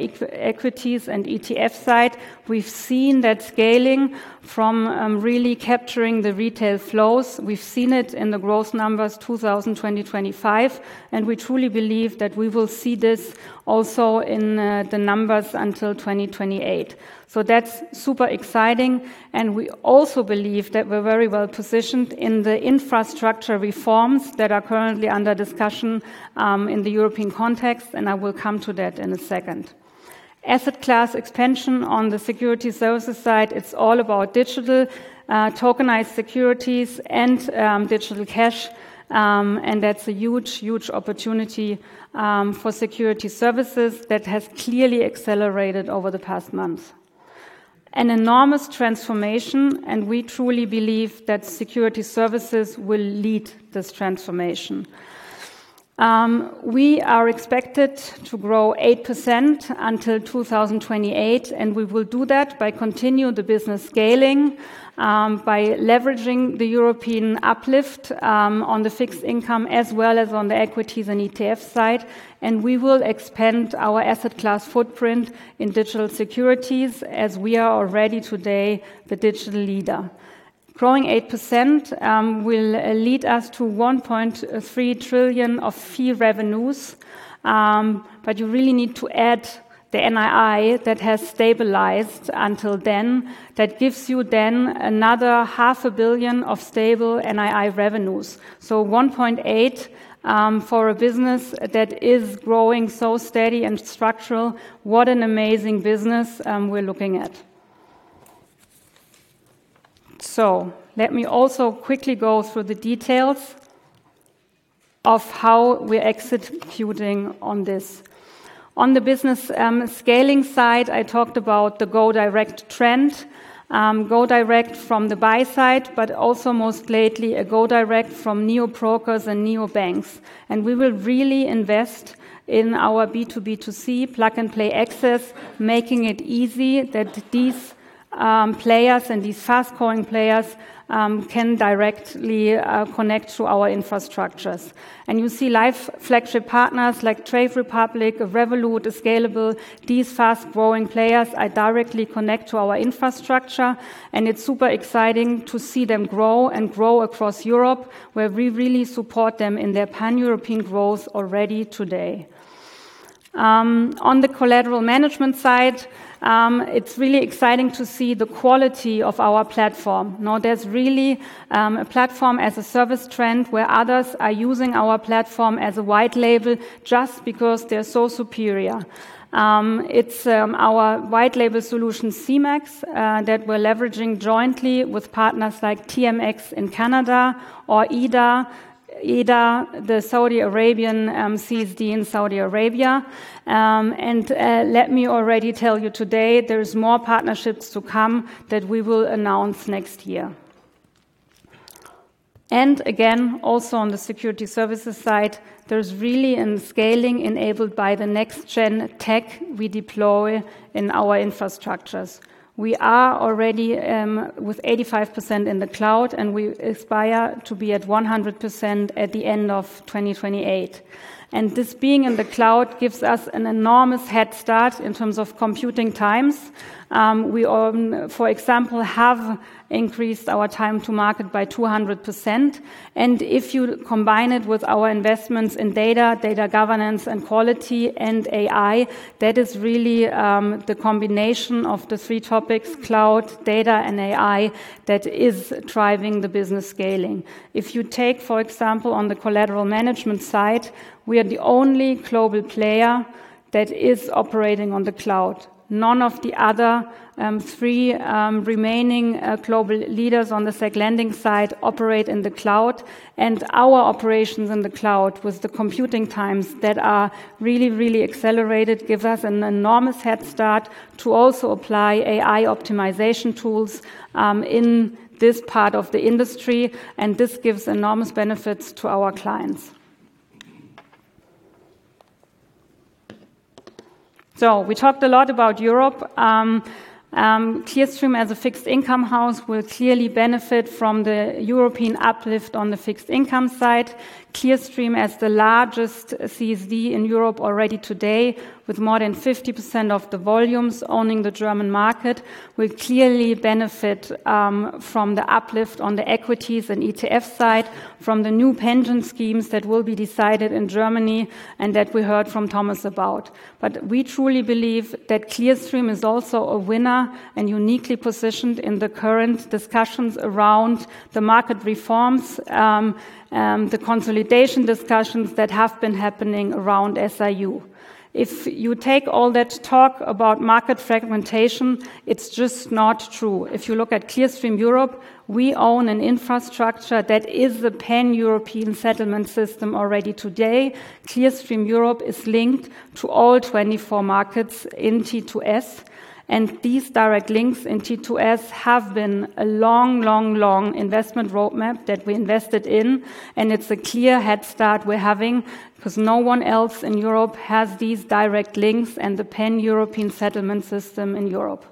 equities and ETF side, we've seen that scaling from really capturing the retail flows, we've seen it in the growth numbers 2020-2025, and we truly believe that we will see this also in the numbers until 2028, so that's super exciting. And we also believe that we're very well positioned in the infrastructure reforms that are currently under discussion in the European context, and I will come to that in a second. Asset class expansion on the Securities Services side, it's all about digital tokenized securities and digital cash. And that's a huge, huge opportunity for Securities Services that has clearly accelerated over the past month. An enormous transformation, and we truly believe that Securities Services will lead this transformation. We are expected to grow 8% until 2028, and we will do that by continuing the business scaling, by leveraging the European uplift on the fixed income as well as on the equities and ETF side. And we will expand our asset class footprint in digital securities as we are already today the digital leader. Growing 8% will lead us to 1.3 trillion of fee revenues. But you really need to add the NII that has stabilized until then. That gives you then another 500 million of stable NII revenues. So 1.8 billion for a business that is growing so steady and structural. What an amazing business we're looking at. So let me also quickly go through the details of how we're executing on this. On the business scaling side, I talked about the go direct trend, go direct from the buy-side, but also most lately a go direct from neobrokers and neobanks. And we will really invest in our B2B2C plug and play access, making it easy that these players and these fast growing players can directly connect to our infrastructures. And you see live flagship partners like Trade Republic, Revolut, Scalable. These fast growing players are directly connected to our infrastructure. And it's super exciting to see them grow and grow across Europe, where we really support them in their pan-European growth already today. On the collateral management side, it's really exciting to see the quality of our platform. Now there's really a Platform as a Service trend where others are using our platform as a white-label just because they're so superior. It's our white-label solution CmaX that we're leveraging jointly with partners like TMX in Canada or Edaa, the Saudi Arabian CSD in Saudi Arabia. And let me already tell you today there's more partnerships to come that we will announce next year. And again, also on the Securities Services side, there's really a scaling enabled by the next-gen tech we deploy in our infrastructures. We are already with 85% in the cloud, and we aspire to be at 100% at the end of 2028. And this being in the cloud gives us an enormous head start in terms of computing times. We, for example, have increased our time to market by 200%. And if you combine it with our investments in data, data governance and quality and AI, that is really the combination of the three topics, cloud, data, and AI that is driving the business scaling. If you take, for example, on the collateral management side, we are the only global player that is operating on the cloud. None of the other three remaining global leaders on the settlement side operate in the cloud. And our operations in the cloud with the computing times that are really, really accelerated give us an enormous head start to also apply AI optimization tools in this part of the industry. And this gives enormous benefits to our clients. So we talked a lot about Europe. Clearstream as a fixed income house will clearly benefit from the European uplift on the fixed income side. Clearstream as the largest CSD in Europe already today, with more than 50% of the volumes owning the German market, will clearly benefit from the uplift on the equities and ETF side from the new pension schemes that will be decided in Germany and that we heard from Thomas about. But we truly believe that Clearstream is also a winner and uniquely positioned in the current discussions around the market reforms, the consolidation discussions that have been happening around SIU. If you take all that talk about market fragmentation, it's just not true. If you look at Clearstream Europe, we own an infrastructure that is the pan-European settlement system already today. Clearstream Europe is linked to all 24 markets in T2S. These direct links in T2S have been a long, long, long investment roadmap that we invested in. It's a clear head start we're having because no one else in Europe has these direct links and the pan-European settlement system in Europe.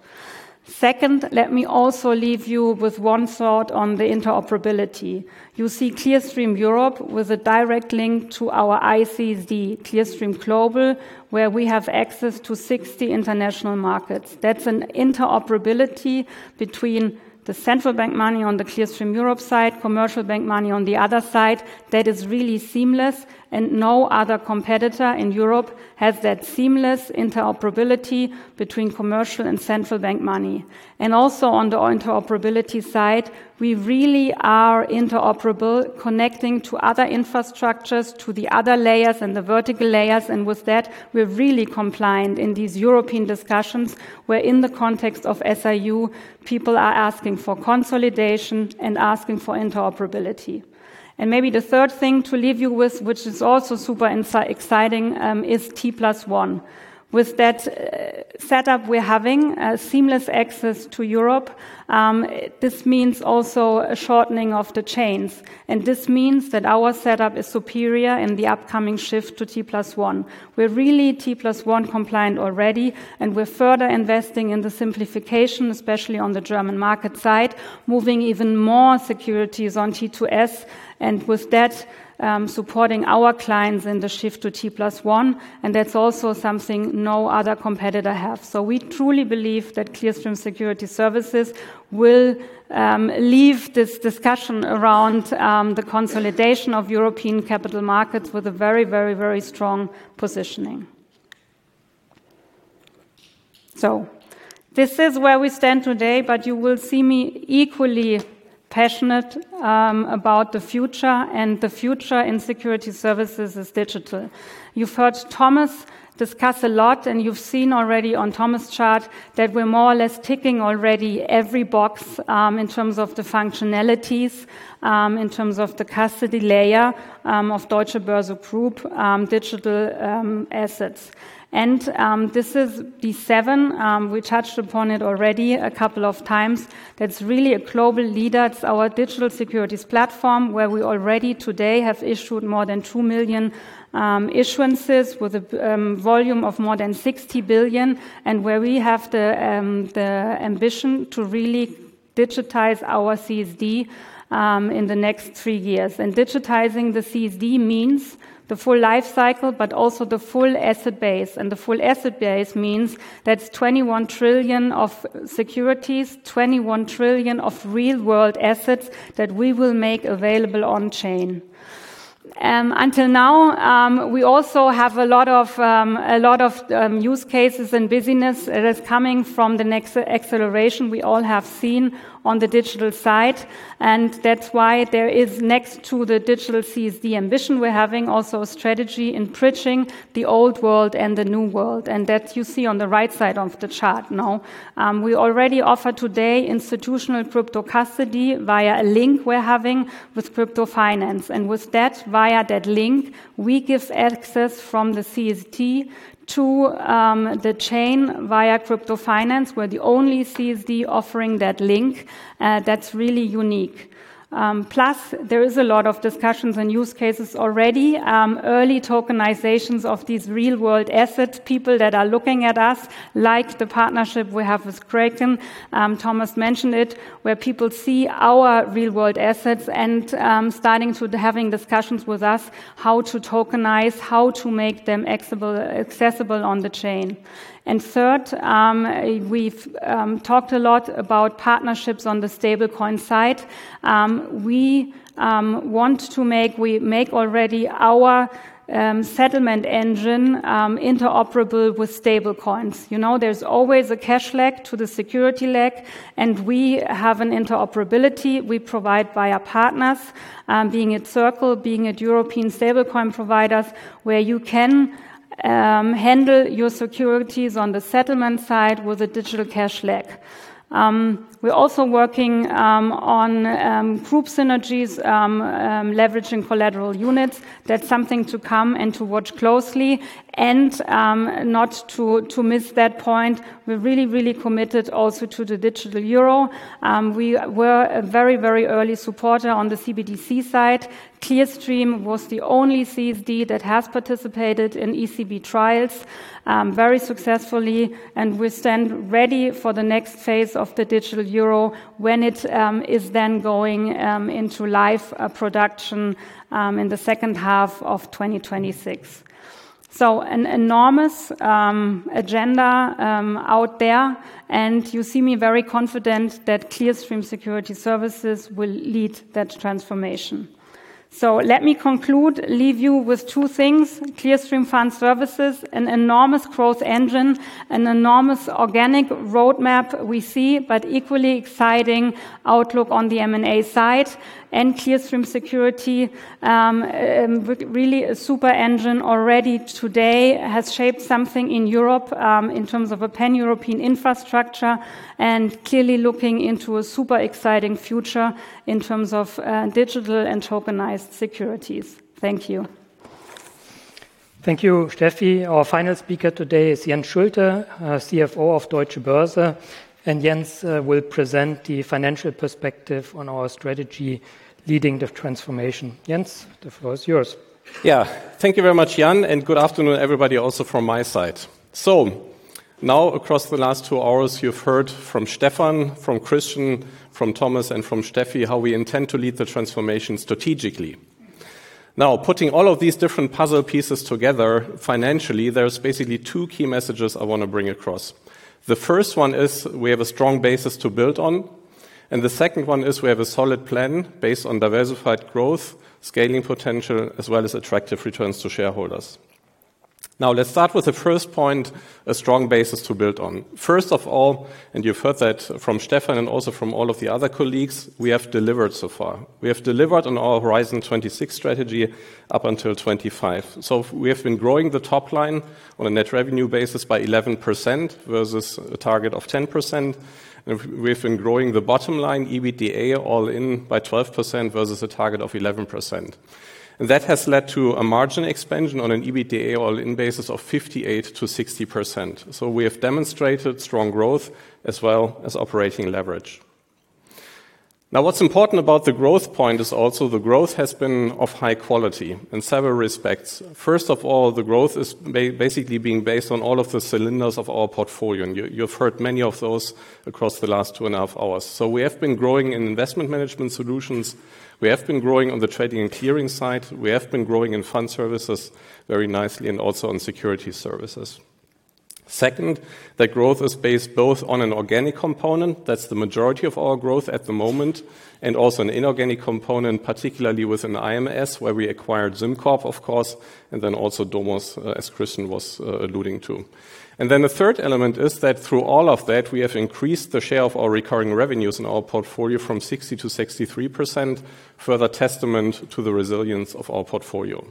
Second, let me also leave you with one thought on the interoperability. You see Clearstream Europe with a direct link to our ICSD, Clearstream Global, where we have access to 60 international markets. That's an interoperability between the central bank money on the Clearstream Europe side, commercial bank money on the other side. That is really seamless. No other competitor in Europe has that seamless interoperability between commercial and central bank money. Also on the interoperability side, we really are interoperable, connecting to other infrastructures, to the other layers and the vertical layers. And with that, we're really compliant in these European discussions where, in the context of SIU, people are asking for consolidation and asking for interoperability. And maybe the third thing to leave you with, which is also super exciting, is T+1. With that setup, we're having seamless access to Europe. This means also a shortening of the chains. And this means that our setup is superior in the upcoming shift to T+1. We're really T+1 compliant already, and we're further investing in the simplification, especially on the German market side, moving even more securities on T2S and with that supporting our clients in the shift to T+1. And that's also something no other competitor has. So we truly believe that Clearstream Securities Services will leave this discussion around the consolidation of European capital markets with a very, very, very strong positioning. So this is where we stand today, but you will see me equally passionate about the future. And the future in Security Services is digital. You've heard Thomas discuss a lot, and you've seen already on Thomas' chart that we're more or less ticking already every box in terms of the functionalities, in terms of the custody layer of Deutsche Börse Group Digital Assets. And this is D7. We touched upon it already a couple of times. That's really a global leader. It's our digital securities platform where we already today have issued more than 2 million issuances with a volume of more than 60 billion and where we have the ambition to really digitize our CSD in the next three years. And digitizing the CSD means the full life cycle, but also the full asset base. And the full asset base means that's 21 trillion of securities, 21 trillion of real-world assets that we will make available on-chain. Until now, we also have a lot of use cases and business that is coming from the next acceleration we all have seen on the digital side. And that's why there is, next to the digital CSD ambition we're having, also a strategy in bridging the old world and the new world. And that you see on the right side of the chart now. We already offer today institutional crypto custody via a link we're having with Crypto Finance. And with that, via that link, we give access from the CSD to the chain via Crypto Finance. We're the only CSD offering that link. That's really unique. Plus, there is a lot of discussions and use cases already. Early tokenizations of these real-world assets, people that are looking at us, like the partnership we have with Kraken. Thomas mentioned it, where people see our real-world assets and starting to having discussions with us how to tokenize, how to make them accessible on the chain. And third, we've talked a lot about partnerships on the stablecoin side. We want to make, we make already our settlement engine interoperable with stablecoins. There's always a cash leg to the security leg, and we have an interoperability we provide via partners, being at Circle, being at European stablecoin providers, where you can handle your securities on the settlement side with a digital cash leg. We're also working on group synergies, leveraging collateral units. That's something to come and to watch closely. And not to miss that point, we're really, really committed also to the digital euro. We were a very, very early supporter on the CBDC side. Clearstream was the only CSD that has participated in ECB trials very successfully. And we stand ready for the next phase of the digital euro when it is then going into live production in the second half of 2026. So an enormous agenda out there. And you see me very confident that Clearstream Securities Services will lead that transformation. So let me conclude, leave you with two things. Clearstream Fund Services, an enormous growth engine, an enormous organic roadmap we see, but equally exciting outlook on the M&A side. And Clearstream Securities, really a super engine already today, has shaped something in Europe in terms of a pan-European infrastructure and clearly looking into a super exciting future in terms of digital and tokenized securities. Thank you. Thank you, Steffi. Our final speaker today is Jens Schulte, CFO of Deutsche Börse, and Jens will present the financial perspective on our strategy leading the transformation. Jens, the floor is yours. Yeah, thank you very much, Jan, and good afternoon, everybody, also from my side. So now, across the last two hours, you've heard from Stephan, from Christian, from Thomas, and from Steffi how we intend to lead the transformation strategically. Now, putting all of these different puzzle pieces together financially, there's basically two key messages I want to bring across. The first one is we have a strong basis to build on, and the second one is we have a solid plan based on diversified growth, scaling potential, as well as attractive returns to shareholders. Now, let's start with the first point, a strong basis to build on. First of all, and you've heard that from Stephan and also from all of the other colleagues, we have delivered so far. We have delivered on our Horizon 2026 strategy up until 2025. So we have been growing the top line on a net revenue basis by 11% versus a target of 10%. And we have been growing the bottom line, EBITDA, all in by 12% versus a target of 11%. And that has led to a margin expansion on an EBITDA all in basis of 58%-60%. So we have demonstrated strong growth as well as operating leverage. Now, what's important about the growth point is also the growth has been of high quality in several respects. First of all, the growth is basically being based on all of the cylinders of our portfolio. And you've heard many of those across the last two and a half hours. We have been growing in Investment Management Solutions. We have been growing on the Trading & Clearing side. We have been growing in Fund Services very nicely and also on Security Services. Second, the growth is based both on an organic component. That's the majority of our growth at the moment. Also an inorganic component, particularly with an IMS where we acquired SimCorp, of course, and then also Domos, as Christian was alluding to. Then the third element is that through all of that, we have increased the share of our recurring revenues in our portfolio from 60%-63%, further testament to the resilience of our portfolio.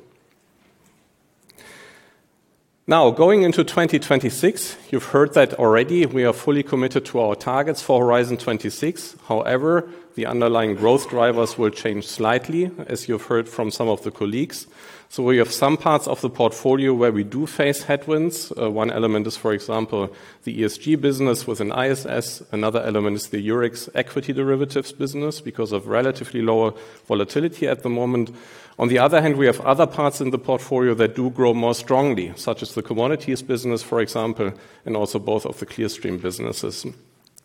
Now, going into 2026, you've heard that already we are fully committed to our targets for Horizon 2026. However, the underlying growth drivers will change slightly, as you've heard from some of the colleagues. So we have some parts of the portfolio where we do face headwinds. One element is, for example, the ESG business with an ISS. Another element is the Eurex equity derivatives business because of relatively lower volatility at the moment. On the other hand, we have other parts in the portfolio that do grow more strongly, such as the Commodities business, for example, and also both of the Clearstream businesses.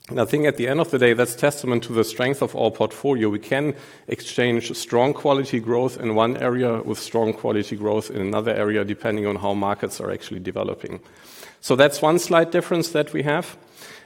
And I think at the end of the day, that's testament to the strength of our portfolio. We can exchange strong quality growth in one area with strong quality growth in another area, depending on how markets are actually developing. So that's one slight difference that we have.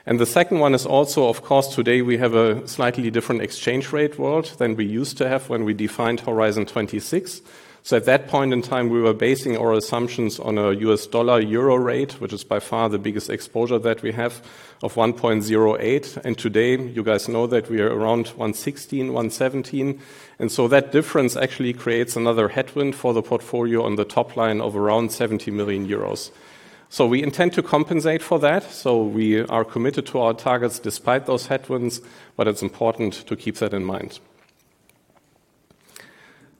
And the second one is also, of course, today we have a slightly different exchange rate world than we used to have when we defined Horizon 2026. So at that point in time, we were basing our assumptions on a U.S. dollar-euro rate, which is by far the biggest exposure that we have of $1.08. And today, you guys know that we are around $1.16-$1.17. And so that difference actually creates another headwind for the portfolio on the top line of around 70 million euros. So we intend to compensate for that. So we are committed to our targets despite those headwinds, but it's important to keep that in mind.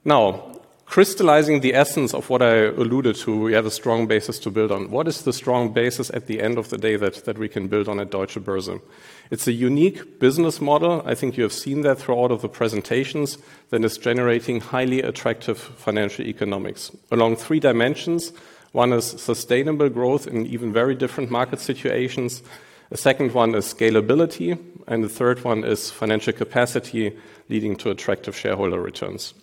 Now, crystallizing the essence of what I alluded to, we have a strong basis to build on. What is the strong basis at the end of the day that we can build on at Deutsche Börse? It's a unique business model. I think you have seen that throughout all of the presentations that is generating highly attractive financial economics along three dimensions. One is sustainable growth in even very different market situations. The second one is scalability, and the third one is financial capacity leading to attractive shareholder returns.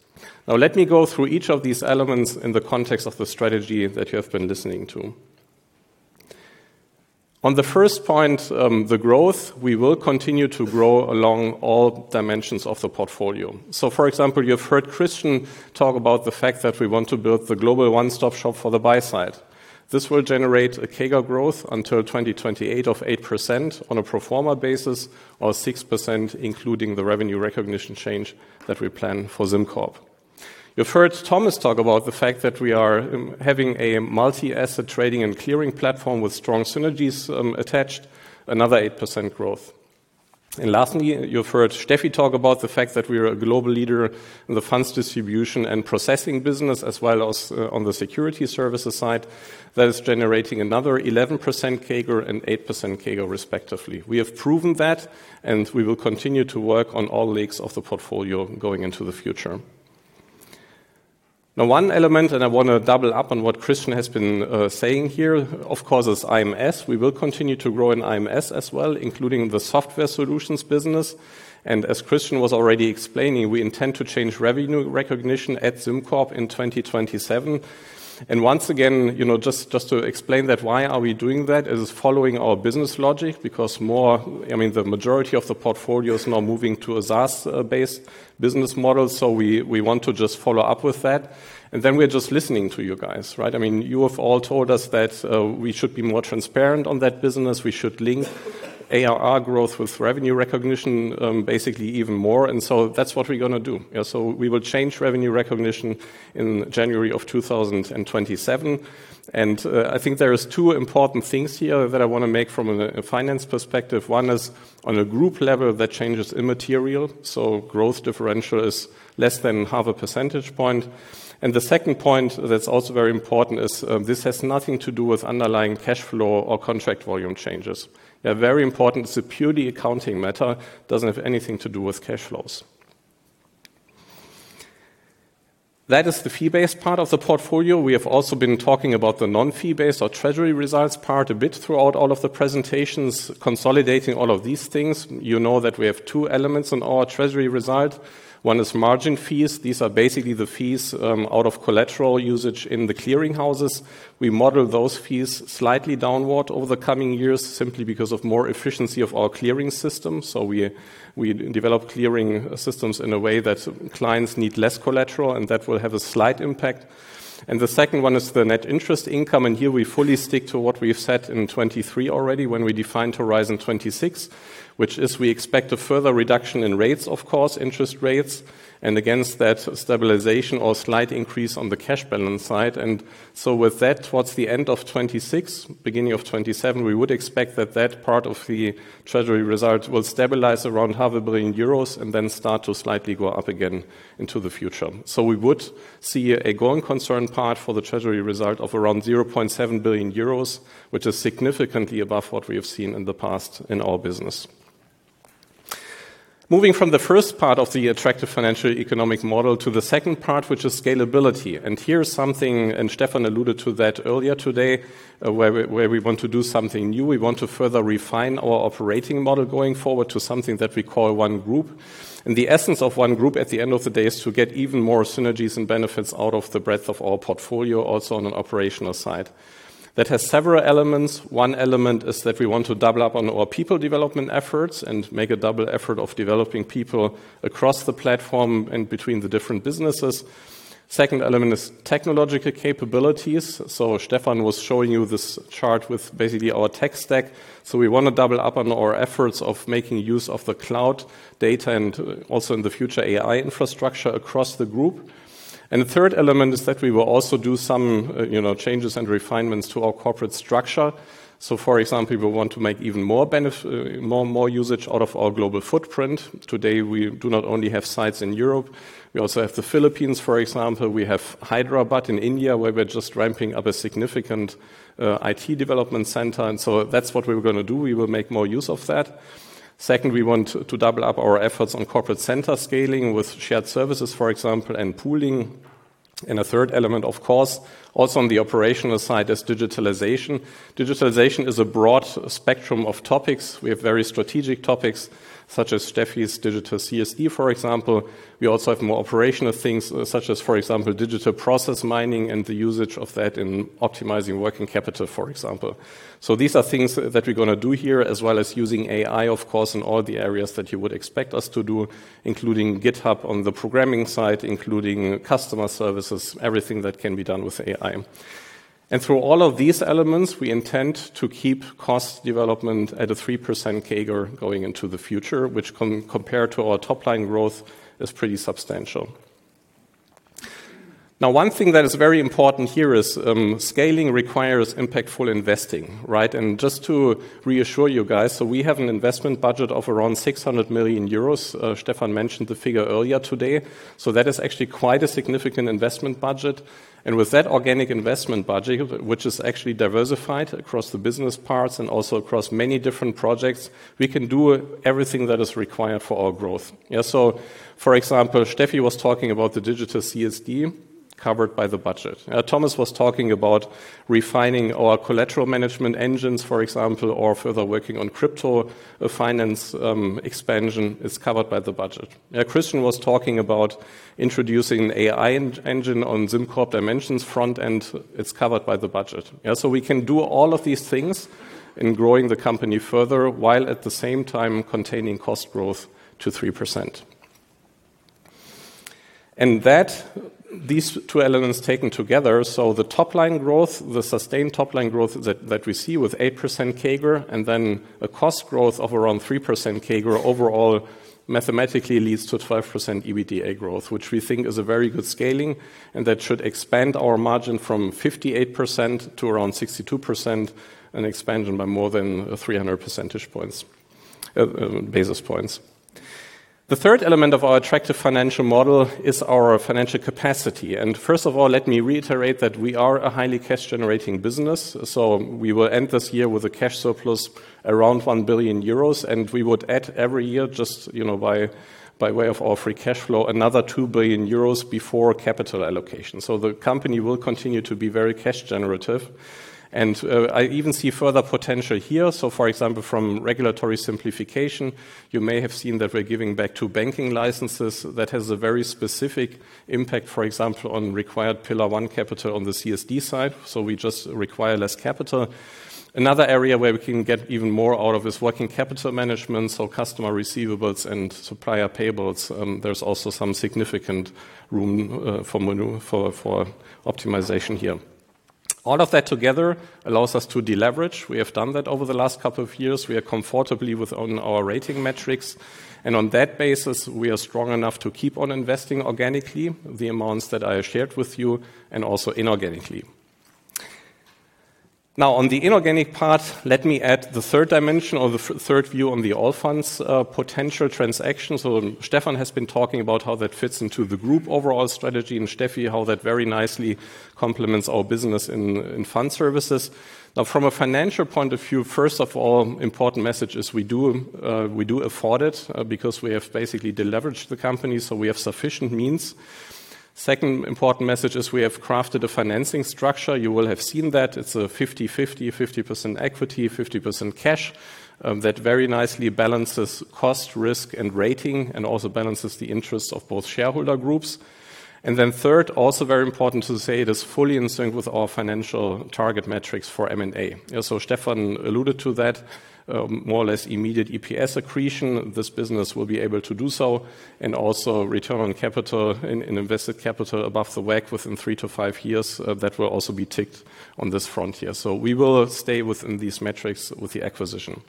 Now, let me go through each of these elements in the context of the strategy that you have been listening to. On the first point, the growth, we will continue to grow along all dimensions of the portfolio. So, for example, you've heard Christian talk about the fact that we want to build the global one-stop shop for the buy-side. This will generate a CAGR growth until 2028 of 8% on a pro forma basis or 6%, including the revenue recognition change that we plan for SimCorp. You've heard Thomas talk about the fact that we are having a multi-asset Trading & Clearing platform with strong synergies attached, another 8% growth. And lastly, you've heard Steffi talk about the fact that we are a global leader in the funds distribution and processing business, as well as on the Security Services side that is generating another 11% CAGR and 8% CAGR, respectively. We have proven that, and we will continue to work on all legs of the portfolio going into the future. Now, one element, and I want to double up on what Christian has been saying here, of course, is IMS. We will continue to grow in IMS as well, including the software solutions business. And as Christian was already explaining, we intend to change revenue recognition at SimCorp in 2027. And once again, just to explain that, why are we doing that? It is following our business logic because more, I mean, the majority of the portfolio is now moving to a SaaS-based business model. So we want to just follow up with that, and then we're just listening to you guys, right? I mean, you have all told us that we should be more transparent on that business. We should link ARR growth with revenue recognition basically even more, and so that's what we're going to do, so we will change revenue recognition in January of 2027, and I think there are two important things here that I want to make from a finance perspective. One is on a group level that changes immaterial, so growth differential is less than half a percentage point, and the second point that's also very important is this has nothing to do with underlying cash flow or contract volume changes. They are very important. It’s a purely accounting matter. It doesn't have anything to do with cash flows. That is the fee-based part of the portfolio. We have also been talking about the non-fee-based or treasury results part a bit throughout all of the presentations, consolidating all of these things. You know that we have two elements in our treasury result. One is margin fees. These are basically the fees out of collateral usage in the clearing houses. We model those fees slightly downward over the coming years simply because of more efficiency of our clearing system, so we develop clearing systems in a way that clients need less collateral, and that will have a slight impact, and the second one is the net interest income, and here we fully stick to what we've said in 2023 already when we defined Horizon 2026, which is we expect a further reduction in rates, of course, interest rates, and against that stabilization or slight increase on the cash balance side. And so with that, towards the end of 2026, beginning of 2027, we would expect that that part of the treasury result will stabilize around 500 million euros and then start to slightly go up again into the future. So we would see a going concern part for the treasury result of around 0.7 billion euros, which is significantly above what we have seen in the past in our business. Moving from the first part of the attractive financial economic model to the second part, which is scalability. And here is something, and Stephan alluded to that earlier today, where we want to do something new. We want to further refine our operating model going forward to something that we call OneGroup. The essence of OneGroup at the end of the day is to get even more synergies and benefits out of the breadth of our portfolio, also on an operational side. That has several elements. One element is that we want to double up on our people development efforts and make a double effort of developing people across the platform and between the different businesses. Second element is technological capabilities. Stephan was showing you this chart with basically our tech stack. We want to double up on our efforts of making use of the cloud data and also in the future AI infrastructure across the group. The third element is that we will also do some changes and refinements to our corporate structure. For example, we want to make even more usage out of our global footprint. Today, we do not only have sites in Europe. We also have the Philippines, for example. We have Hyderabad in India, where we're just ramping up a significant IT development center, and so that's what we're going to do. We will make more use of that. Second, we want to double up our efforts on corporate center scaling with shared services, for example, and pooling, and a third element, of course, also on the operational side is digitalization. Digitalization is a broad spectrum of topics. We have very strategic topics, such as Steffi's digital CSD, for example. We also have more operational things, such as, for example, digital process mining and the usage of that in optimizing working capital, for example. So these are things that we're going to do here, as well as using AI, of course, in all the areas that you would expect us to do, including GitHub on the programming side, including customer services, everything that can be done with AI. And through all of these elements, we intend to keep cost development at a 3% CAGR going into the future, which compared to our top line growth is pretty substantial. Now, one thing that is very important here is scaling requires impactful investing, right? And just to reassure you guys, so we have an investment budget of around 600 million euros. Stephan mentioned the figure earlier today. So that is actually quite a significant investment budget. And with that organic investment budget, which is actually diversified across the business parts and also across many different projects, we can do everything that is required for our growth. Yeah. So, for example, Steffi was talking about the digital CSD covered by the budget. Thomas was talking about refining our collateral management engines, for example, or further working on Crypto Finance expansion. It's covered by the budget. Christian was talking about introducing an AI engine on SimCorp Dimension's front end. It's covered by the budget. So we can do all of these things in growing the company further while at the same time containing cost growth to 3%. And these two elements taken together, so the top line growth, the sustained top line growth that we see with 8% CAGR, and then a cost growth of around 3% CAGR overall mathematically leads to 12% EBITDA growth, which we think is a very good scaling. And that should expand our margin from 58% to around 62% and expand by more than 300 percentage points, basis points. The third element of our attractive financial model is our financial capacity, and first of all, let me reiterate that we are a highly cash-generating business, so we will end this year with a cash surplus around 1 billion euros, and we would add every year just by way of our free cash flow another 2 billion euros before capital allocation, so the company will continue to be very cash-generative, and I even see further potential here, so, for example, from regulatory simplification, you may have seen that we're giving back to banking licenses. That has a very specific impact, for example, on required Pillar One capital on the CSD side, so we just require less capital. Another area where we can get even more out of is working capital management, so customer receivables and supplier payables. There's also some significant room for optimization here. All of that together allows us to deleverage. We have done that over the last couple of years. We are comfortable with our rating metrics. And on that basis, we are strong enough to keep on investing organically, the amounts that I shared with you, and also inorganically. Now, on the inorganic part, let me add the third dimension or the third view on the Allfunds potential transactions. So Stephan has been talking about how that fits into the group overall strategy and Steffi, how that very nicely complements our business in Fund Services. Now, from a financial point of view, first of all, important message is we do afford it because we have basically deleveraged the company. So we have sufficient means. Second important message is we have crafted a financing structure. You will have seen that. It's a 50-50, 50% equity, 50% cash that very nicely balances cost, risk, and rating, and also balances the interests of both shareholder groups. And then third, also very important to say, it is fully in sync with our financial target metrics for M&A. So Stephan alluded to that, more or less immediate EPS accretion. This business will be able to do so and also return on capital, invested capital above the WACC within three to five years that will also be ticked on this front here. So we will stay within these metrics with the acquisition.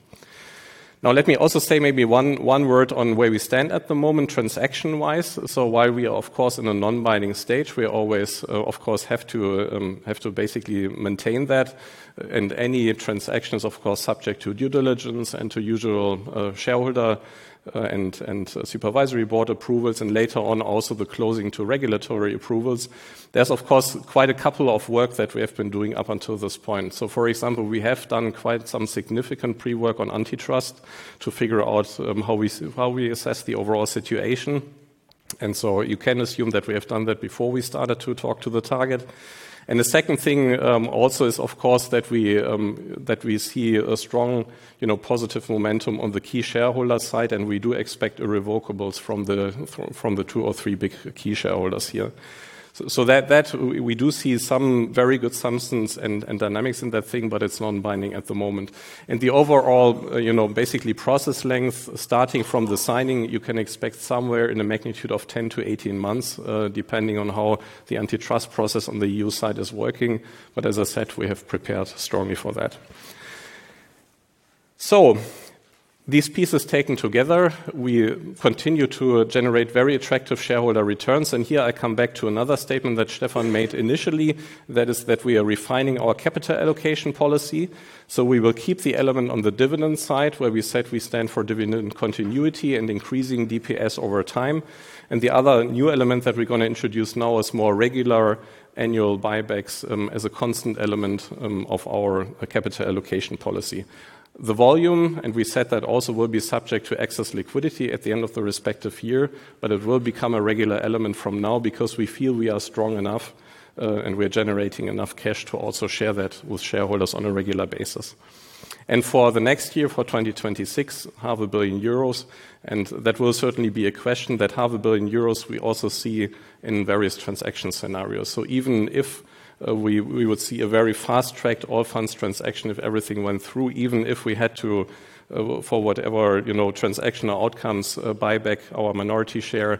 Now, let me also say maybe one word on where we stand at the moment, transaction-wise. So while we are, of course, in a non-binding stage, we always, of course, have to basically maintain that. And any transaction is, of course, subject to due diligence and to usual shareholder and supervisory board approvals and later on also the closing to regulatory approvals. There's, of course, quite a couple of work that we have been doing up until this point. So, for example, we have done quite some significant pre-work on antitrust to figure out how we assess the overall situation. And so you can assume that we have done that before we started to talk to the target. And the second thing also is, of course, that we see a strong positive momentum on the key shareholder side, and we do expect irrevocables from the two or three big key shareholders here. So we do see some very good substance and dynamics in that thing, but it's non-binding at the moment. And the overall, basically, process length, starting from the signing, you can expect somewhere in a magnitude of 10 months-18 months, depending on how the antitrust process on the EU side is working. But as I said, we have prepared strongly for that. So these pieces taken together, we continue to generate very attractive shareholder returns. And here I come back to another statement that Stephan made initially, that is that we are refining our capital allocation policy. So we will keep the element on the dividend side where we said we stand for dividend continuity and increasing DPS over time. And the other new element that we're going to introduce now is more regular annual buybacks as a constant element of our capital allocation policy. The volume, and we said that also will be subject to excess liquidity at the end of the respective year, but it will become a regular element from now because we feel we are strong enough and we are generating enough cash to also share that with shareholders on a regular basis, and for the next year, for 2026, 500 million euros, and that will certainly be a question that 500 million euros we also see in various transaction scenarios, so even if we would see a very fast-tracked Allfunds transaction if everything went through, even if we had to, for whatever transactional outcomes, buyback our minority share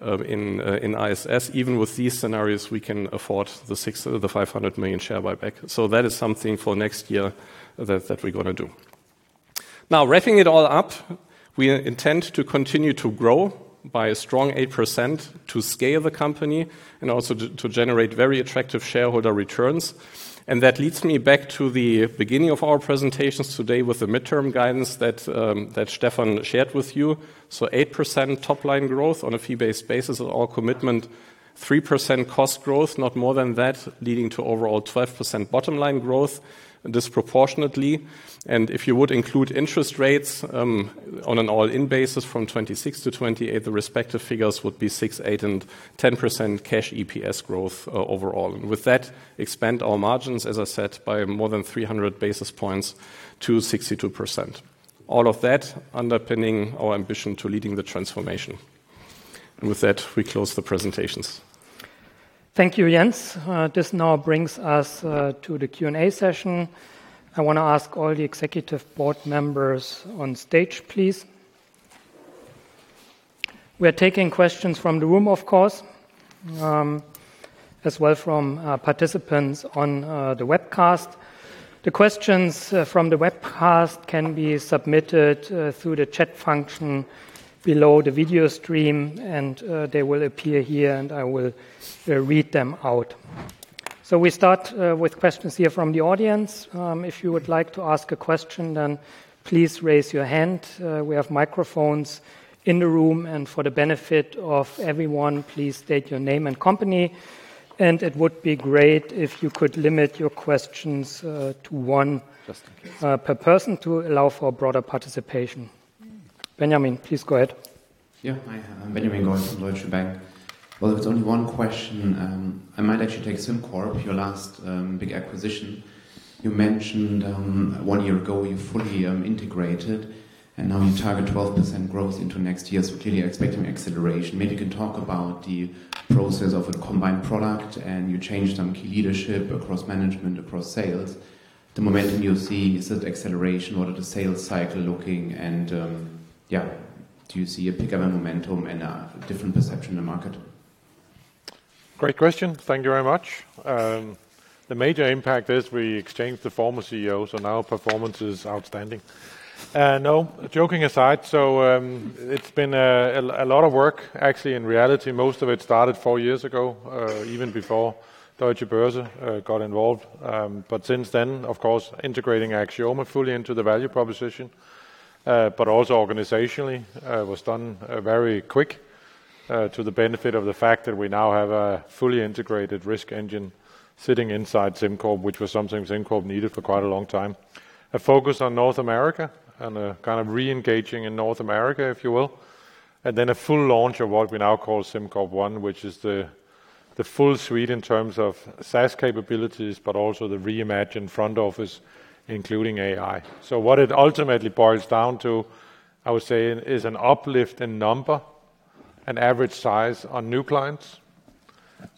in ISS, even with these scenarios, we can afford the 500 million share buyback, so that is something for next year that we're going to do. Now, wrapping it all up, we intend to continue to grow by a strong 8% to scale the company and also to generate very attractive shareholder returns. And that leads me back to the beginning of our presentations today with the midterm guidance that Stephan shared with you. So 8% top line growth on a fee-based basis on all commitment, 3% cost growth, not more than that, leading to overall 12% bottom line growth disproportionately. And if you would include interest rates on an all-in basis from 2026-2028, the respective figures would be 6%, 8%, and 10% cash EPS growth overall. And with that, expand our margins, as I said, by more than 300 basis points to 62%. All of that underpinning our ambition to leading the transformation. And with that, we close the presentations. Thank you, Jens. This now brings us to the Q&A session. I want to ask all the executive board members on stage, please. We are taking questions from the room, of course, as well from participants on the webcast. The questions from the webcast can be submitted through the chat function below the video stream, and they will appear here, and I will read them out. So we start with questions here from the audience. If you would like to ask a question, then please raise your hand. We have microphones in the room. And for the benefit of everyone, please state your name and company. And it would be great if you could limit your questions to one per person to allow for broader participation. Benjamin, please go ahead. Yeah, hi. Benjamin Goy from Deutsche Bank. Well, if it's only one question, I might actually take SimCorp, your last big acquisition. You mentioned one year ago, you fully integrated, and now you target 12% growth into next year. So clearly expecting acceleration. Maybe you can talk about the process of a combined product and you changed some key leadership across management, across sales. The momentum you're seeing, is it acceleration? What are the sales cycle looking? And yeah, do you see a pickup in momentum and a different perception in the market? Great question. Thank you very much. The major impact is we exchanged the former CEO, so now performance is outstanding. No, joking aside, so it's been a lot of work, actually. In reality, most of it started four years ago, even before Deutsche Börse got involved. But since then, of course, integrating Axioma fully into the value proposition, but also organizationally, was done very quick to the benefit of the fact that we now have a fully integrated risk engine sitting inside SimCorp, which was something SimCorp needed for quite a long time. A focus on North America and kind of re-engaging in North America, if you will. And then a full launch of what we now call SimCorp One, which is the full suite in terms of SaaS capabilities, but also the reimagined front office, including AI. So what it ultimately boils down to, I would say, is an uplift in number and average size on new clients,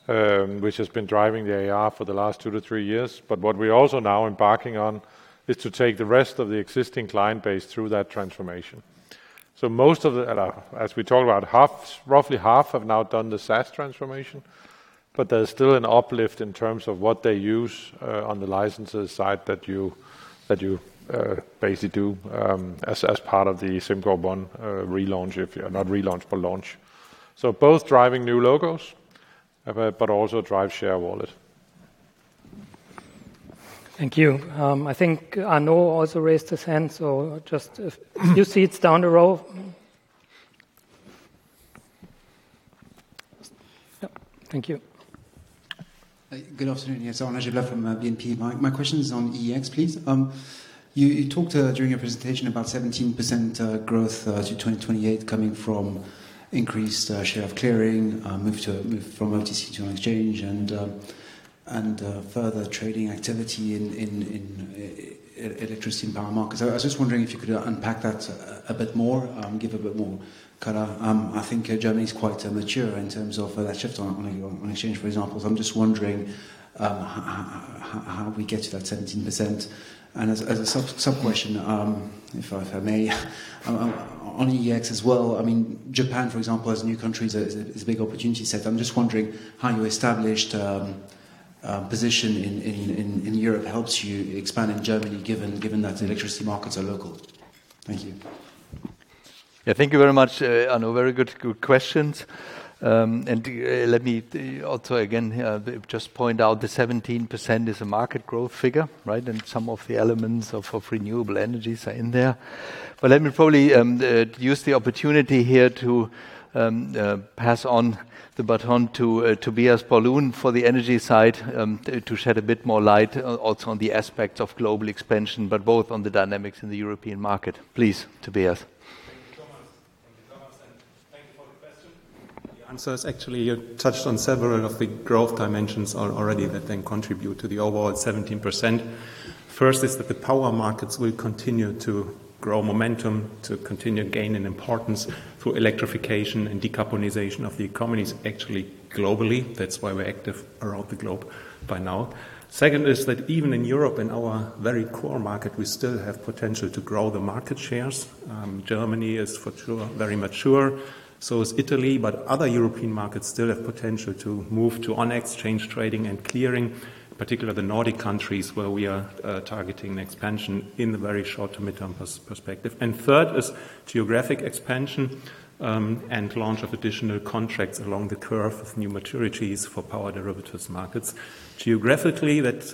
which has been driving the AR for the last two to three years. But what we're also now embarking on is to take the rest of the existing client base through that transformation. So most of the, as we talked about, roughly half have now done the SaaS transformation, but there's still an uplift in terms of what they use on the licenses side that you basically do as part of the SimCorp One relaunch, if not relaunch but launch. So both driving new logos, but also drive share wallet. Thank you. I think Arnaud also raised his hand, so just if you see it's down the row. Thank you. Good afternoon. Yes, Arnaud Giblat from BNP Bank. My question is on EEX, please. You talked during your presentation about 17% growth to 2028 coming from increased share of clearing, move from OTC to on exchange, and further trading activity in electricity and power markets. I was just wondering if you could unpack that a bit more, give a bit more color. I think Germany is quite mature in terms of that shift on exchange, for example. So I'm just wondering how we get to that 17%. And as a sub-question, if I may, on EEX as well, I mean, Japan, for example, as a new country, is a big opportunity set. I'm just wondering how your established position in Europe helps you expand in Germany given that electricity markets are local. Thank you. Yeah, thank you very much, Arnaud. Very good questions. And let me also again just point out the 17% is a market growth figure, right? And some of the elements of renewable energies are in there. But let me probably use the opportunity here to pass on the baton to Tobias Paulun for the energy side to shed a bit more light also on the aspects of global expansion, but both on the dynamics in the European market. Please, Tobias. The answer is actually you touched on several of the growth dimensions already that then contribute to the overall 17%. First is that the power markets will continue to grow momentum, to continue gaining importance through electrification and decarbonization of the economies, actually globally. That's why we're active around the globe by now. Second is that even in Europe, in our very core market, we still have potential to grow the market shares. Germany is for sure very mature, so is Italy, but other European markets still have potential to move to on-exchange Trading & Clearing, particularly the Nordic countries where we are targeting expansion in the very short to midterm perspective. And third is geographic expansion and launch of additional contracts along the curve of new maturities for power derivatives markets. Geographically, that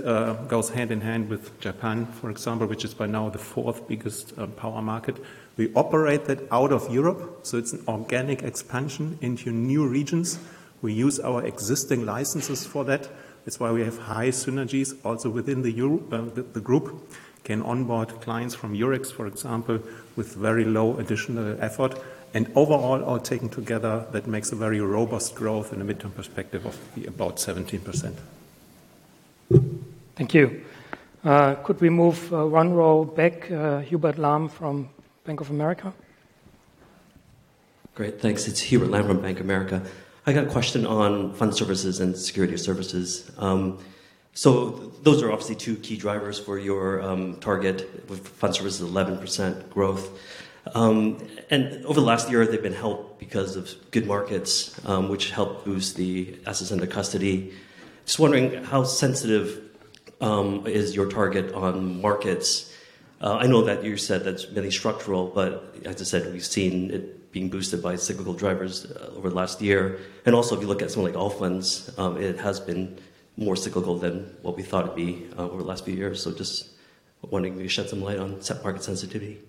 goes hand in hand with Japan, for example, which is by now the fourth biggest power market. We operate that out of Europe, so it's an organic expansion into new regions. We use our existing licenses for that. That's why we have high synergies also within the group. Can onboard clients from Eurex, for example, with very low additional effort. And overall, all taken together, that makes a very robust growth in the midterm perspective of about 17%. Thank you. Could we move one row back? Hubert Lam from Bank of America. Great. Thanks. It's Hubert Lam from Bank of America. I got a question on Fund Services and Security Services. So those are obviously two key drivers for your target with Fund Services, 11% growth. And over the last year, they've been helped because of good markets, which helped boost the assets under custody. Just wondering, how sensitive is your target on markets? I know that you said that's very structural, but as I said, we've seen it being boosted by cyclical drivers over the last year. And also, if you look at something like Allfunds, it has been more cyclical than what we thought it'd be over the last few years. So just wanting you to shed some light on market sensitivity.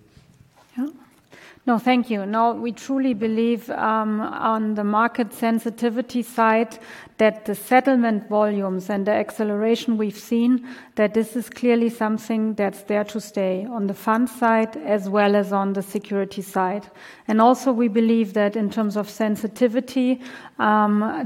No, thank you. No, we truly believe on the market sensitivity side that the settlement volumes and the acceleration we've seen, that this is clearly something that's there to stay on the fund side as well as on the securities side. And also, we believe that in terms of sensitivity,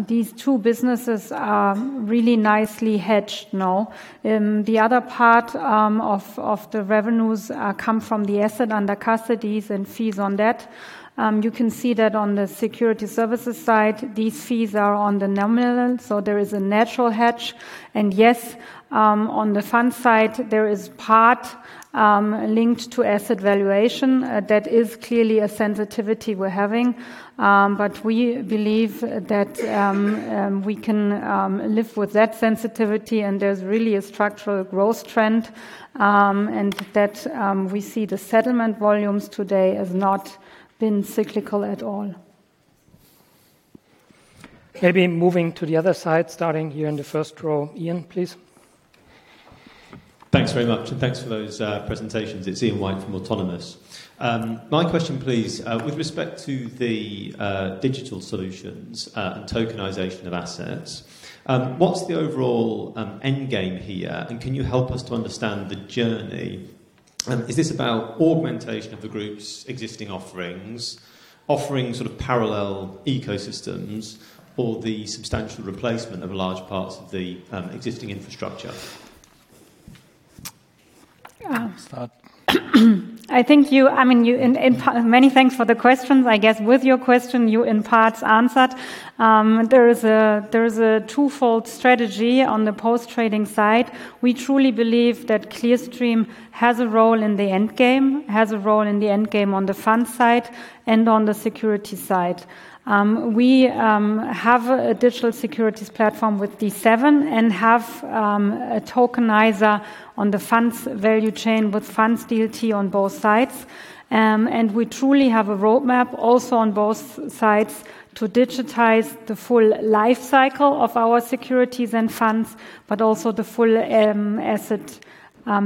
these two businesses are really nicely hedged now. The other part of the revenues come from the assets under custody and fees on that. You can see that on the Security Services side, these fees are on the nominal, so there is a natural hedge. And yes, on the fund side, there is part linked to asset valuation that is clearly a sensitivity we're having. But we believe that we can live with that sensitivity, and there's really a structural growth trend and that we see the settlement volumes today have not been cyclical at all. Maybe moving to the other side, starting here in the first row. Ian, please. Thanks very much, and thanks for those presentations. It's Ian White from Autonomous. My question, please, with respect to the digital solutions and tokenization of assets, what's the overall end game here? And can you help us to understand the journey? Is this about augmentation of the group's existing offerings, offering sort of parallel ecosystems, or the substantial replacement of large parts of the existing infrastructure? I think you, I mean, many thanks for the questions. I guess with your question, you in parts answered. There is a twofold strategy on the post-trading side. We truly believe that Clearstream has a role in the end game, has a role in the end game on the fund side and on the security side. We have a digital securities platform with D7 and have a tokenizer on the funds value chain with FundsDLT on both sides, and we truly have a roadmap also on both sides to digitize the full life cycle of our securities and funds, but also the full asset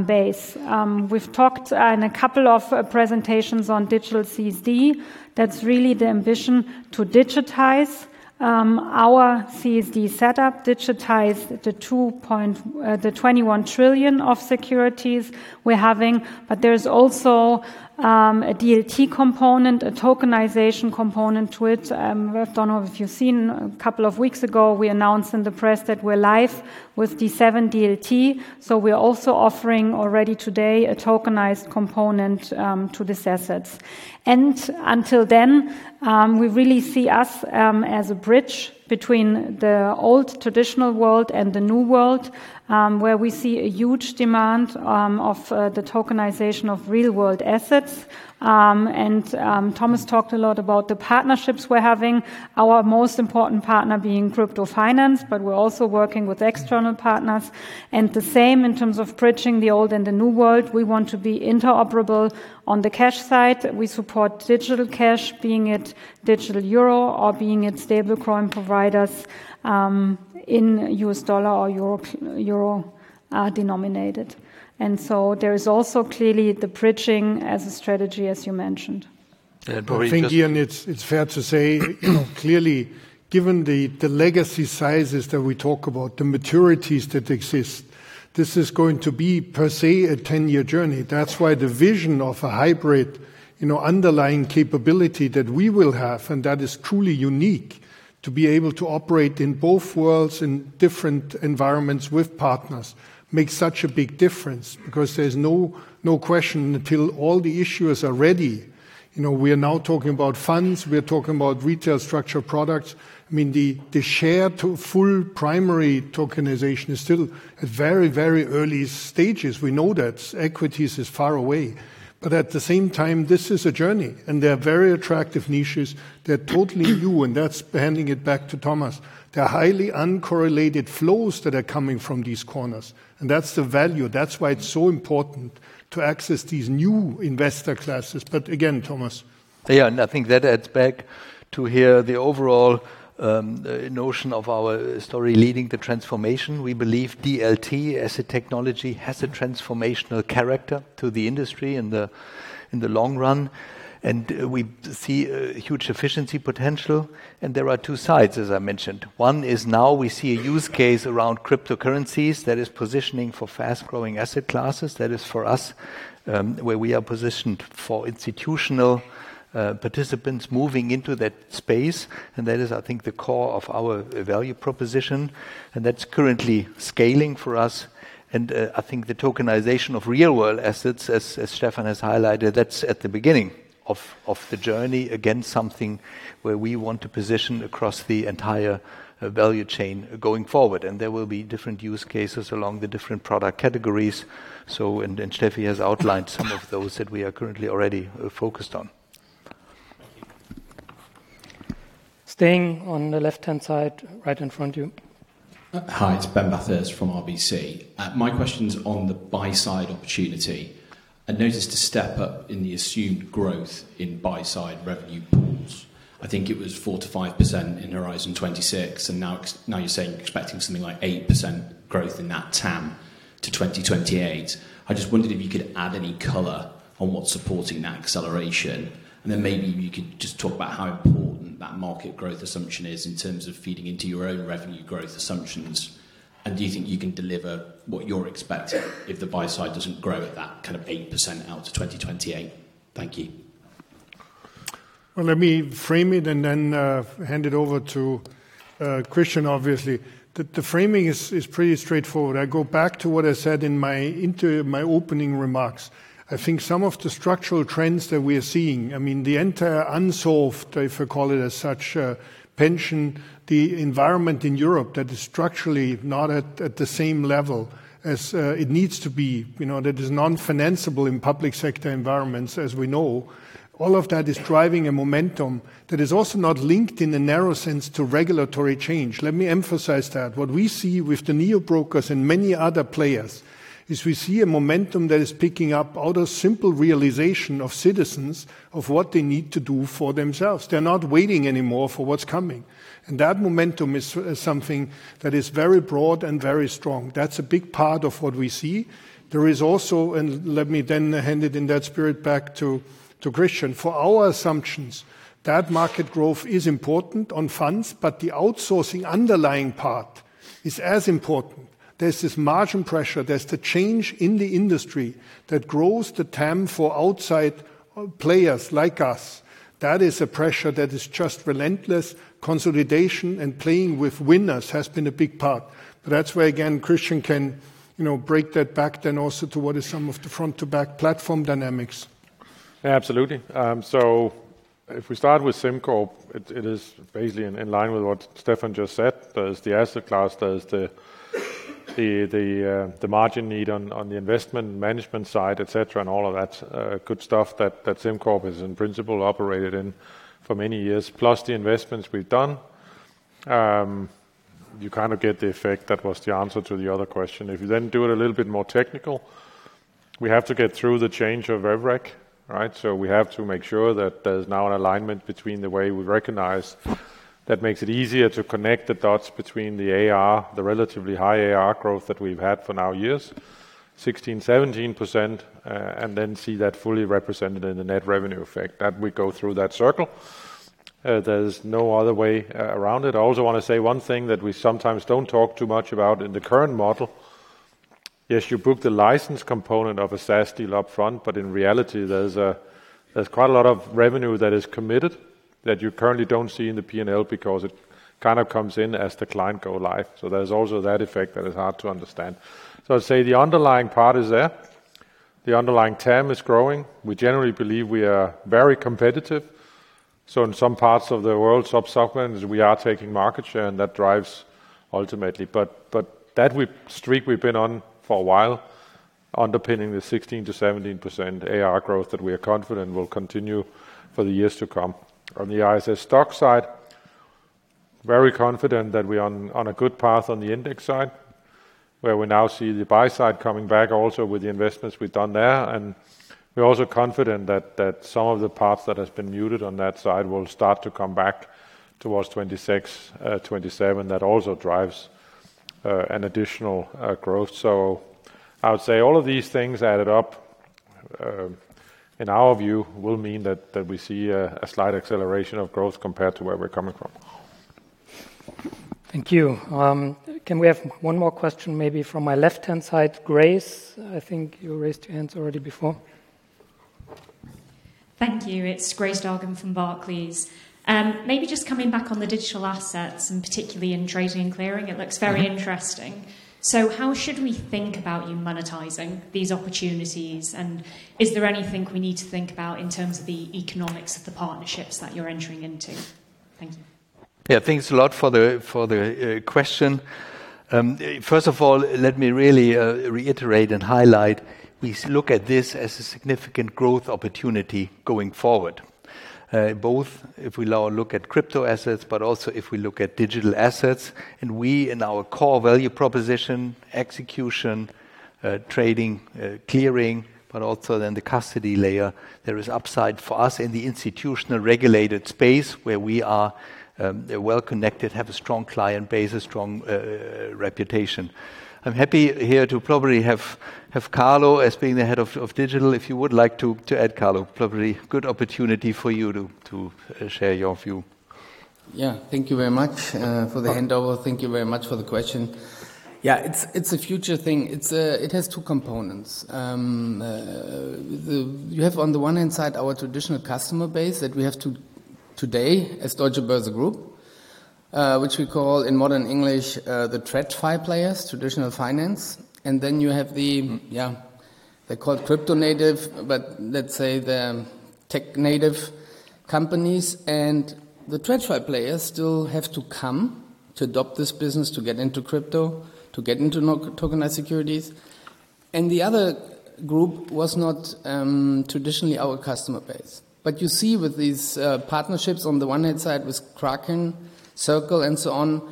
base. We've talked in a couple of presentations on digital CSD. That's really the ambition to digitize our CSD setup, digitize the 21 trillion of securities we're having, but there's also a DLT component, a tokenization component to it. I don't know if you've seen a couple of weeks ago, we announced in the press that we're live with D7 DLT, so we're also offering already today a tokenized component to these assets, and until then, we really see us as a bridge between the old traditional world and the new world, where we see a huge demand of the tokenization of real-world assets, and Thomas talked a lot about the partnerships we're having, our most important partner being Crypto Finance, but we're also working with external partners, and the same in terms of bridging the old and the new world. We want to be interoperable on the cash side. We support digital cash, be it digital euro or be it stablecoin providers in U.S. dollar or euro denominated. And so there is also clearly the bridging as a strategy, as you mentioned. And probably. I think, Ian, it's fair to say clearly, given the legacy sizes that we talk about, the maturities that exist, this is going to be per se a 10-year journey. That's why the vision of a hybrid underlying capability that we will have, and that is truly unique to be able to operate in both worlds in different environments with partners, makes such a big difference because there's no question until all the issues are ready. We are now talking about funds. We are talking about retail structured products. I mean, the shared full primary tokenization is still at very, very early stages. We know that equities are far away. But at the same time, this is a journey, and there are very attractive niches that are totally new, and that's handing it back to Thomas. They're highly uncorrelated flows that are coming from these corners, and that's the value. That's why it's so important to access these new investor classes, but again, Thomas. Yeah, and I think that adds back to here the overall notion of our story leading the transformation. We believe DLT as a technology has a transformational character to the industry in the long run, and we see huge efficiency potential, and there are two sides, as I mentioned. One is now we see a use case around cryptocurrencies that is positioning for fast-growing asset classes, that is for us where we are positioned for institutional participants moving into that space, and that is, I think, the core of our value proposition. And that's currently scaling for us. And I think the tokenization of real-world assets, as Stephan has highlighted, that's at the beginning of the journey against something where we want to position across the entire value chain going forward. And there will be different use cases along the different product categories. So Stephan has outlined some of those that we are currently already focused on. Staying on the left-hand side, right in front of you. Hi, it's Ben Bathurst from RBC. My question is on the buy-side opportunity. I noticed a step up in the assumed growth in buy-side revenue pools. I think it was 4%-5% in Horizon 2026. And now you're saying you're expecting something like 8% growth in that TAM to 2028. I just wondered if you could add any color on what's supporting that acceleration. And then maybe you could just talk about how important that market growth assumption is in terms of feeding into your own revenue growth assumptions. And do you think you can deliver what you are expecting if the buy-side does not grow at that kind of 8% out to 2028? Thank you. Well, let me frame it and then hand it over to Christian, obviously. The framing is pretty straightforward. I go back to what I said in my opening remarks. I think some of the structural trends that we are seeing, I mean, the entire unsolved, if I call it as such, pension environment in Europe that is structurally not at the same level as it needs to be, that is non-financeable in public sector environments, as we know, all of that is driving a momentum that is also not linked in a narrow sense to regulatory change. Let me emphasize that. What we see with the neobrokers and many other players is we see a momentum that is picking up out of simple realization of citizens of what they need to do for themselves. They're not waiting anymore for what's coming. And that momentum is something that is very broad and very strong. That's a big part of what we see. There is also, and let me then hand it in that spirit back to Christian, for our assumptions, that market growth is important on funds, but the outsourcing underlying part is as important. There's this margin pressure. There's the change in the industry that grows the TAM for outside players like us. That is a pressure that is just relentless. Consolidation and playing with winners has been a big part. But that's where, again, Christian can break that back then also to what is some of the front-to-back platform dynamics. Absolutely. So if we start with SimCorp, it is basically in line with what Stephan just said. There's the asset class, there's the margin need on the investment management side, etc., and all of that good stuff that SimCorp has in principle operated in for many years, plus the investments we've done. You kind of get the effect that was the answer to the other question. If you then do it a little bit more technical, we have to get through the change of Eurex, right? So we have to make sure that there's now an alignment between the way we recognize that makes it easier to connect the dots between the ARR, the relatively high ARR growth that we've had for four years now, 16%-17%, and then see that fully represented in the net revenue effect. That we go through that circle. There's no other way around it. I also want to say one thing that we sometimes don't talk too much about in the current model. Yes, you book the license component of a SaaS deal upfront, but in reality, there's quite a lot of revenue that is committed that you currently don't see in the P&L because it kind of comes in as the client go live. So there's also that effect that is hard to understand. So I'd say the underlying part is there. The underlying TAM is growing. We generally believe we are very competitive, so in some parts of the world, sub-subcontinents, we are taking market share, and that drives ultimately, but that streak we've been on for a while, underpinning the 16%-17% AR growth that we are confident will continue for the years to come. On ISS STOXX side, very confident that we are on a good path on the index side, where we now see the buy-side coming back also with the investments we've done there, and we're also confident that some of the paths that have been muted on that side will start to come back towards 2026, 2027. That also drives an additional growth, so I would say all of these things added up, in our view, will mean that we see a slight acceleration of growth compared to where we're coming from. Thank you. Can we have one more question maybe from my left-hand side? Grace, I think you raised your hands already before. Thank you. It's Grace Dargan from Barclays. Maybe just coming back on the Digital Assets and particularly in Trading & Clearing, it looks very interesting. So how should we think about you monetizing these opportunities? And is there anything we need to think about in terms of the economics of the partnerships that you're entering into? Thank you. Yeah, thanks a lot for the question. First of all, let me really reiterate and highlight we look at this as a significant growth opportunity going forward, both if we now look at crypto assets, but also if we look at Digital Assets. And we, in our core value proposition, execution, trading, clearing, but also then the custody layer, there is upside for us in the institutional regulated space where we are well connected, have a strong client base, a strong reputation. I'm happy here to probably have Carlo as being the head of digital. If you would like to add Carlo, probably good opportunity for you to share your view. Yeah, thank you very much for the handout. Thank you very much for the question. Yeah, it's a future thing. It has two components. You have on the one hand side our traditional customer base that we have today as Deutsche Börse Group, which we call in modern English the TradFi players, traditional finance. And then you have the, yeah, they're called crypto native, but let's say the tech native companies. And the TradFi players still have to come to adopt this business, to get into crypto, to get into tokenized securities. And the other group was not traditionally our customer base. But you see with these partnerships on the one hand side with Kraken, Circle, and so on,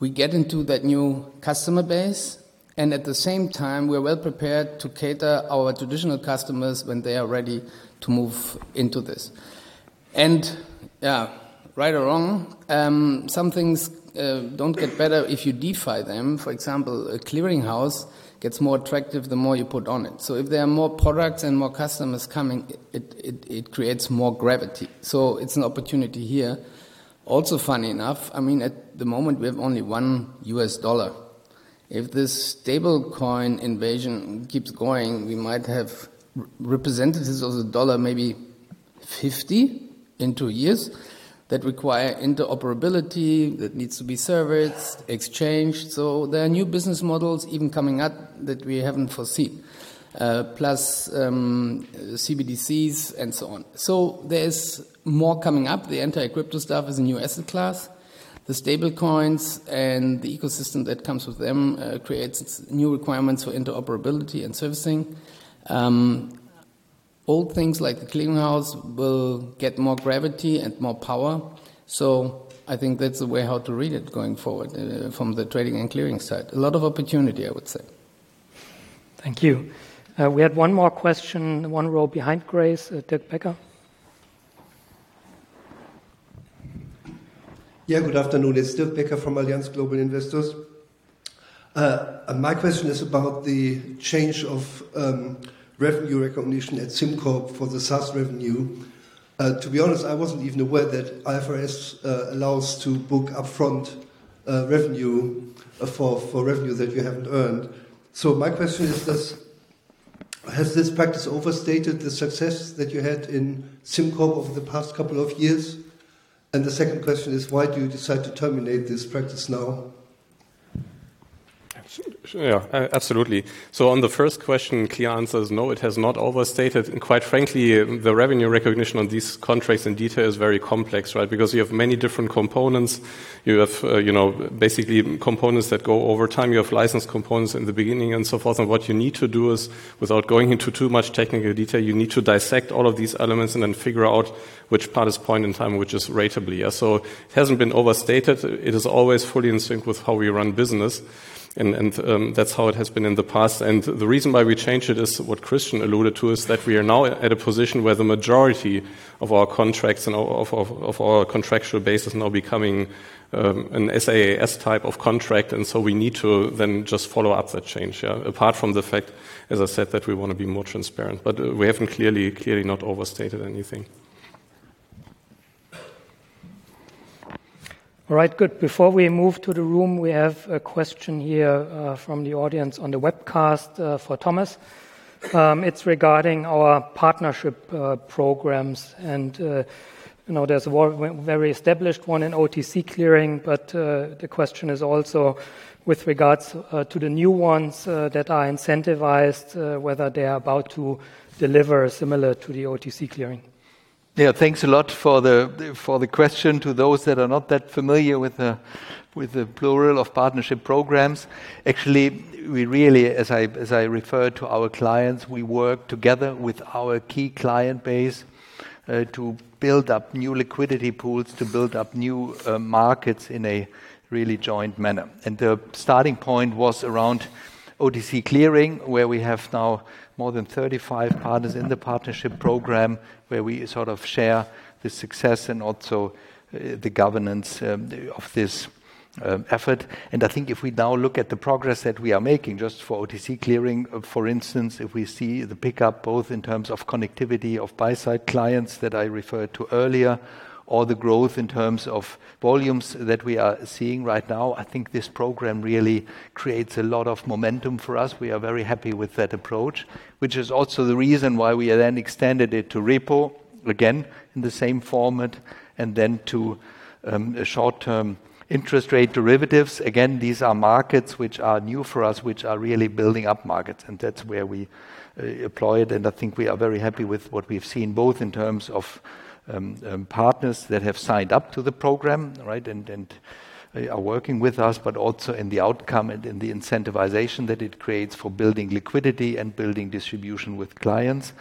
we get into that new customer base. And at the same time, we're well prepared to cater our traditional customers when they are ready to move into this. And yeah, right or wrong, some things don't get better if you DeFi them. For example, a clearing house gets more attractive the more you put on it. So if there are more products and more customers coming, it creates more gravity. So it's an opportunity here. Also funny enough, I mean, at the moment, we have only one U.S. dollar. If this stablecoin invasion keeps going, we might have representatives of the dollar, maybe 50 in two years that require interoperability that needs to be serviced, exchanged. So there are new business models even coming up that we haven't foreseen, plus CBDCs and so on. So there's more coming up. The anti-crypto stuff is a new asset class. The stablecoins and the ecosystem that comes with them creates new requirements for interoperability and servicing. Old things like the clearing house will get more gravity and more power. So I think that's the way how to read it going forward from the Trading & Clearing side. A lot of opportunity, I would say. Thank you. We had one more question, one row behind Grace. Dirk Becker. Yeah, good afternoon. It's Dirk Becker from Allianz Global Investors. My question is about the change of revenue recognition at SimCorp for the SaaS revenue. To be honest, I wasn't even aware that IFRS allows to book upfront revenue for revenue that you haven't earned. So my question is, has this practice overstated the success that you had in SimCorp over the past couple of years? And the second question is, why do you decide to terminate this practice now? Yeah, absolutely. So on the first question, clear answer is no, it has not overstated. And quite frankly, the revenue recognition on these contracts in detail is very complex, right? Because you have many different components. You have basically components that go over time. You have license components in the beginning and so forth. And what you need to do is, without going into too much technical detail, you need to dissect all of these elements and then figure out which part is point in time, which is ratable. So it hasn't been overstated. It is always fully in sync with how we run business. And that's how it has been in the past. And the reason why we changed it is what Christian alluded to, is that we are now at a position where the majority of our contracts and of our contractual basis are now becoming an SaaS type of contract. And so we need to then just follow up that change. Apart from the fact, as I said, that we want to be more transparent. But we haven't clearly not overstated anything. All right, good. Before we move to the room, we have a question here from the audience on the webcast for Thomas. It's regarding our partnership programs. And there's a very established one in OTC clearing. But the question is also with regards to the new ones that are incentivized, whether they are about to deliver similar to the OTC clearing. Yeah, thanks a lot for the question. To those that are not that familiar with the plural of partnership programs, actually, we really, as I refer to our clients, we work together with our key client base to build up new liquidity pools, to build up new markets in a really joint manner. And the starting point was around OTC clearing, where we have now more than 35 partners in the partnership program, where we sort of share the success and also the governance of this effort. I think if we now look at the progress that we are making just for OTC clearing, for instance, if we see the pickup both in terms of connectivity of buy-side clients that I referred to earlier, or the growth in terms of volumes that we are seeing right now, I think this program really creates a lot of momentum for us. We are very happy with that approach, which is also the reason why we then extended it to Repo again in the same format, and then to short-term interest rate derivatives. Again, these are markets which are new for us, which are really building up markets. That's where we employ it. And I think we are very happy with what we've seen, both in terms of partners that have signed up to the program, right, and are working with us, but also in the outcome and in the incentivization that it creates for building liquidity and building distribution with clients.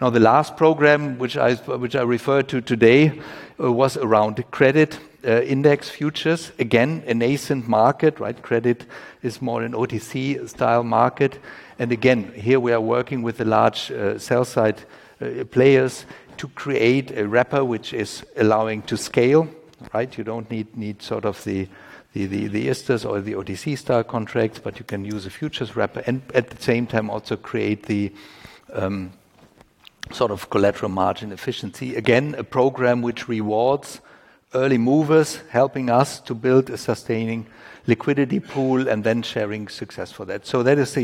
Now, the last program, which I referred to today, was around the credit index futures. Again, a nascent market, right? Credit is more an OTC-style market. And again, here we are working with the large sell-side players to create a wrapper which is allowing to scale, right? You don't need sort of the ISTAs or the OTC-style contracts, but you can use a futures wrapper and at the same time also create the sort of collateral margin efficiency. Again, a program which rewards early movers, helping us to build a sustaining liquidity pool and then sharing success for that. So that is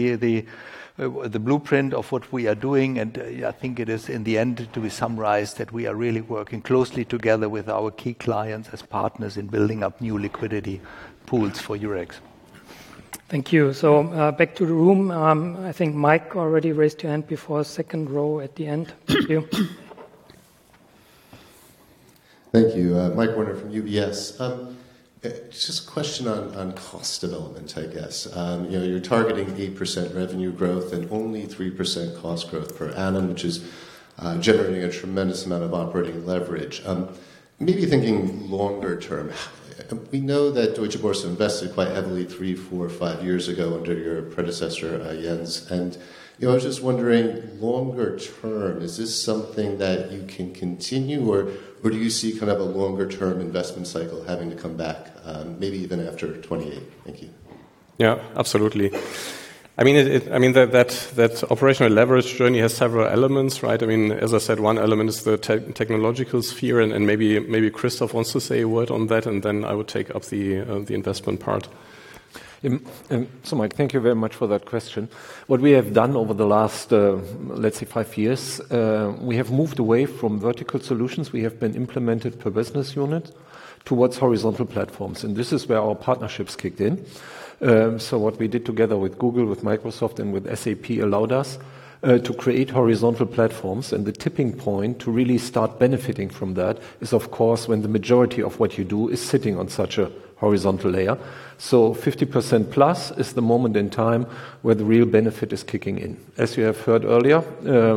the blueprint of what we are doing. And I think it is in the end to be summarized that we are really working closely together with our key clients as partners in building up new liquidity pools for Eurex. Thank you. So back to the room. I think Mike already raised your hand before second row at the end. Thank you. Thank you. Mike Werner from UBS. Just a question on cost development, I guess. You're targeting 8% revenue growth and only 3% cost growth per annum, which is generating a tremendous amount of operating leverage. Maybe thinking longer term, we know that Deutsche Börse invested quite heavily three years, four years, five years ago under your predecessor, Jens. I was just wondering, longer term, is this something that you can continue, or do you see kind of a longer term investment cycle having to come back, maybe even after 2028? Thank you. Yeah, absolutely. I mean, that operational leverage journey has several elements, right? I mean, as I said, one element is the technological sphere. Maybe Christoph wants to say a word on that, and then I would take up the investment part. Mike, thank you very much for that question. What we have done over the last, let's say, five years, we have moved away from vertical solutions we have been implemented per business unit towards horizontal platforms. This is where our partnerships kicked in. What we did together with Google, with Microsoft, and with SAP allowed us to create horizontal platforms. And the tipping point to really start benefiting from that is, of course, when the majority of what you do is sitting on such a horizontal layer. So 50%+ is the moment in time where the real benefit is kicking in. As you have heard earlier,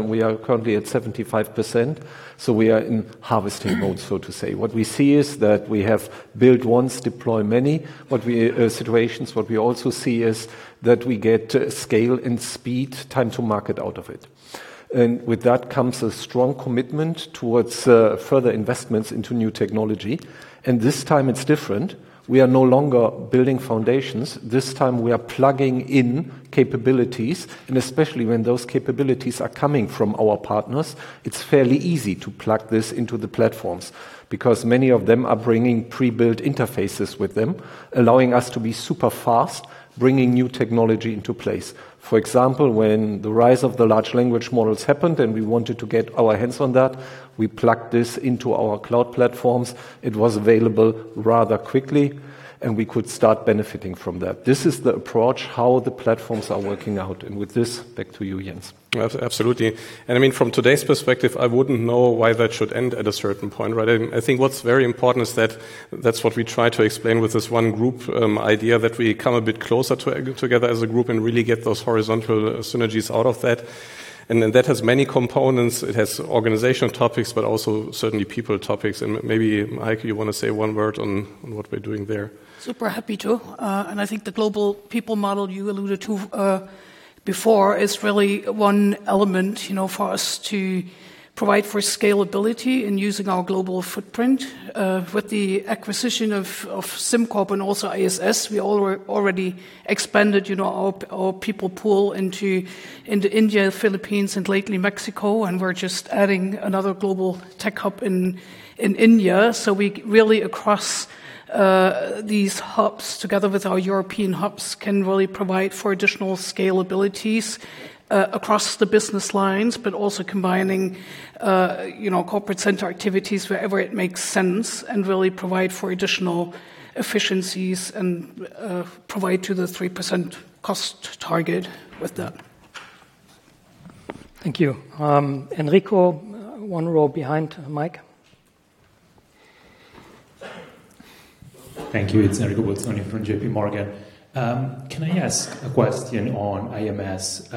we are currently at 75%. So we are in harvesting mode, so to say. What we see is that we have built once, deployed many situations. What we also see is that we get scale and speed, time to market out of it. And with that comes a strong commitment towards further investments into new technology. And this time it's different. We are no longer building foundations. This time we are plugging in capabilities. And especially when those capabilities are coming from our partners, it's fairly easy to plug this into the platforms because many of them are bringing pre-built interfaces with them, allowing us to be super fast, bringing new technology into place. For example, when the rise of the large language models happened and we wanted to get our hands on that, we plugged this into our cloud platforms. It was available rather quickly, and we could start benefiting from that. This is the approach how the platforms are working out. And with this, back to you, Jens. Absolutely. And I mean, from today's perspective, I wouldn't know why that should end at a certain point, right? I think what's very important is that that's what we try to explain with this one group idea that we come a bit closer together as a group and really get those horizontal synergies out of that. And that has many components. It has organizational topics, but also certainly people topics. And maybe, Mike, you want to say one word on what we're doing there. Super happy to. And I think the global people model you alluded to before is really one element for us to provide for scalability in using our global footprint. With the acquisition of SimCorp and also ISS, we already expanded our people pool into India, Philippines, and lately Mexico. And we're just adding another global tech hub in India. So we really, across these hubs, together with our European hubs, can really provide for additional scalabilities across the business lines, but also combining corporate center activities wherever it makes sense and really provide for additional efficiencies and provide to the 3% cost target with that. Thank you. Enrico, one row behind Mike. Thank you. It's Enrico Bolzani from JPMorgan. Can I ask a question on IMS?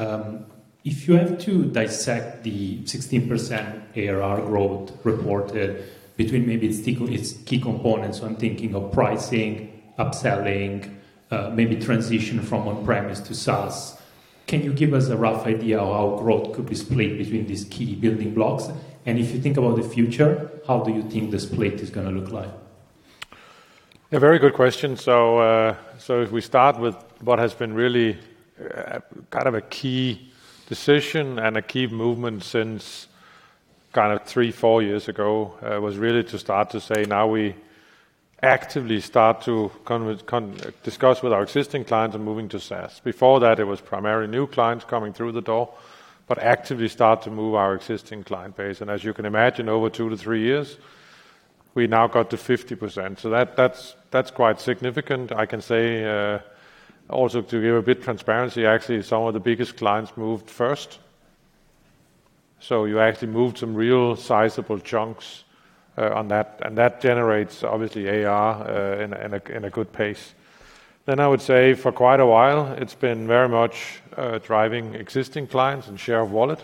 If you have to dissect the 16% ARR growth reported between maybe its key components, I'm thinking of pricing, upselling, maybe transition from on-premise to SaaS, can you give us a rough idea of how growth could be split between these key building blocks? And if you think about the future, how do you think the split is going to look like? Yeah, very good question. So if we start with what has been really kind of a key decision and a key movement since kind of three years, four years ago, was really to start to say now we actively start to discuss with our existing clients and moving to SaaS. Before that, it was primarily new clients coming through the door, but actively start to move our existing client base, and as you can imagine, over two to three years, we now got to 50%, so that's quite significant. I can say also to give a bit of transparency, actually, some of the biggest clients moved first, so you actually moved some real sizable chunks on that, and that generates obviously AR in a good pace, then I would say for quite a while, it's been very much driving existing clients and share of wallet.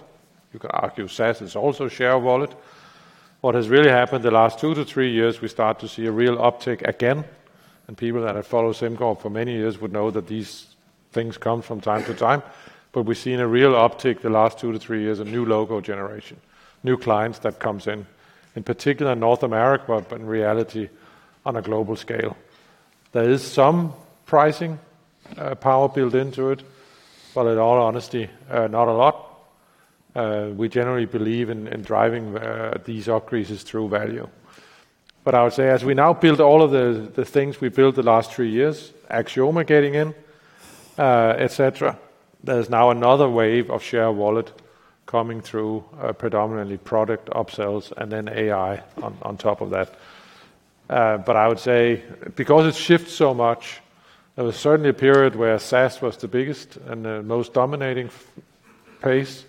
You could argue SaaS is also share of wallet. What has really happened the last two to three years, we start to see a real uptick again, and people that have followed SimCorp for many years would know that these things come from time to time, but we've seen a real uptick the last two to three years, a new logo generation, new clients that come in, in particular North America, but in reality on a global scale. There is some pricing power built into it, but in all honesty, not a lot. We generally believe in driving these upgrades through value, but I would say as we now build all of the things we built the last three years, Axioma getting in, etc., there's now another wave of share of wallet coming through predominantly product upsells and then AI on top of that. But I would say because it's shifted so much, there was certainly a period where SaaS was the biggest and most dominating pace.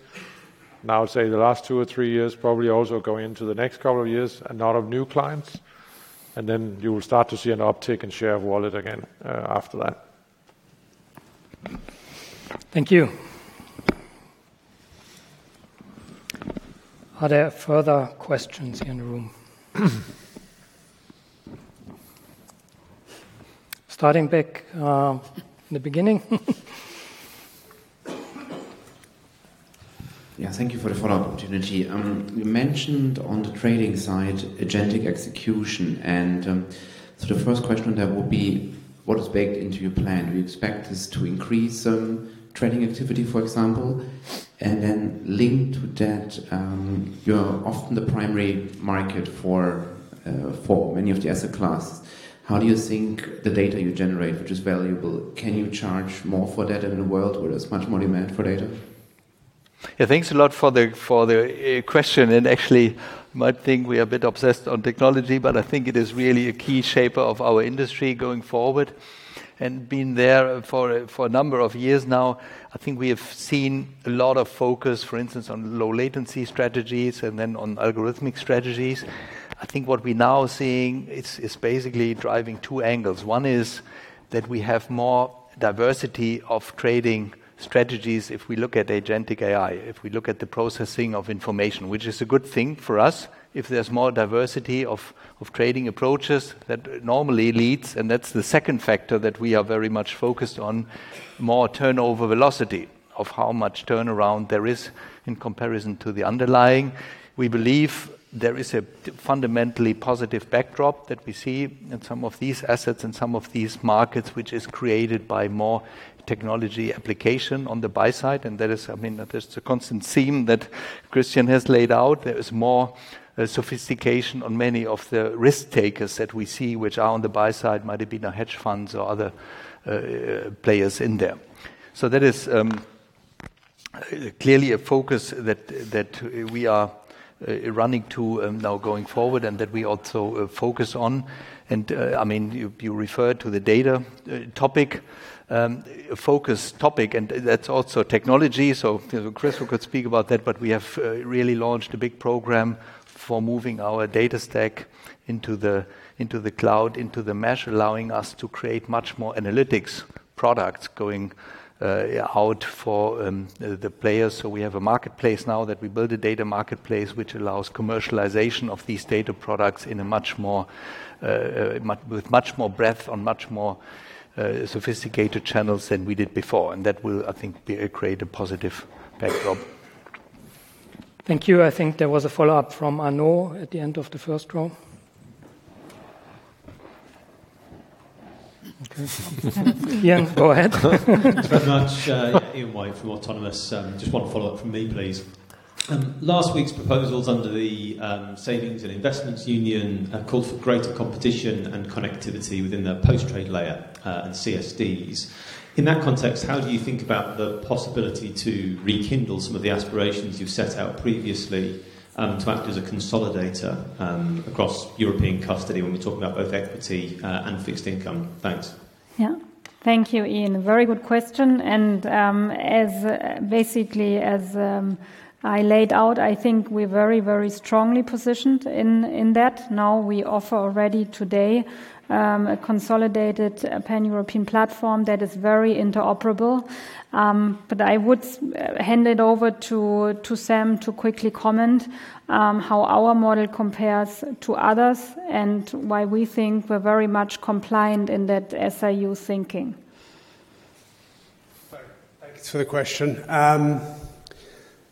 Now I would say the last two or three years, probably also going into the next couple of years, a lot of new clients. And then you will start to see an uptick in share of wallet again after that. Thank you. Are there further questions here in the room? Starting back in the beginning. Yeah, thank you for the follow-up opportunity. You mentioned on the trading side, agentic execution. And so the first question there will be, what is baked into your plan? Do you expect this to increase trading activity, for example? And then linked to that, you're often the primary market for many of the asset classes. How do you think the data you generate, which is valuable, can you charge more for that in a world where there's much more demand for data? Yeah, thanks a lot for the question. And actually, I might think we are a bit obsessed on technology, but I think it is really a key shaper of our industry going forward. And being there for a number of years now, I think we have seen a lot of focus, for instance, on low-latency strategies and then on algorithmic strategies. I think what we're now seeing is basically driving two angles. One is that we have more diversity of trading strategies if we look at agentic AI, if we look at the processing of information, which is a good thing for us. If there's more diversity of trading approaches that normally leads, and that's the second factor that we are very much focused on, more turnover velocity of how much turnaround there is in comparison to the underlying. We believe there is a fundamentally positive backdrop that we see in some of these assets and some of these markets, which is created by more technology application on the buy-side, and that is, I mean, that's the constant theme that Christian has laid out. There is more sophistication on many of the risk takers that we see, which are on the buy-side, might have been hedge funds or other players in there, so that is clearly a focus that we are running to now going forward and that we also focus on, and I mean, you referred to the data topic, focus topic, and that's also technology. So Christoph could speak about that, but we have really launched a big program for moving our data stack into the cloud, into the mesh, allowing us to create much more analytics products going out for the players. So we have a marketplace now that we built a data marketplace, which allows commercialization of these data products with much more breadth on much more sophisticated channels than we did before. And that will, I think, create a positive backdrop. Thank you. I think there was a follow-up from Arnaud at the end of the first row. Okay. Ian, go ahead. Thanks very much, Ian from Autonomous. Just one follow-up from me, please. Last week's proposals under the Savings and Investment Union have called for greater competition and connectivity within the post-trade layer and CSDs. In that context, how do you think about the possibility to rekindle some of the aspirations you've set out previously to act as a consolidator across European custody when we're talking about both equity and fixed income? Thanks. Yeah. Thank you, Ian. Very good question. And basically, as I laid out, I think we're very, very strongly positioned in that. Now we offer already today a consolidated pan-European platform that is very interoperable. But I would hand it over to Sam to quickly comment on how our model compares to others and why we think we're very much compliant in that SIU thinking. Thanks for the question.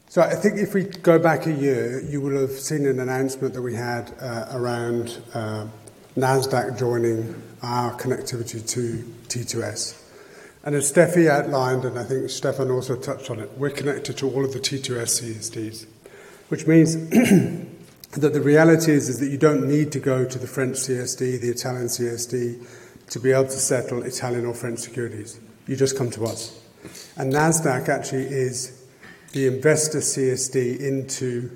So I think if we go back a year, you will have seen an announcement that we had around Nasdaq joining our connectivity to T2S. And as Steffi outlined, and I think Stephan also touched on it, we're connected to all of the T2S CSDs, which means that the reality is that you don't need to go to the French CSD, the Italian CSD, to be able to settle Italian or French securities. You just come to us. And Nasdaq actually is the investor CSD into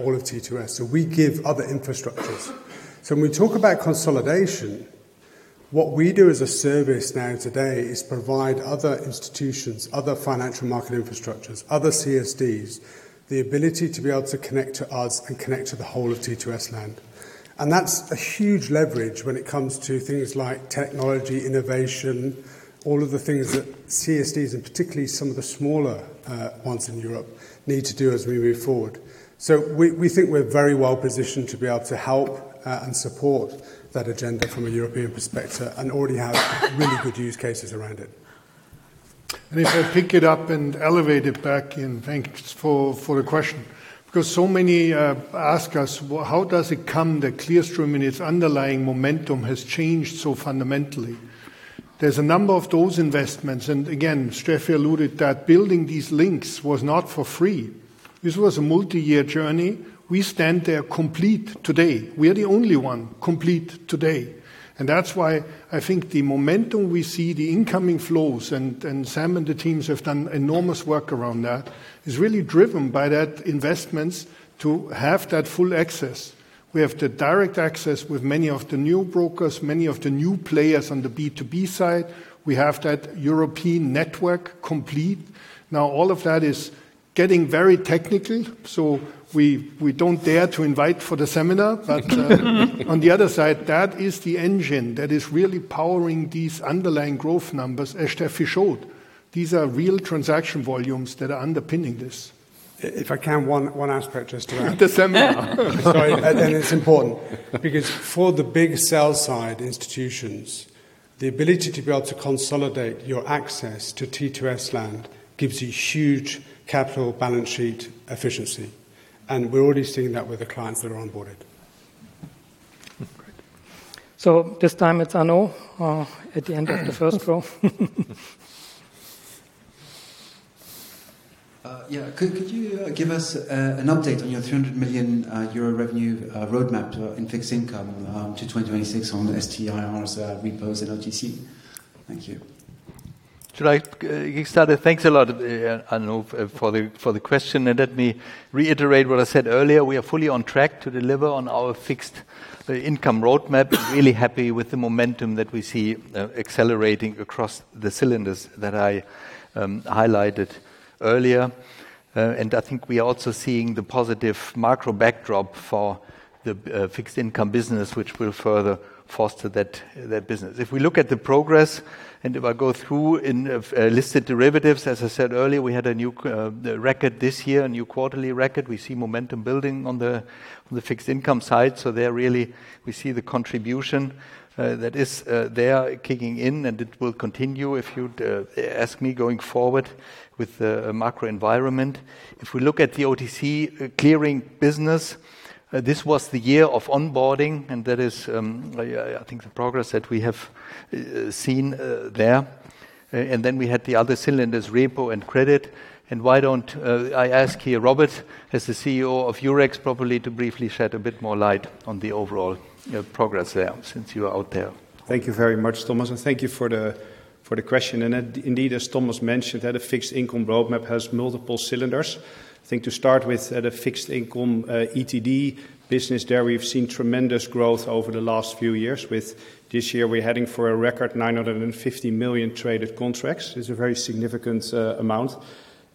all of T2S. So we give other infrastructures. So when we talk about consolidation, what we do as a service now today is provide other institutions, other financial market infrastructures, other CSDs, the ability to be able to connect to us and connect to the whole of T2S land. And that's a huge leverage when it comes to things like technology, innovation, all of the things that CSDs, and particularly some of the smaller ones in Europe, need to do as we move forward. So we think we're very well positioned to be able to help and support that agenda from a European perspective and already have really good use cases around it. And if I pick it up and elevate it back in, thanks for the question, because so many ask us, how does it come that Clearstream and its underlying momentum has changed so fundamentally? There's a number of those investments. And again, Steffi alluded that building these links was not for free. This was a multi-year journey. We stand there complete today. We are the only one complete today. And that's why I think the momentum we see, the incoming flows, and Sam and the teams have done enormous work around that, is really driven by that investments to have that full access. We have the direct access with many of the new brokers, many of the new players on the B2B side. We have that European network complete. Now all of that is getting very technical, so we don't dare to invite for the seminar, but on the other side, that is the engine that is really powering these underlying growth numbers, as Steffi showed. These are real transaction volumes that are underpinning this. If I can, one aspect just to that: the seminar. Sorry, and it's important because for the big sell-side institutions, the ability to be able to consolidate your access to T2S land gives you huge capital balance sheet efficiency, and we're already seeing that with the clients that are onboarded. Great, so this time, it's Arnaud at the end of the first row. Yeah. Could you give us an update on your 300 million euro revenue roadmap in fixed income to 2026 on STIRs, Repos, and OTC? Thank you. Should I start? Thanks a lot, Arnaud, for the question. And let me reiterate what I said earlier. We are fully on track to deliver on our fixed income roadmap. Really happy with the momentum that we see accelerating across the cylinders that I highlighted earlier. And I think we are also seeing the positive macro backdrop for the fixed income business, which will further foster that business. If we look at the progress and if I go through in listed derivatives, as I said earlier, we had a new record this year, a new quarterly record. We see momentum building on the fixed income side. So there really we see the contribution that is there kicking in, and it will continue if you'd ask me going forward with the macro environment. If we look at the OTC clearing business, this was the year of onboarding, and that is, I think, the progress that we have seen there. And then we had the other cylinders, Repo and credit. And why don't I ask here, Robbert, as the CEO of Eurex, probably to briefly shed a bit more light on the overall progress there since you are out there. Thank you very much, Thomas. And thank you for the question. And indeed, as Thomas mentioned, that a fixed income roadmap has multiple cylinders. I think to start with, at a fixed income ETD business there, we've seen tremendous growth over the last few years. This year, we're heading for a record 950 million traded contracts. It's a very significant amount,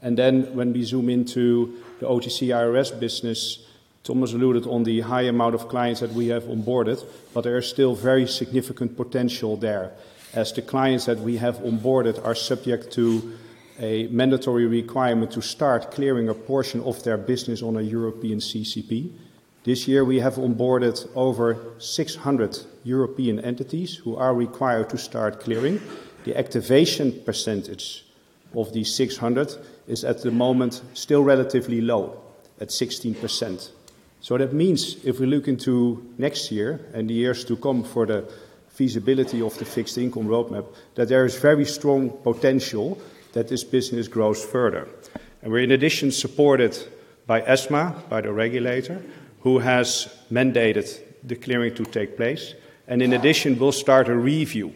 and then when we zoom into the OTC IRS business, Thomas alluded to the high amount of clients that we have onboarded, but there is still very significant potential there as the clients that we have onboarded are subject to a mandatory requirement to start clearing a portion of their business on a European CCP. This year, we have onboarded over 600 European entities who are required to start clearing. The activation percentage of these 600 is at the moment still relatively low at 16%, so that means if we look into next year and the years to come for the feasibility of the fixed income roadmap, that there is very strong potential that this business grows further, and we're in addition supported by ESMA, by the regulator, who has mandated the clearing to take place. And in addition, we'll start a review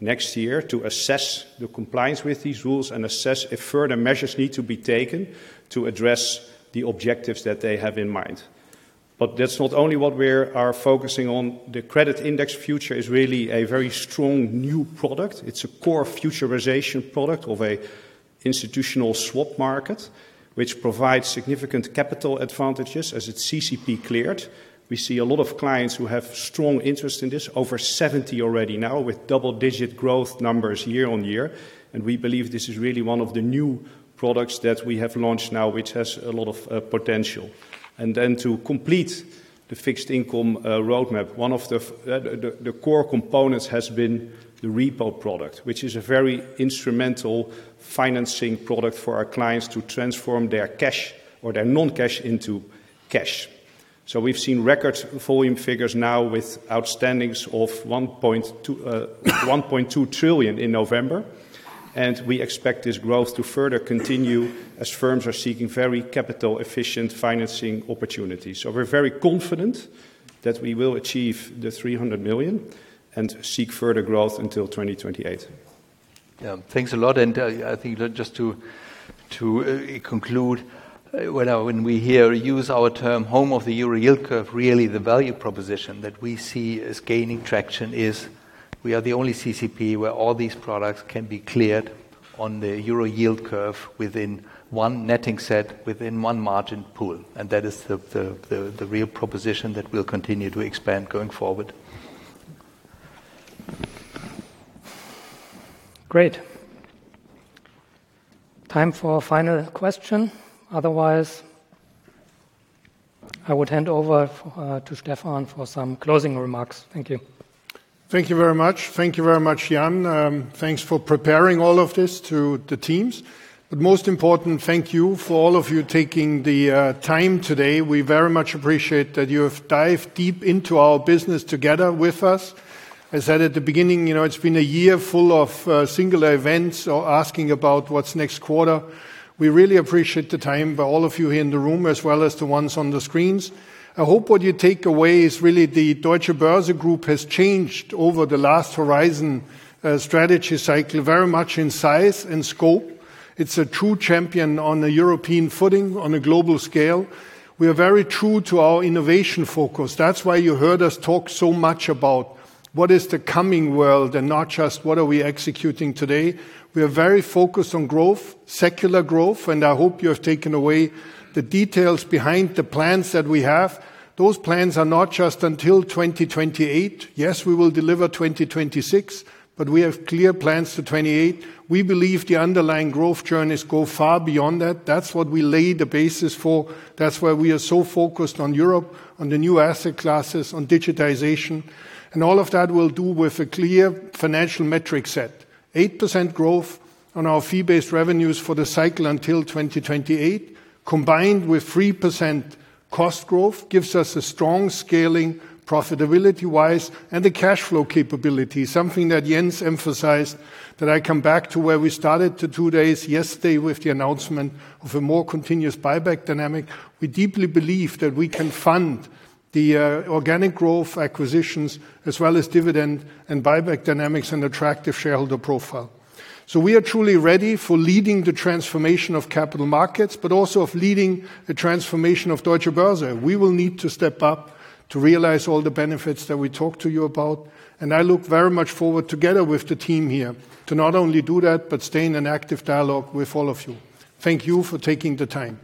next year to assess the compliance with these rules and assess if further measures need to be taken to address the objectives that they have in mind. But that's not only what we are focusing on. The credit index future is really a very strong new product. It's a core futurization product of an institutional swap market, which provides significant capital advantages as it's CCP cleared. We see a lot of clients who have strong interest in this, over 70 already now with double-digit growth numbers year-on-year. And we believe this is really one of the new products that we have launched now, which has a lot of potential. And then, to complete the fixed income roadmap, one of the core components has been the Repo product, which is a very instrumental financing product for our clients to transform their cash or their non-cash into cash. So we've seen record volume figures now with outstandings of 1.2 trillion in November. And we expect this growth to further continue as firms are seeking very capital-efficient financing opportunities. So we're very confident that we will achieve the 300 million and seek further growth until 2028. Yeah. Thanks a lot. And I think just to conclude, when we use our term, Home of the Euro Yield Curve, really the value proposition that we see is gaining traction is we are the only CCP where all these products can be cleared on the euro yield curve within one netting set, within one margin pool. And that is the real proposition that we'll continue to expand going forward. Great. Time for final question. Otherwise, I would hand over to Stephan for some closing remarks. Thank you. Thank you very much. Thank you very much, Jan. Thanks for preparing all of this to the teams. But most important, thank you for all of you taking the time today. We very much appreciate that you have dived deep into our business together with us. I said at the beginning, it's been a year full of singular events or asking about what's next quarter. We really appreciate the time by all of you here in the room, as well as the ones on the screens. I hope what you take away is really the Deutsche Börse Group has changed over the last Horizon strategy cycle very much in size and scope. It's a true champion on a European footing on a global scale. We are very true to our innovation focus. That's why you heard us talk so much about what is the coming world and not just what are we executing today. We are very focused on growth, secular growth, and I hope you have taken away the details behind the plans that we have. Those plans are not just until 2028. Yes, we will deliver 2026, but we have clear plans to 2028. We believe the underlying growth journeys go far beyond that. That's what we lay the basis for. That's why we are so focused on Europe, on the new asset classes, on digitization, and all of that we'll do with a clear financial metric set. 8% growth on our fee-based revenues for the cycle until 2028, combined with 3% cost growth, gives us a strong scaling profitability-wise and the cash flow capability, something that Jens emphasized that I come back to where we started two days yesterday with the announcement of a more continuous buyback dynamic. We deeply believe that we can fund the organic growth acquisitions as well as dividend and buyback dynamics and attractive shareholder profile. So we are truly ready for leading the transformation of capital markets, but also of leading a transformation of Deutsche Börse. We will need to step up to realize all the benefits that we talked to you about. And I look very much forward together with the team here to not only do that, but stay in an active dialogue with all of you. Thank you for taking the time.